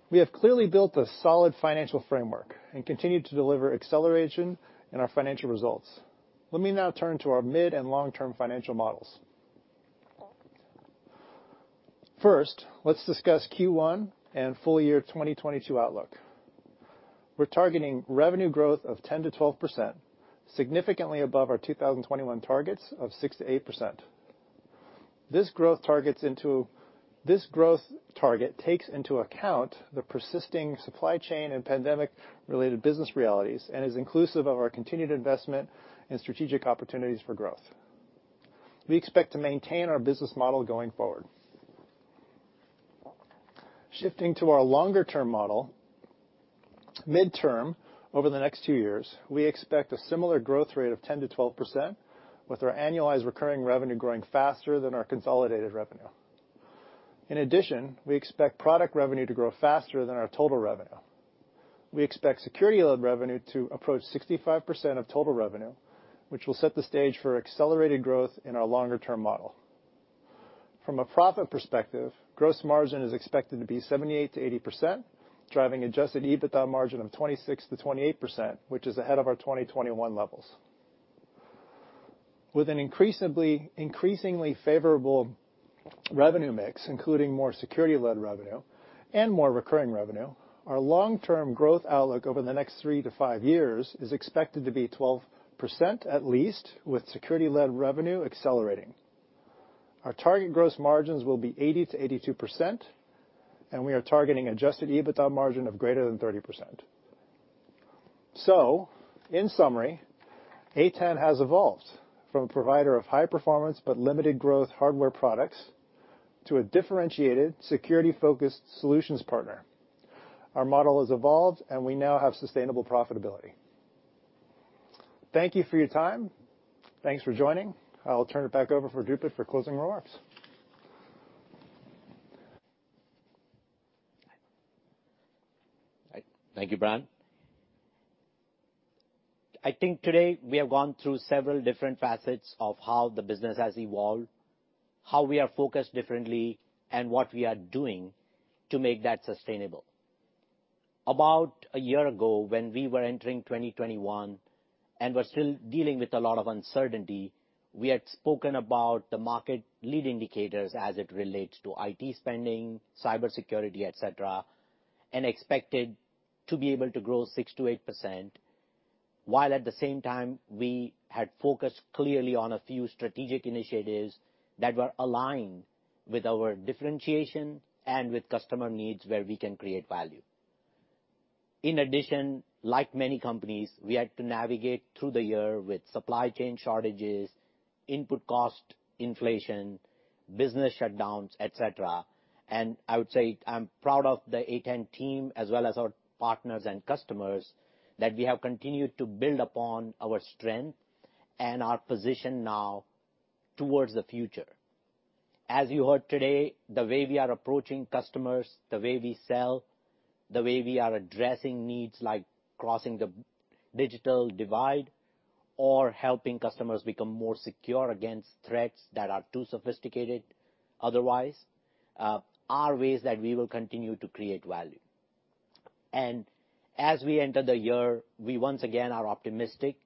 We have clearly built a solid financial framework and continue to deliver acceleration in our financial results. Let me now turn to our mid and long-term financial models. First, let's discuss Q1 and full year 2022 outlook. We're targeting revenue growth of 10%-12%, significantly above our 2021 targets of 6%-8%. This growth target takes into account the persisting supply chain and pandemic-related business realities and is inclusive of our continued investment in strategic opportunities for growth. We expect to maintain our business model going forward. Shifting to our longer-term model, midterm, over the next 2 years, we expect a similar growth rate of 10%-12%, with our annualized recurring revenue growing faster than our consolidated revenue. In addition, we expect product revenue to grow faster than our total revenue. We expect security-led revenue to approach 65% of total revenue, which will set the stage for accelerated growth in our longer-term model. From a profit perspective, gross margin is expected to be 78%-80%, driving adjusted EBITDA margin of 26%-28%, which is ahead of our 2021 levels. With an increasingly favorable revenue mix, including more security-led revenue and more recurring revenue, our long-term growth outlook over the next 3-5 years is expected to be 12% at least, with security-led revenue accelerating. Our target gross margins will be 80%-82%, and we are targeting adjusted EBITDA margin of greater than 30%. In summary, A10 has evolved from a provider of high performance but limited growth hardware products to a differentiated security-focused solutions partner. Our model has evolved, and we now have sustainable profitability. Thank you for your time. Thanks for joining. I'll turn it back over for Dhrupad for closing remarks. Thank you, Brian. I think today we have gone through several different facets of how the business has evolved, how we are focused differently, and what we are doing to make that sustainable. About a year ago, when we were entering 2021 and were still dealing with a lot of uncertainty, we had spoken about the market leading indicators as it relates to IT spending, cybersecurity, et cetera, and expected to be able to grow 6%-8%, while at the same time we had focused clearly on a few strategic initiatives that were aligned with our differentiation and with customer needs where we can create value. In addition, like many companies, we had to navigate through the year with supply chain shortages, input cost inflation, business shutdowns, et cetera. I would say I'm proud of the A10 team as well as our partners and customers that we have continued to build upon our strength and our position now towards the future. As you heard today, the way we are approaching customers, the way we sell, the way we are addressing needs like crossing the digital divide or helping customers become more secure against threats that are too sophisticated otherwise, are ways that we will continue to create value. As we enter the year, we once again are optimistic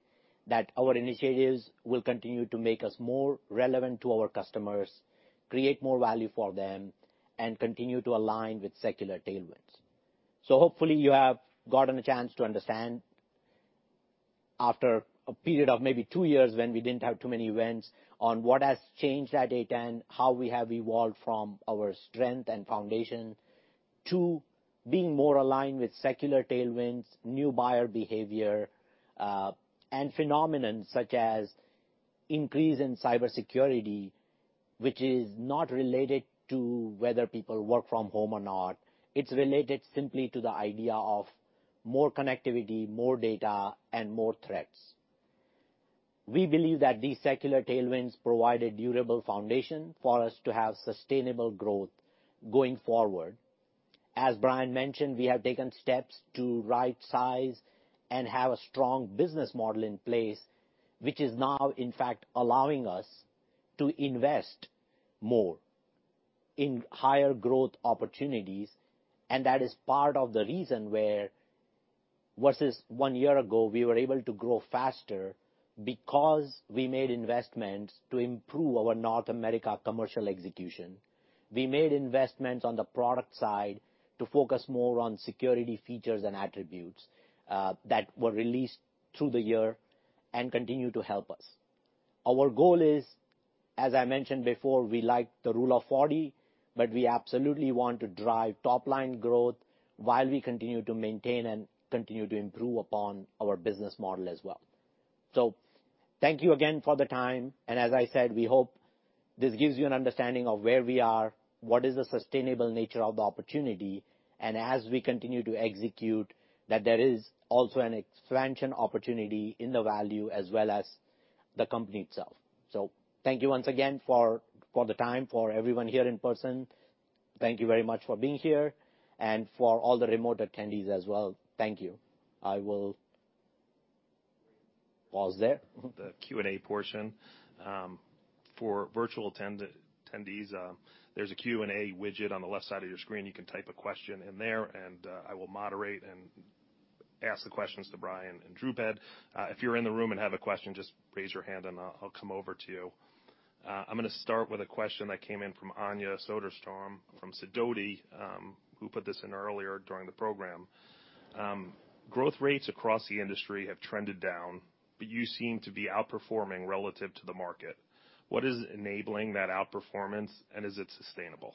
that our initiatives will continue to make us more relevant to our customers, create more value for them, and continue to align with secular tailwinds. Hopefully you have gotten a chance to understand after a period of maybe two years when we didn't have too many events on what has changed at A10, how we have evolved from our strength and foundation too, being more aligned with secular tailwinds, new buyer behavior, and phenomena such as increase in cybersecurity, which is not related to whether people work from home or not. It's related simply to the idea of more connectivity, more data, and more threats. We believe that these secular tailwinds provide a durable foundation for us to have sustainable growth going forward. As Brian mentioned, we have taken steps to right size and have a strong business model in place, which is now, in fact, allowing us to invest more in higher growth opportunities. That is part of the reason where, versus one year ago, we were able to grow faster because we made investments to improve our North America commercial execution. We made investments on the product side to focus more on security features and attributes, that were released through the year and continue to help us. Our goal is, as I mentioned before, we like the Rule of 40, but we absolutely want to drive top-line growth while we continue to maintain and continue to improve upon our business model as well. Thank you again for the time. As I said, we hope this gives you an understanding of where we are, what is the sustainable nature of the opportunity, and as we continue to execute that there is also an expansion opportunity in the value as well as the company itself. Thank you once again for the time for everyone here in person. Thank you very much for being here and for all the remote attendees as well. Thank you. I will pause there. The Q&A portion. For virtual attendees, there's a Q&A widget on the left side of your screen. You can type a question in there and I will moderate and ask the questions to Brian and Dhrupad. If you're in the room and have a question, just raise your hand and I'll come over to you. I'm gonna start with a question that came in from Anja Soderstrom from Sidoti, who put this in earlier during the program. Growth rates across the industry have trended down, but you seem to be outperforming relative to the market. What is enabling that outperformance, and is it sustainable?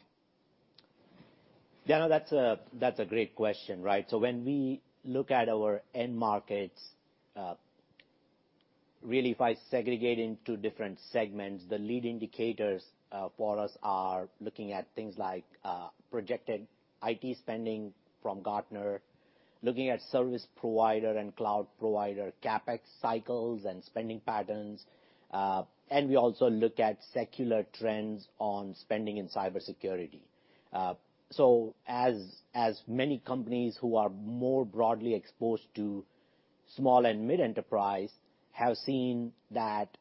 Yeah, no, that's a great question, right? When we look at our end markets, really if I segregate into different segments, the lead indicators for us are looking at things like projected IT spending from Gartner, looking at service provider and cloud provider CapEx cycles and spending patterns, and we also look at secular trends on spending in cybersecurity. As many companies who are more broadly exposed to small and mid enterprise have seen that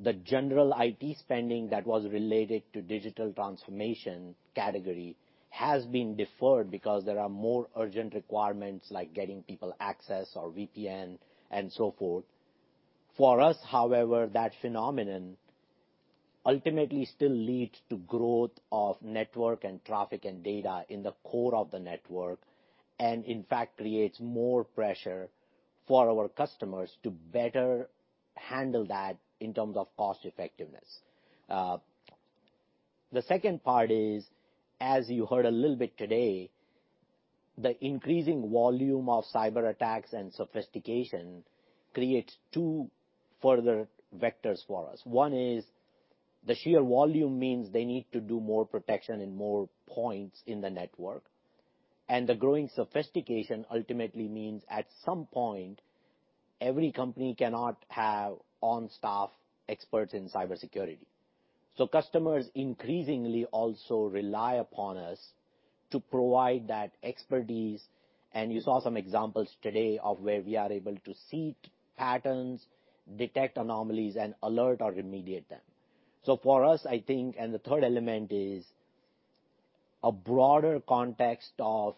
the general IT spending that was related to digital transformation category has been deferred because there are more urgent requirements like getting people access or VPN and so forth. For us, however, that phenomenon ultimately still leads to growth of network and traffic and data in the core of the network, and in fact creates more pressure for our customers to better handle that in terms of cost effectiveness. The second part is, as you heard a little bit today, the increasing volume of cyberattacks and sophistication creates two further vectors for us. One is the sheer volume means they need to do more protection in more points in the network. The growing sophistication ultimately means at some point, every company cannot have on staff experts in cybersecurity. Customers increasingly also rely upon us to provide that expertise. You saw some examples today of where we are able to see patterns, detect anomalies, and alert or remediate them. For us, I think, and the third element is a broader context of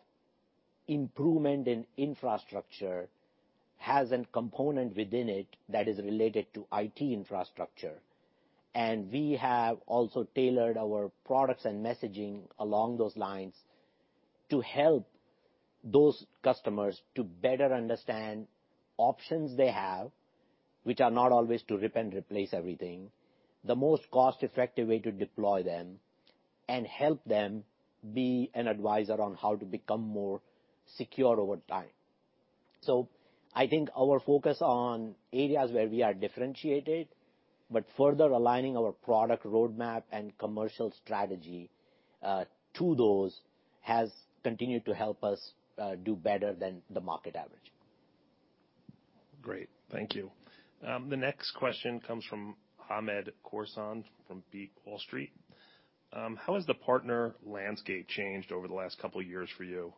improvement in infrastructure has a component within it that is related to IT infrastructure. We have also tailored our products and messaging along those lines to help those customers to better understand options they have, which are not always to rip and replace everything, the most cost-effective way to deploy them and help them be an advisor on how to become more secure over time. I think our focus on areas where we are differentiated, but further aligning our product roadmap and commercial strategy, to those has continued to help us, do better than the market average. Great. Thank you. The next question comes from Hamed Khorsand from BWS Financial. How has the partner landscape changed over the last couple of years for you?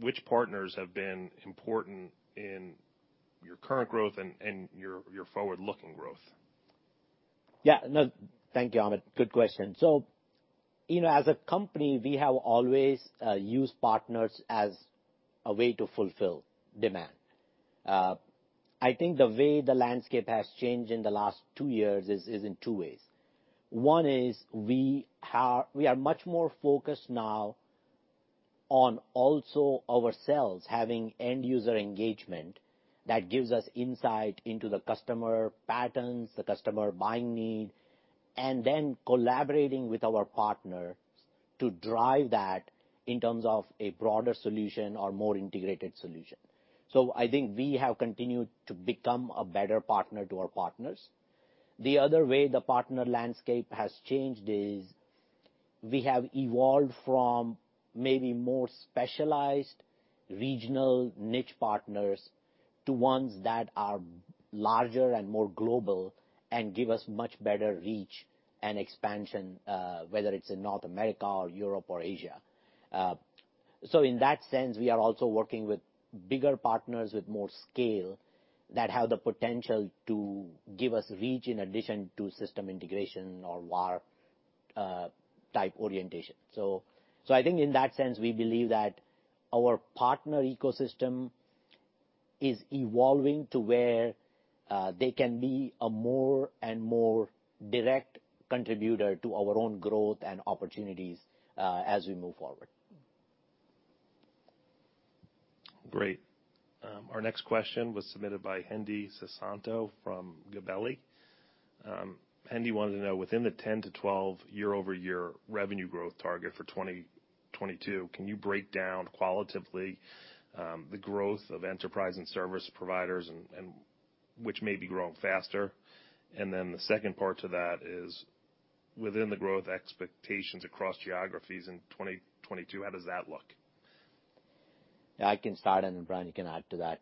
Which partners have been important in your current growth and your forward-looking growth? Yeah, no. Thank you, Hamed. Good question. You know, as a company, we have always used partners as a way to fulfill demand. I think the way the landscape has changed in the last two years is in two ways. One is we are much more focused now on also ourselves having end user engagement that gives us insight into the customer patterns, the customer buying need and then collaborating with our partners to drive that in terms of a broader solution or more integrated solution. I think we have continued to become a better partner to our partners. The other way the partner landscape has changed is we have evolved from maybe more specialized regional niche partners to ones that are larger and more global, and give us much better reach and expansion, whether it's in North America or Europe or Asia. In that sense, we are also working with bigger partners with more scale that have the potential to give us reach in addition to system integration or VAR type orientation. I think in that sense, we believe that our partner ecosystem is evolving to where they can be a more and more direct contributor to our own growth and opportunities as we move forward. Great. Our next question was submitted by Hendi Susanto from Gabelli Funds. Hendi wanted to know, within the 10%-12% year-over-year revenue growth target for 2022, can you break down qualitatively the growth of enterprise and service providers and which may be growing faster? Then the second part to that is within the growth expectations across geographies in 2022, how does that look? I can start, and then Brian, you can add to that.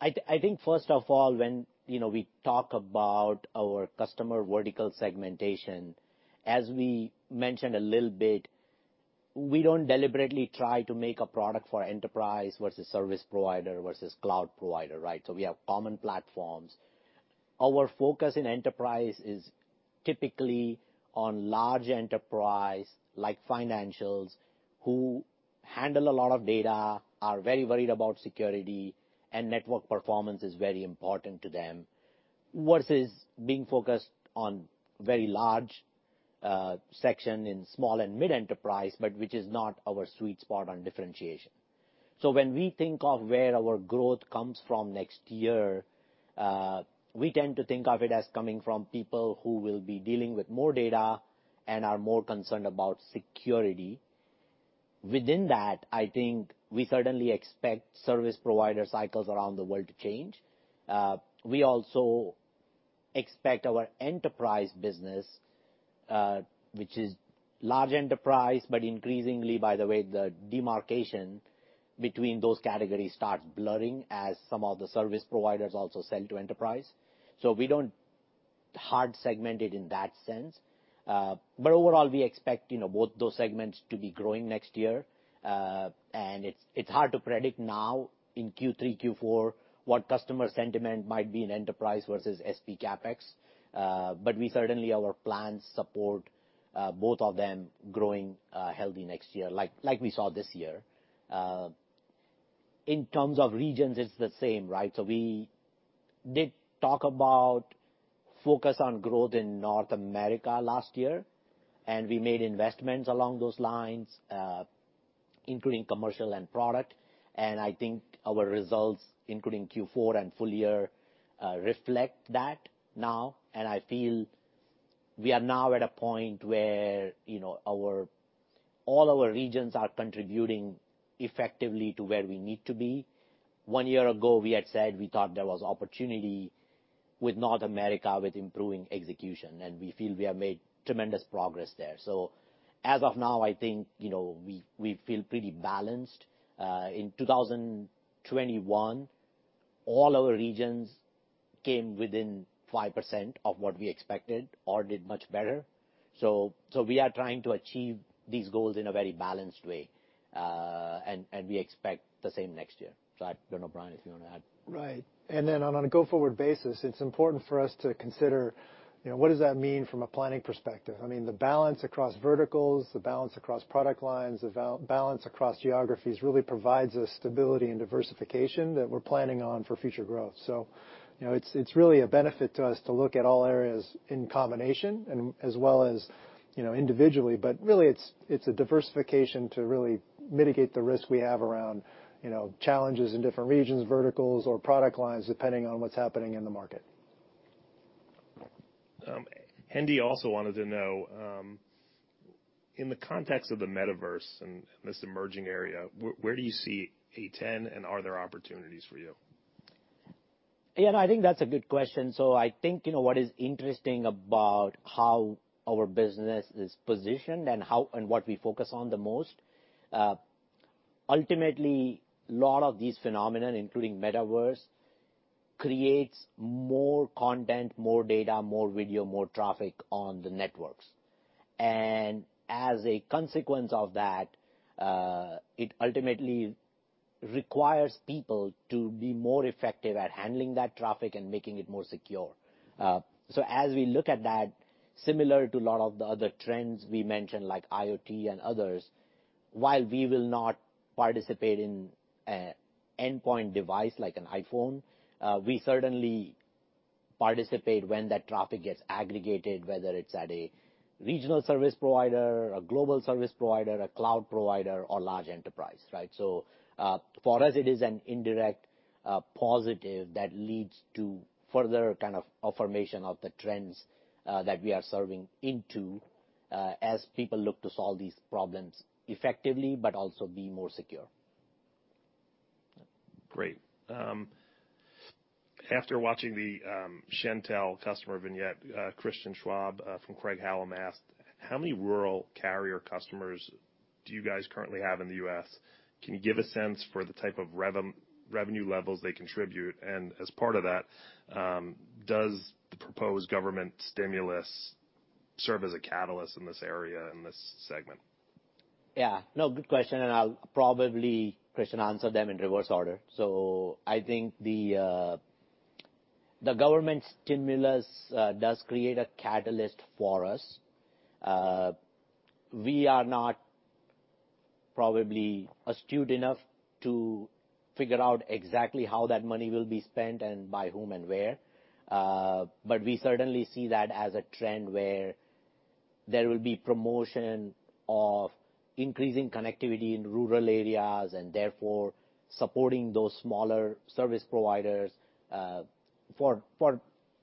I think first of all, when, you know, we talk about our customer vertical segmentation, as we mentioned a little bit, we don't deliberately try to make a product for enterprise versus service provider versus cloud provider, right? We have common platforms. Our focus in enterprise is typically on large enterprise, like financials, who handle a lot of data, are very worried about security, and network performance is very important to them, versus being focused on very large section in small and mid enterprise, but which is not our sweet spot on differentiation. When we think of where our growth comes from next year, we tend to think of it as coming from people who will be dealing with more data and are more concerned about security. Within that, I think we certainly expect service provider cycles around the world to change. We also expect our enterprise business, which is large enterprise, but increasingly by the way, the demarcation between those categories starts blurring as some of the service providers also sell to enterprise. We don't hard segment it in that sense. Overall, we expect, you know, both those segments to be growing next year. It's hard to predict now in Q3, Q4 what customer sentiment might be in enterprise versus SP CapEx. We certainly our plans support both of them growing healthy next year, like we saw this year. In terms of regions, it's the same, right? We did talk about focus on growth in North America last year, and we made investments along those lines, including commercial and product. I think our results, including Q4 and full year, reflect that now. I feel we are now at a point where, you know, all our regions are contributing effectively to where we need to be. One year ago, we had said we thought there was opportunity with North America with improving execution, and we feel we have made tremendous progress there. As of now, I think, you know, we feel pretty balanced. In 2021, all our regions came within 5% of what we expected or did much better. We are trying to achieve these goals in a very balanced way, and we expect the same next year. I don't know, Brian, if you wanna add. Right. On a go-forward basis, it's important for us to consider, you know, what does that mean from a planning perspective? I mean, the balance across verticals, the balance across product lines, the balance across geographies really provides us stability and diversification that we're planning on for future growth. You know, it's really a benefit to us to look at all areas in combination and as well as, you know, individually. Really, it's a diversification to really mitigate the risk we have around, you know, challenges in different regions, verticals, or product lines, depending on what's happening in the market. Hendi also wanted to know, in the context of the metaverse and this emerging area, where do you see A10 and are there opportunities for you? Yeah, no, I think that's a good question. I think, you know, what is interesting about how our business is positioned and how and what we focus on the most, ultimately, a lot of these phenomena, including metaverse, creates more content, more data, more video, more traffic on the networks. As a consequence of that, it ultimately requires people to be more effective at handling that traffic and making it more secure. As we look at that, similar to a lot of the other trends we mentioned, like IoT and others, while we will not participate in an endpoint device like an iPhone, we certainly participate when that traffic gets aggregated, whether it's at a regional service provider, a global service provider, a cloud provider, or large enterprise, right? For us, it is an indirect positive that leads to further kind of affirmation of the trends that we are serving into, as people look to solve these problems effectively, but also be more secure. Great. After watching the Shentel customer vignette, Christian Schwab from Craig-Hallum asked, "How many rural carrier customers do you guys currently have in the U.S.? Can you give a sense for the type of revenue levels they contribute? And as part of that, does the proposed government stimulus serve as a catalyst in this area, in this segment? Yeah. No, good question, and I'll probably, Christian, answer them in reverse order. I think the government stimulus does create a catalyst for us. We are not probably astute enough to figure out exactly how that money will be spent and by whom and where. We certainly see that as a trend, where there will be promotion of increasing connectivity in rural areas, and therefore supporting those smaller service providers, for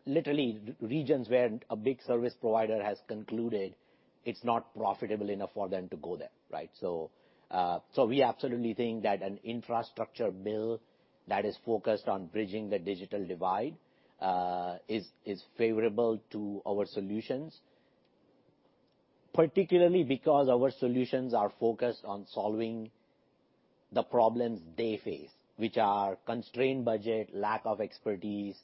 literally regions where a big service provider has concluded it's not profitable enough for them to go there, right? We absolutely think that an infrastructure bill that is focused on bridging the digital divide is favorable to our solutions, particularly because our solutions are focused on solving the problems they face, which are constrained budget, lack of expertise,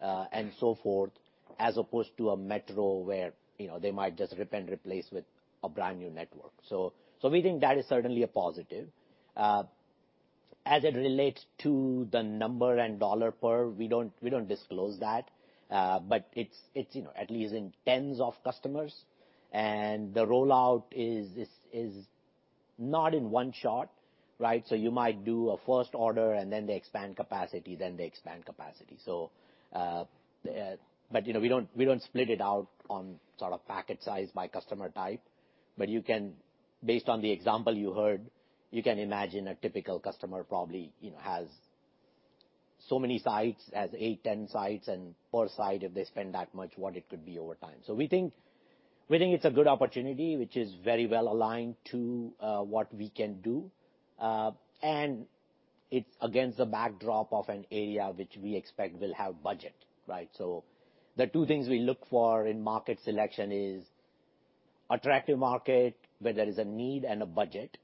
and so forth, as opposed to a metro where, you know, they might just rip and replace with a brand-new network. We think that is certainly a positive. As it relates to the number and dollar per, we don't disclose that. But it's, you know, at least in tens of customers, and the rollout is not in one shot, right? You might do a first order, and then they expand capacity, then they expand capacity. You know, we don't split it out on sort of packet size by customer type. Based on the example you heard, you can imagine a typical customer probably, you know, has so many sites, has 8, 10 sites, and per site, if they spend that much, what it could be over time. We think it's a good opportunity, which is very well aligned to what we can do. It's against the backdrop of an area which we expect will have budget, right? The two things we look for in market selection is attractive market, where there is a need and a budget,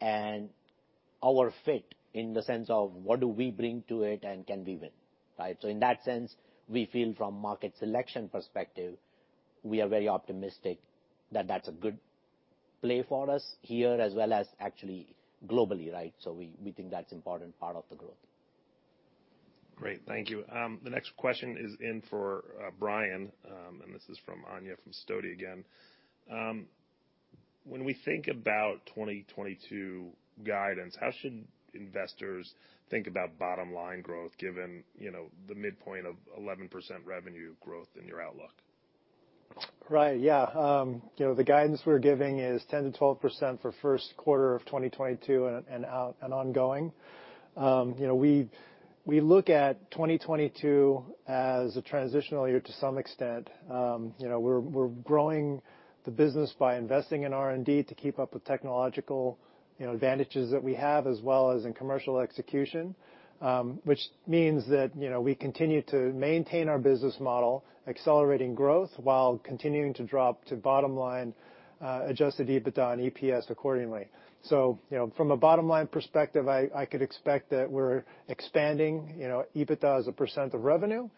and our fit in the sense of what do we bring to it and can we win, right? In that sense, we feel from market selection perspective, we are very optimistic that that's a good play for us here as well as actually globally, right? We think that's important part of the growth. Great. Thank you. The next question is in for Brian, and this is from Anja from Sidoti & Company again. When we think about 2022 guidance, how should investors think about bottom line growth given, you know, the midpoint of 11% revenue growth in your outlook? Right. Yeah. You know, the guidance we're giving is 10%-12% for Q1 of 2022 and ongoing. You know, we look at 2022 as a transitional year to some extent. You know, we're growing the business by investing in R&D to keep up with technological advantages that we have, as well as in commercial execution, which means that, you know, we continue to maintain our business model, accelerating growth while continuing to flow through to bottom line, adjusted EBITDA and EPS accordingly. You know, from a bottom line perspective, I could expect that we're expanding EBITDA as a percent of revenue.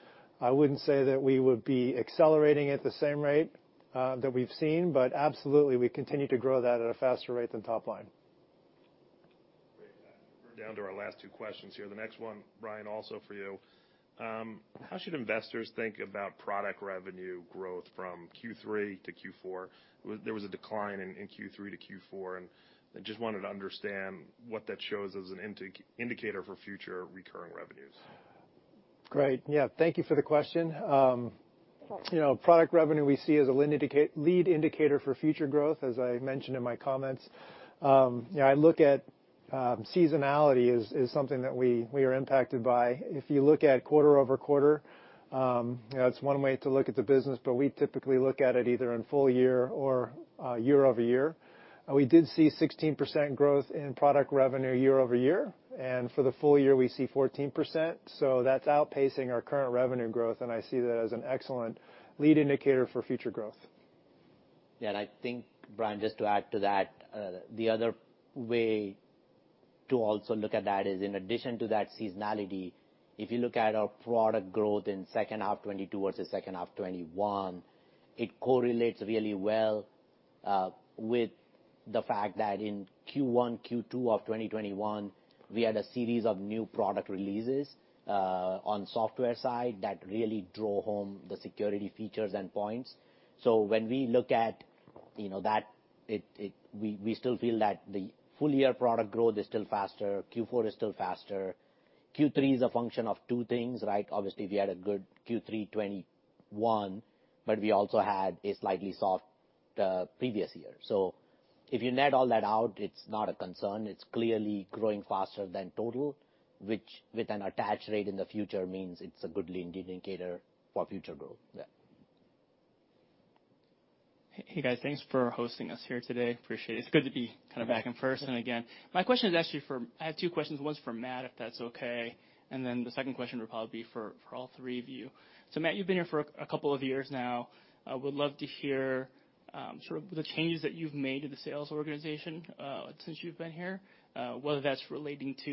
I wouldn't say that we would be accelerating at the same rate that we've seen, but absolutely, we continue to grow that at a faster rate than top line. Great. We're down to our last two questions here. The next one, Brian, also for you. How should investors think about product revenue growth from Q3 to Q4? There was a decline in Q3 to Q4, and I just wanted to understand what that shows as an indicator for future recurring revenues. Great. Yeah. Thank you for the question. You know, product revenue, we see as a lead indicator for future growth, as I mentioned in my comments. You know, I look at seasonality as something that we are impacted by. If you look at quarter-over-quarter, you know, it's one way to look at the business, but we typically look at it either in full year or year-over-year. We did see 16% growth in product revenue year-over-year, and for the full year, we see 14%, so that's outpacing our current revenue growth, and I see that as an excellent lead indicator for future growth. Yeah. I think, Brian, just to add to that, the other way to also look at that is in addition to that seasonality, if you look at our product growth in second half 2022 versus second half 2021, it correlates really well with the fact that in Q1, Q2 of 2021, we had a series of new product releases on software side that really drove home the security features and points. When we look at that, we still feel that the full year product growth is still faster, Q4 is still faster. Q3 is a function of two things, right? Obviously, we had a good Q3 2021, but we also had a slightly soft previous year. If you net all that out, it's not a concern. It's clearly growing faster than total, which, with an attach rate in the future, means it's a good lead indicator for future growth. Yeah. Hey, guys. Thanks for hosting us here today. Appreciate it. It's good to be kind of back in person again. My question is actually. I have two questions. One's for Matt, if that's okay, and then the second question will probably be for all three of you. Matt, you've been here for a couple of years now. I would love to hear sort of the changes that you've made to the sales organization since you've been here, whether that's relating to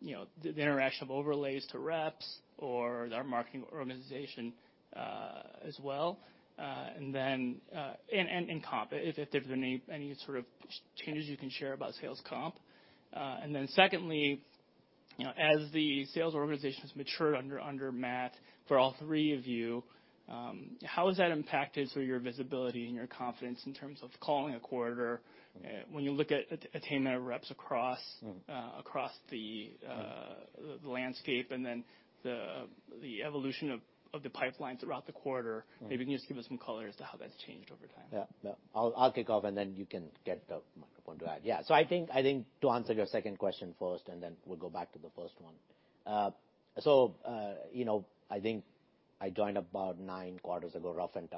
you know the interaction of overlays to reps or our marketing organization as well. Comp, if there's any sort of changes you can share about sales comp. Secondly, you know, as the sales organization's matured under Matt, for all three of you, how has that impacted sort of your visibility and your confidence in terms of calling a quarter when you look at attainment of reps across- Mm. Across the landscape and then the evolution of the pipelines throughout the quarter. Mm. Maybe you can just give us some color as to how that's changed over time. No, I'll kick off, and then you can get the microphone to add. I think to answer your second question first, and then we'll go back to the first one. You know, I think I joined about 9 quarters ago, roughly.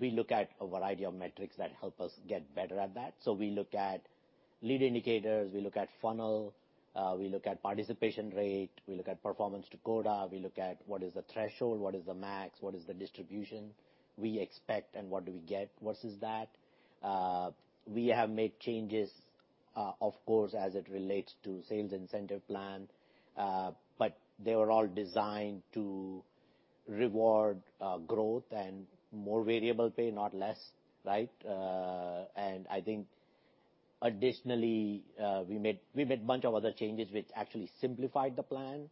We look at a variety of metrics that help us get better at that. We look at lead indicators, we look at funnel, we look at participation rate, we look at performance to quota, we look at what is the threshold, what is the max, what is the distribution we expect and what do we get versus that. We have made changes, of course, as it relates to sales incentive plan, but they were all designed to reward growth and more variable pay, not less, right? I think additionally, we made a bunch of other changes which actually simplified the plan.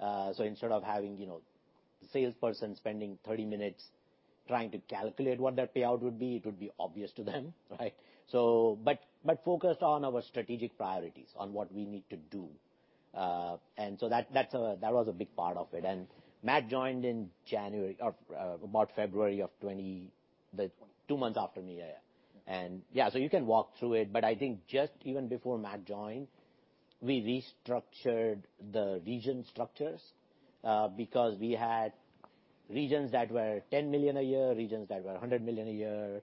So instead of having, you know, salesperson spending 30 minutes trying to calculate what their payout would be, it would be obvious to them, right? Focused on our strategic priorities, on what we need to do. That was a big part of it. Matt joined in January or about February of 2020, the 2 months after me. Yeah, yeah. You can walk through it. I think just even before Matt joined, we restructured the region structures, because we had regions that were $10 million a year, regions that were $100 million a year,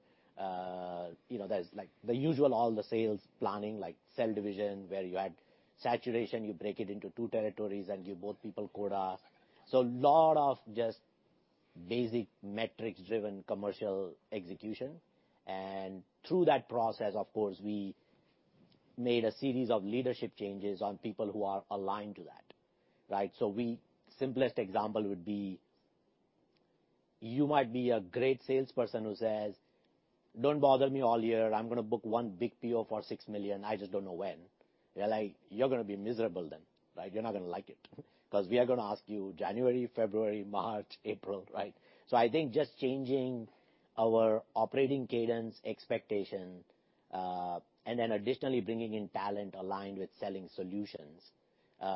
you know, there's like the usual, all the sales planning, like cell division, where you had saturation, you break it into two territories, and give both people quota. A lot of just basic metrics-driven commercial execution. Through that process, of course, we made a series of leadership changes on people who are aligned to that, right? Simplest example would be, you might be a great salesperson who says, "Don't bother me all year. I'm gonna book one big PO for $6 million. I just don't know when." We're like, "You're gonna be miserable then, right? You're not gonna like it 'cause we are gonna ask you January, February, March, April, right? I think just changing our operating cadence expectation, and then additionally bringing in talent aligned with selling solutions,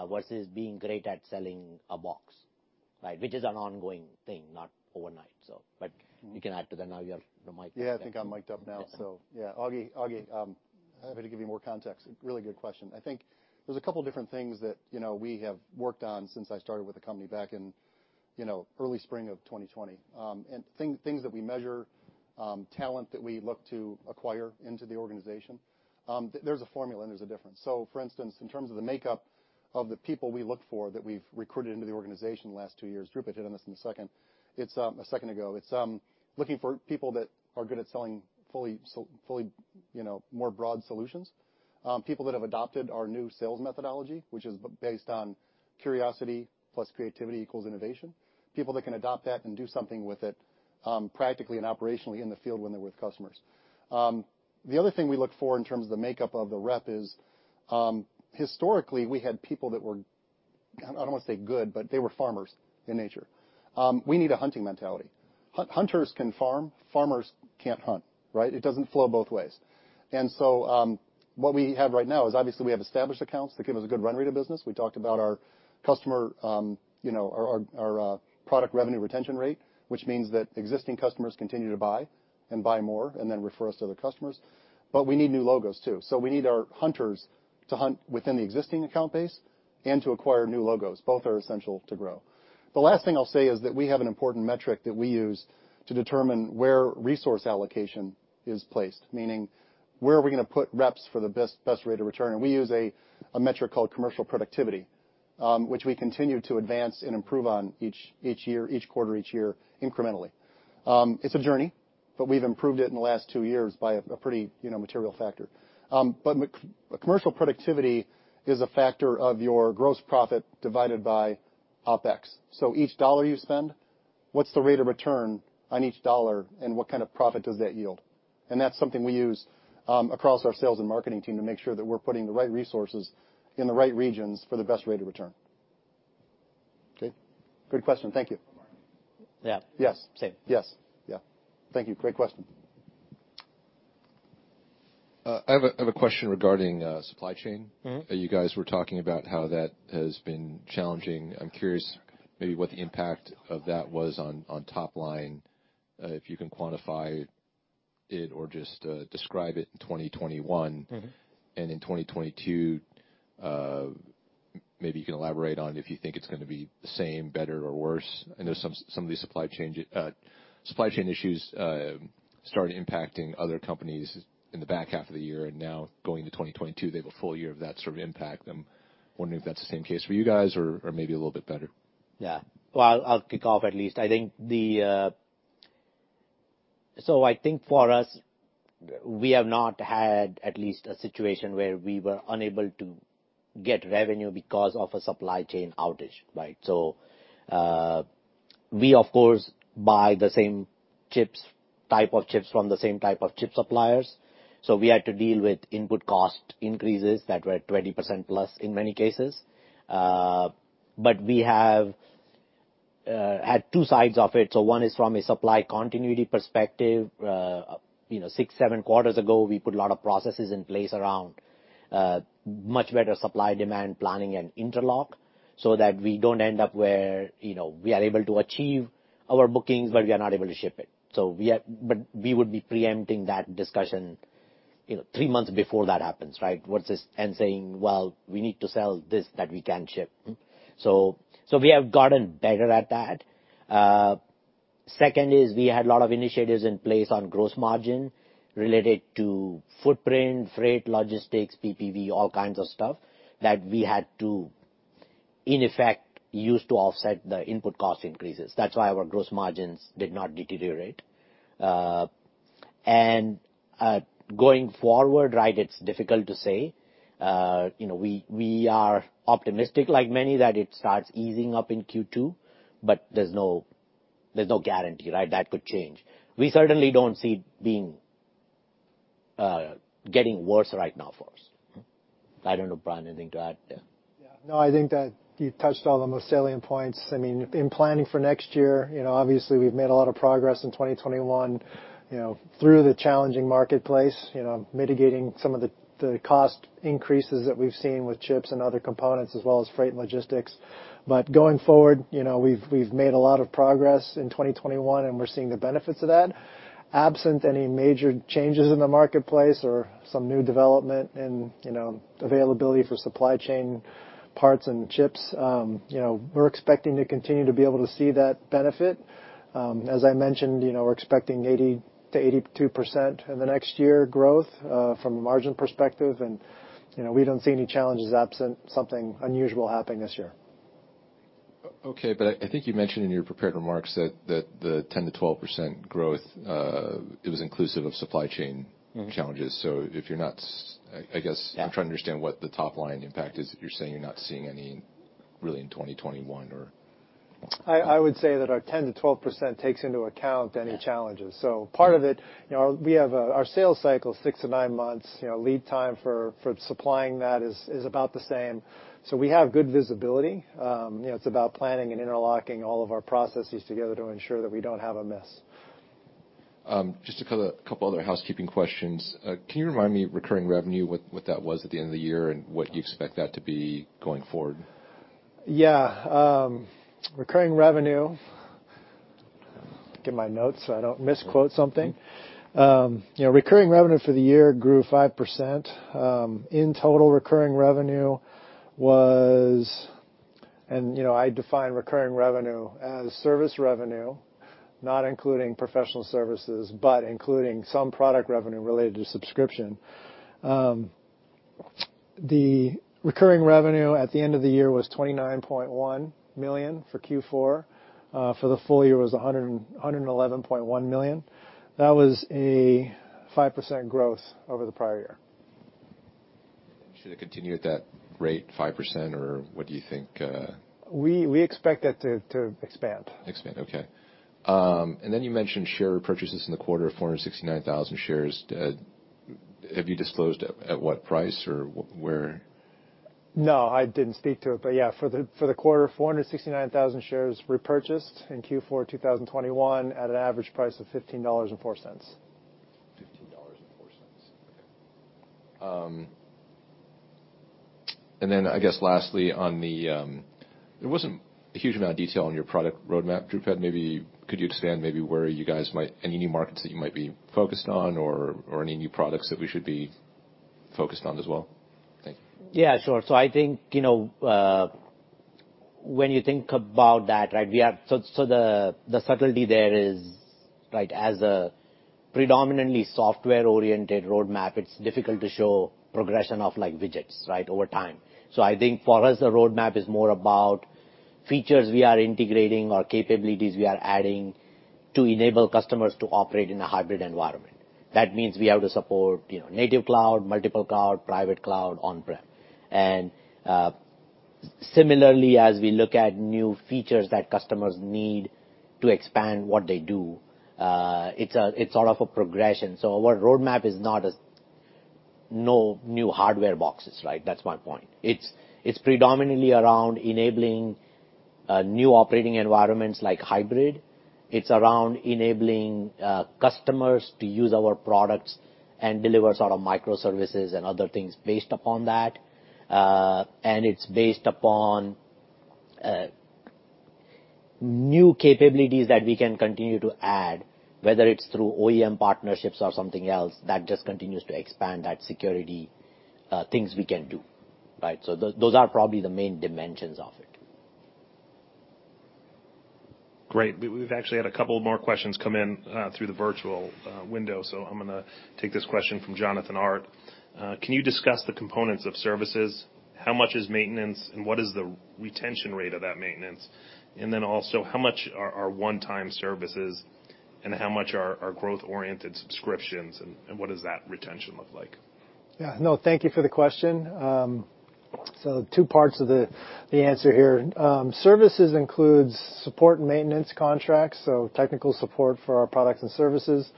versus being great at selling a box, right? Which is an ongoing thing, not overnight. But you can add to that now you have the mic. Yeah. I think I'm mic'd up now. Yeah. Yeah. Auggie, happy to give you more context. Really good question. I think there's a couple different things that, you know, we have worked on since I started with the company back in, you know, early spring of 2020. Things that we measure, talent that we look to acquire into the organization, there's a formula and there's a difference. For instance, in terms of the makeup of the people we look for that we've recruited into the organization the last two years, Dhrupad hit on this a second ago. It's looking for people that are good at selling fully, you know, more broad solutions. People that have adopted our new sales methodology, which is based on curiosity plus creativity equals innovation. People that can adopt that and do something with it, practically and operationally in the field when they're with customers. The other thing we look for in terms of the makeup of the rep is, historically, we had people that were, I don't wanna say good, but they were farmers in nature. We need a hunting mentality. Hunters can farm, farmers can't hunt, right? It doesn't flow both ways. What we have right now is obviously we have established accounts that give us a good run rate of business. We talked about our customer, you know, our product revenue retention rate, which means that existing customers continue to buy and buy more and then refer us to other customers. We need new logos too. We need our hunters to hunt within the existing account base and to acquire new logos. Both are essential to grow. The last thing I'll say is that we have an important metric that we use to determine where resource allocation is placed, meaning where are we gonna put reps for the best rate of return. We use a metric called commercial productivity, which we continue to advance and improve on each year, each quarter, each year incrementally. It's a journey, but we've improved it in the last two years by a pretty, you know, material factor. Commercial productivity is a factor of your gross profit divided by OpEx. Each dollar you spend, what's the rate of return on each dollar, and what kind of profit does that yield? That's something we use across our sales and marketing team to make sure that we're putting the right resources in the right regions for the best rate of return. Okay. Great question. Thank you. Yeah. Yes. Same. Yes. Yeah. Thank you. Great question. I have a question regarding supply chain. Mm-hmm. You guys were talking about how that has been challenging. I'm curious maybe what the impact of that was on top line, if you can quantify it or just describe it in 2021. Mm-hmm. In 2022, maybe you can elaborate on if you think it's gonna be the same, better, or worse. I know some of these supply chain issues started impacting other companies in the back half of the year. Now going to 2022, they have a full year of that sort of impact. I'm wondering if that's the same case for you guys or maybe a little bit better. Yeah. Well, I'll kick off at least. I think for us, we have not had at least a situation where we were unable to get revenue because of a supply chain outage, right? We of course buy the same chips, type of chips from the same type of chip suppliers, so we had to deal with input cost increases that were 20%+ in many cases. But we have had two sides of it. One is from a supply continuity perspective. You know, six, seven quarters ago, we put a lot of processes in place around much better supply and demand planning and interlock, so that we don't end up where, you know, we are able to achieve our bookings, but we are not able to ship it. We would be preempting that discussion, you know, three months before that happens, right? Saying, "Well, we need to sell this that we can ship." We have gotten better at that. Second is we had a lot of initiatives in place on gross margin related to footprint, freight, logistics, PPV, all kinds of stuff that we had to, in effect, use to offset the input cost increases. That's why our gross margins did not deteriorate. Going forward, right, it's difficult to say. You know, we are optimistic like many that it starts easing up in Q2, but there's no guarantee, right? That could change. We certainly don't see it being getting worse right now for us. I don't know, Brian, anything to add there? Yeah. No, I think that you touched all the most salient points. I mean, in planning for next year, you know, obviously we've made a lot of progress in 2021, you know, through the challenging marketplace, you know, mitigating some of the cost increases that we've seen with chips and other components as well as freight and logistics. Going forward, you know, we've made a lot of progress in 2021, and we're seeing the benefits of that. Absent any major changes in the marketplace or some new development in, you know, availability for supply chain parts and chips, you know, we're expecting to continue to be able to see that benefit. As I mentioned, you know, we're expecting 80%-82% in the next year growth, from a margin perspective. You know, we don't see any challenges absent something unusual happening this year. Okay, I think you mentioned in your prepared remarks that the 10%-12% growth it was inclusive of supply chain- Mm-hmm. challenges. If you're not, I guess. Yeah. I'm trying to understand what the top-line impact is. You're saying you're not seeing any really in 2021 or. I would say that our 10%-12% takes into account any challenges. Yeah. Part of it, you know, we have our sales cycle is 6-9 months. You know, lead time for supplying that is about the same. We have good visibility. You know, it's about planning and interlocking all of our processes together to ensure that we don't have a miss. Just a couple other housekeeping questions. Can you remind me of recurring revenue, what that was at the end of the year, and what you expect that to be going forward? Recurring revenue. Get my notes, so I don't misquote something. You know, recurring revenue for the year grew 5%. In total, recurring revenue was, you know, I define recurring revenue as service revenue, not including professional services, but including some product revenue related to subscription. The recurring revenue at the end of the year was $29.1 million for Q4. For the full year was a 111.1 Million. That was a 5% growth over the prior year. Should it continue at that rate, 5%, or what do you think? We expect that to expand. Okay. You mentioned share purchases in the quarter of 469,000 shares. Have you disclosed at what price or where? No, I didn't speak to it. Yeah, for the quarter, 469,000 shares repurchased in Q4 2021 at an average price of $15.04. $15.04. Okay. I guess lastly, there wasn't a huge amount of detail on your product roadmap. Dhrupad, could you expand where you guys might, any new markets that you might be focused on or any new products that we should be focused on as well? Thank you. Yeah, sure. I think, you know, when you think about that, right, the subtlety there is, right, as a predominantly software-oriented roadmap, it's difficult to show progression of like widgets, right? Over time. I think for us, the roadmap is more about features we are integrating or capabilities we are adding to enable customers to operate in a hybrid environment. That means we have to support, you know, native cloud, multiple cloud, private cloud, on-prem. Similarly, as we look at new features that customers need to expand what they do, it's sort of a progression. No new hardware boxes, right? That's my point. It's predominantly around enabling new operating environments like hybrid. It's around enabling customers to use our products and deliver sort of microservices and other things based upon that. It's based upon new capabilities that we can continue to add, whether it's through OEM partnerships or something else that just continues to expand that security things we can do, right? Those are probably the main dimensions of it. Great. We've actually had a couple more questions come in through the virtual window, so I'm gonna take this question from Jonathan Hart. Can you discuss the components of services? How much is maintenance, and what is the retention rate of that maintenance? And then also, how much are one-time services, and how much are growth-oriented subscriptions, and what does that retention look like? Yeah, no, thank you for the question. Two parts to the answer here. Services includes support and maintenance contracts, so technical support for our products and services.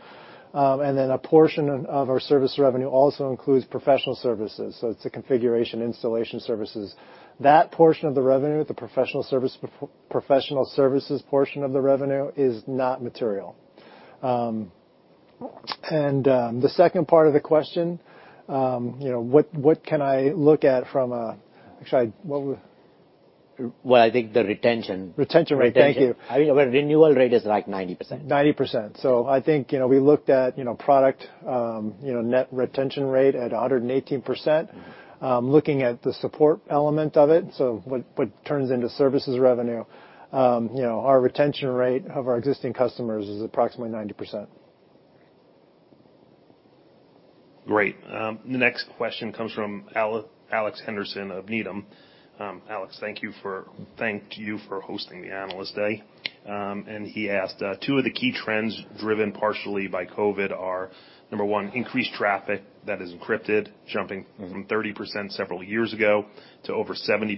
A portion of our service revenue also includes professional services, so it's the configuration, installation services. That portion of the revenue, the professional services portion of the revenue is not material. The second part of the question, you know, what can I look at from a... Actually, what was Well, I think the retention. Retention rate. Thank you. I mean, our renewal rate is like 90%. 90%. I think, you know, we looked at, you know, product, you know, net retention rate at 118%. Looking at the support element of it, what turns into services revenue, you know, our retention rate of our existing customers is approximately 90%. Great. The next question comes from Alex Henderson of Needham. Alex, thank you for hosting the Analyst Day. He asked, two of the key trends driven partially by COVID are, number one, increased traffic that is encrypted, jumping from 30% several years ago to over 70%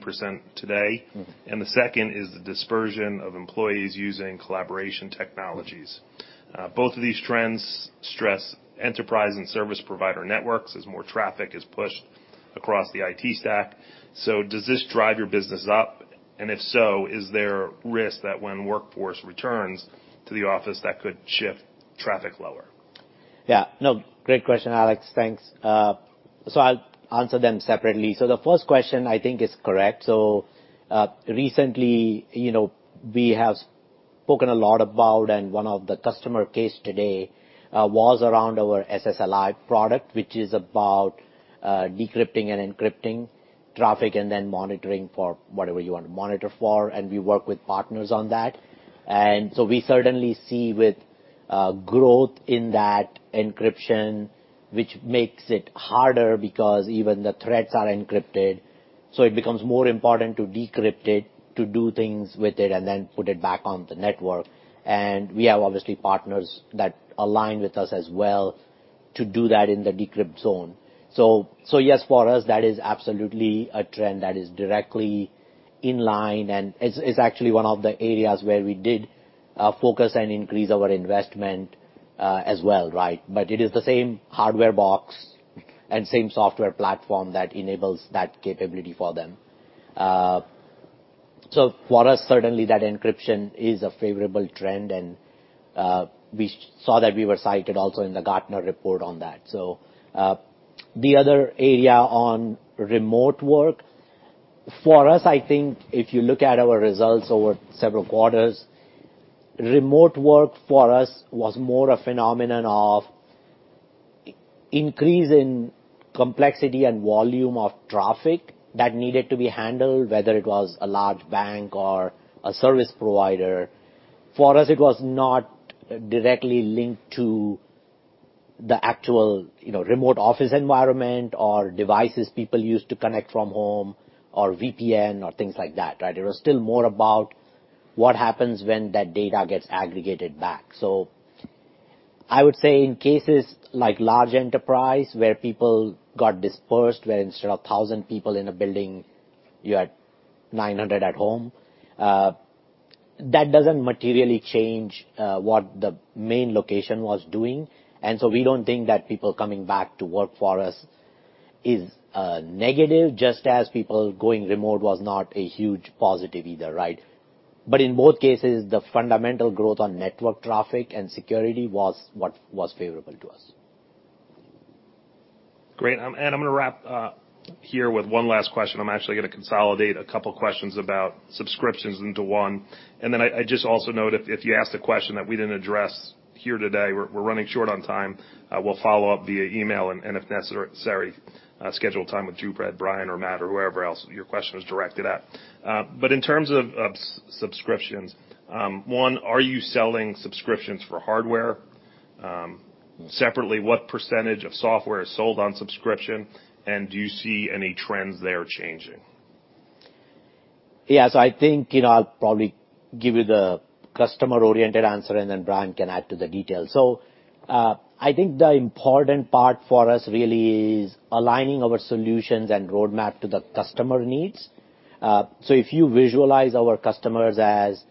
today. Mm-hmm. The second is the dispersion of employees using collaboration technologies. Both of these trends stress enterprise and service provider networks as more traffic is pushed across the IT stack. Does this drive your business up? If so, is there risk that when workforce returns to the office, that could shift traffic lower? Yeah, no, great question, Alex. Thanks. I'll answer them separately. The first question I think is correct. Recently, you know, we have spoken a lot about, and one of the customer case today was around our SSLi product, which is about decrypting and encrypting traffic and then monitoring for whatever you want to monitor for, and we work with partners on that. We certainly see growth in that encryption, which makes it harder because even the threats are encrypted, so it becomes more important to decrypt it, to do things with it and then put it back on the network. We have obviously partners that align with us as well to do that in the decrypt zone. Yes, for us, that is absolutely a trend that is directly in line, and it's actually one of the areas where we did focus and increase our investment as well, right? It is the same hardware box and same software platform that enables that capability for them. For us, certainly that encryption is a favorable trend, and we saw that we were cited also in the Gartner report on that. The other area on remote work, for us, I think if you look at our results over several quarters, remote work for us was more a phenomenon of increase in complexity and volume of traffic that needed to be handled, whether it was a large bank or a service provider. For us, it was not directly linked to the actual, you know, remote office environment or devices people used to connect from home or VPN or things like that, right? It was still more about what happens when that data gets aggregated back. I would say in cases like large enterprise, where people got dispersed, where instead of 1,000 people in a building, you had 900 at home, that doesn't materially change what the main location was doing. We don't think that people coming back to work for us is negative, just as people going remote was not a huge positive either, right? In both cases, the fundamental growth on network traffic and security was what was favorable to us. Great. I'm gonna wrap here with one last question. I'm actually gonna consolidate a couple questions about subscriptions into one. I just also note if you asked a question that we didn't address here today, we're running short on time, we'll follow up via email and if necessary, schedule time with you, Brad, Brian, or Matt or whoever else your question was directed at. But in terms of subscriptions, one, are you selling subscriptions for hardware? Separately, what percentage of software is sold on subscription, and do you see any trends there changing? Yes, I think, you know, I'll probably give you the customer-oriented answer, and then Brian can add to the details. I think the important part for us really is aligning our solutions and roadmap to the customer needs. If you visualize our customers as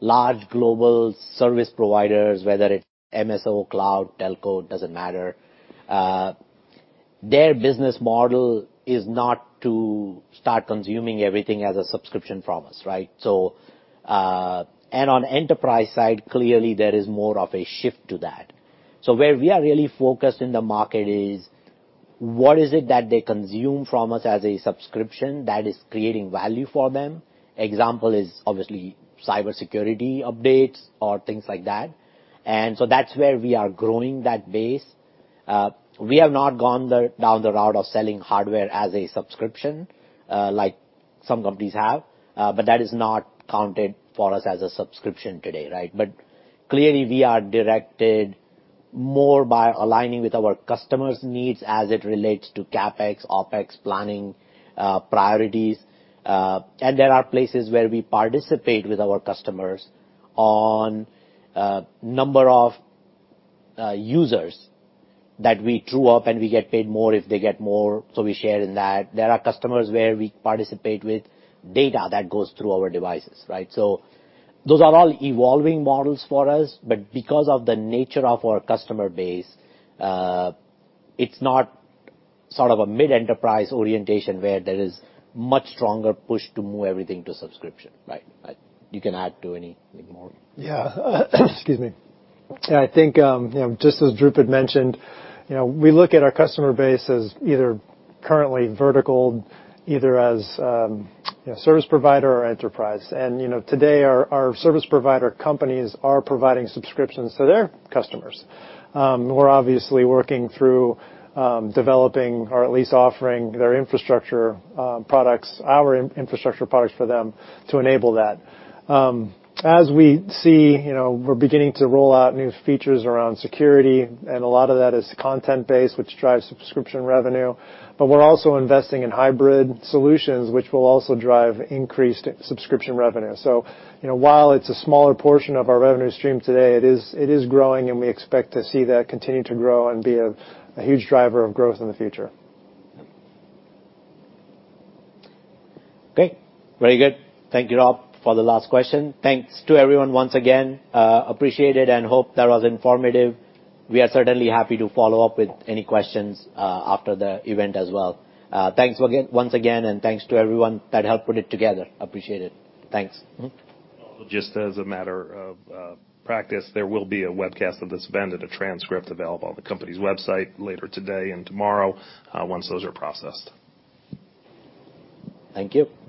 large global service providers, whether it's MSO, cloud, telco, doesn't matter, their business model is not to start consuming everything as a subscription from us, right? On enterprise side, clearly there is more of a shift to that. Where we are really focused in the market is what is it that they consume from us as a subscription that is creating value for them? Example is obviously cybersecurity updates or things like that. That's where we are growing that base. We have not gone down the route of selling hardware as a subscription, like some companies have. That is not counted for us as a subscription today, right? Clearly, we are directed more by aligning with our customers' needs as it relates to CapEx, OpEx planning, priorities. There are places where we participate with our customers on a number of users that we true up, and we get paid more if they get more, so we share in that. There are customers where we participate with data that goes through our devices, right? Those are all evolving models for us, but because of the nature of our customer base, it's not sort of a mid-enterprise orientation where there is much stronger push to move everything to subscription. Right. Right. You can add to any more. Yeah. Excuse me. I think, you know, just as Dhrupad mentioned, you know, we look at our customer base as either currently vertical, either as, you know, service provider or enterprise. You know, today our service provider companies are providing subscriptions to their customers. We're obviously working through developing or at least offering their infrastructure products, our infrastructure products for them to enable that. As we see, you know, we're beginning to roll out new features around security, and a lot of that is content-based, which drives subscription revenue. We're also investing in hybrid solutions, which will also drive increased subscription revenue. You know, while it's a smaller portion of our revenue stream today, it is growing, and we expect to see that continue to grow and be a huge driver of growth in the future. Okay. Very good. Thank you, Rob, for the last question. Thanks to everyone once again. Appreciate it and hope that was informative. We are certainly happy to follow up with any questions after the event as well. Thanks once again, and thanks to everyone that helped put it together. Appreciate it. Thanks. Just as a matter of practice, there will be a webcast of this event and a transcript available on the company's website later today and tomorrow, once those are processed. Thank you.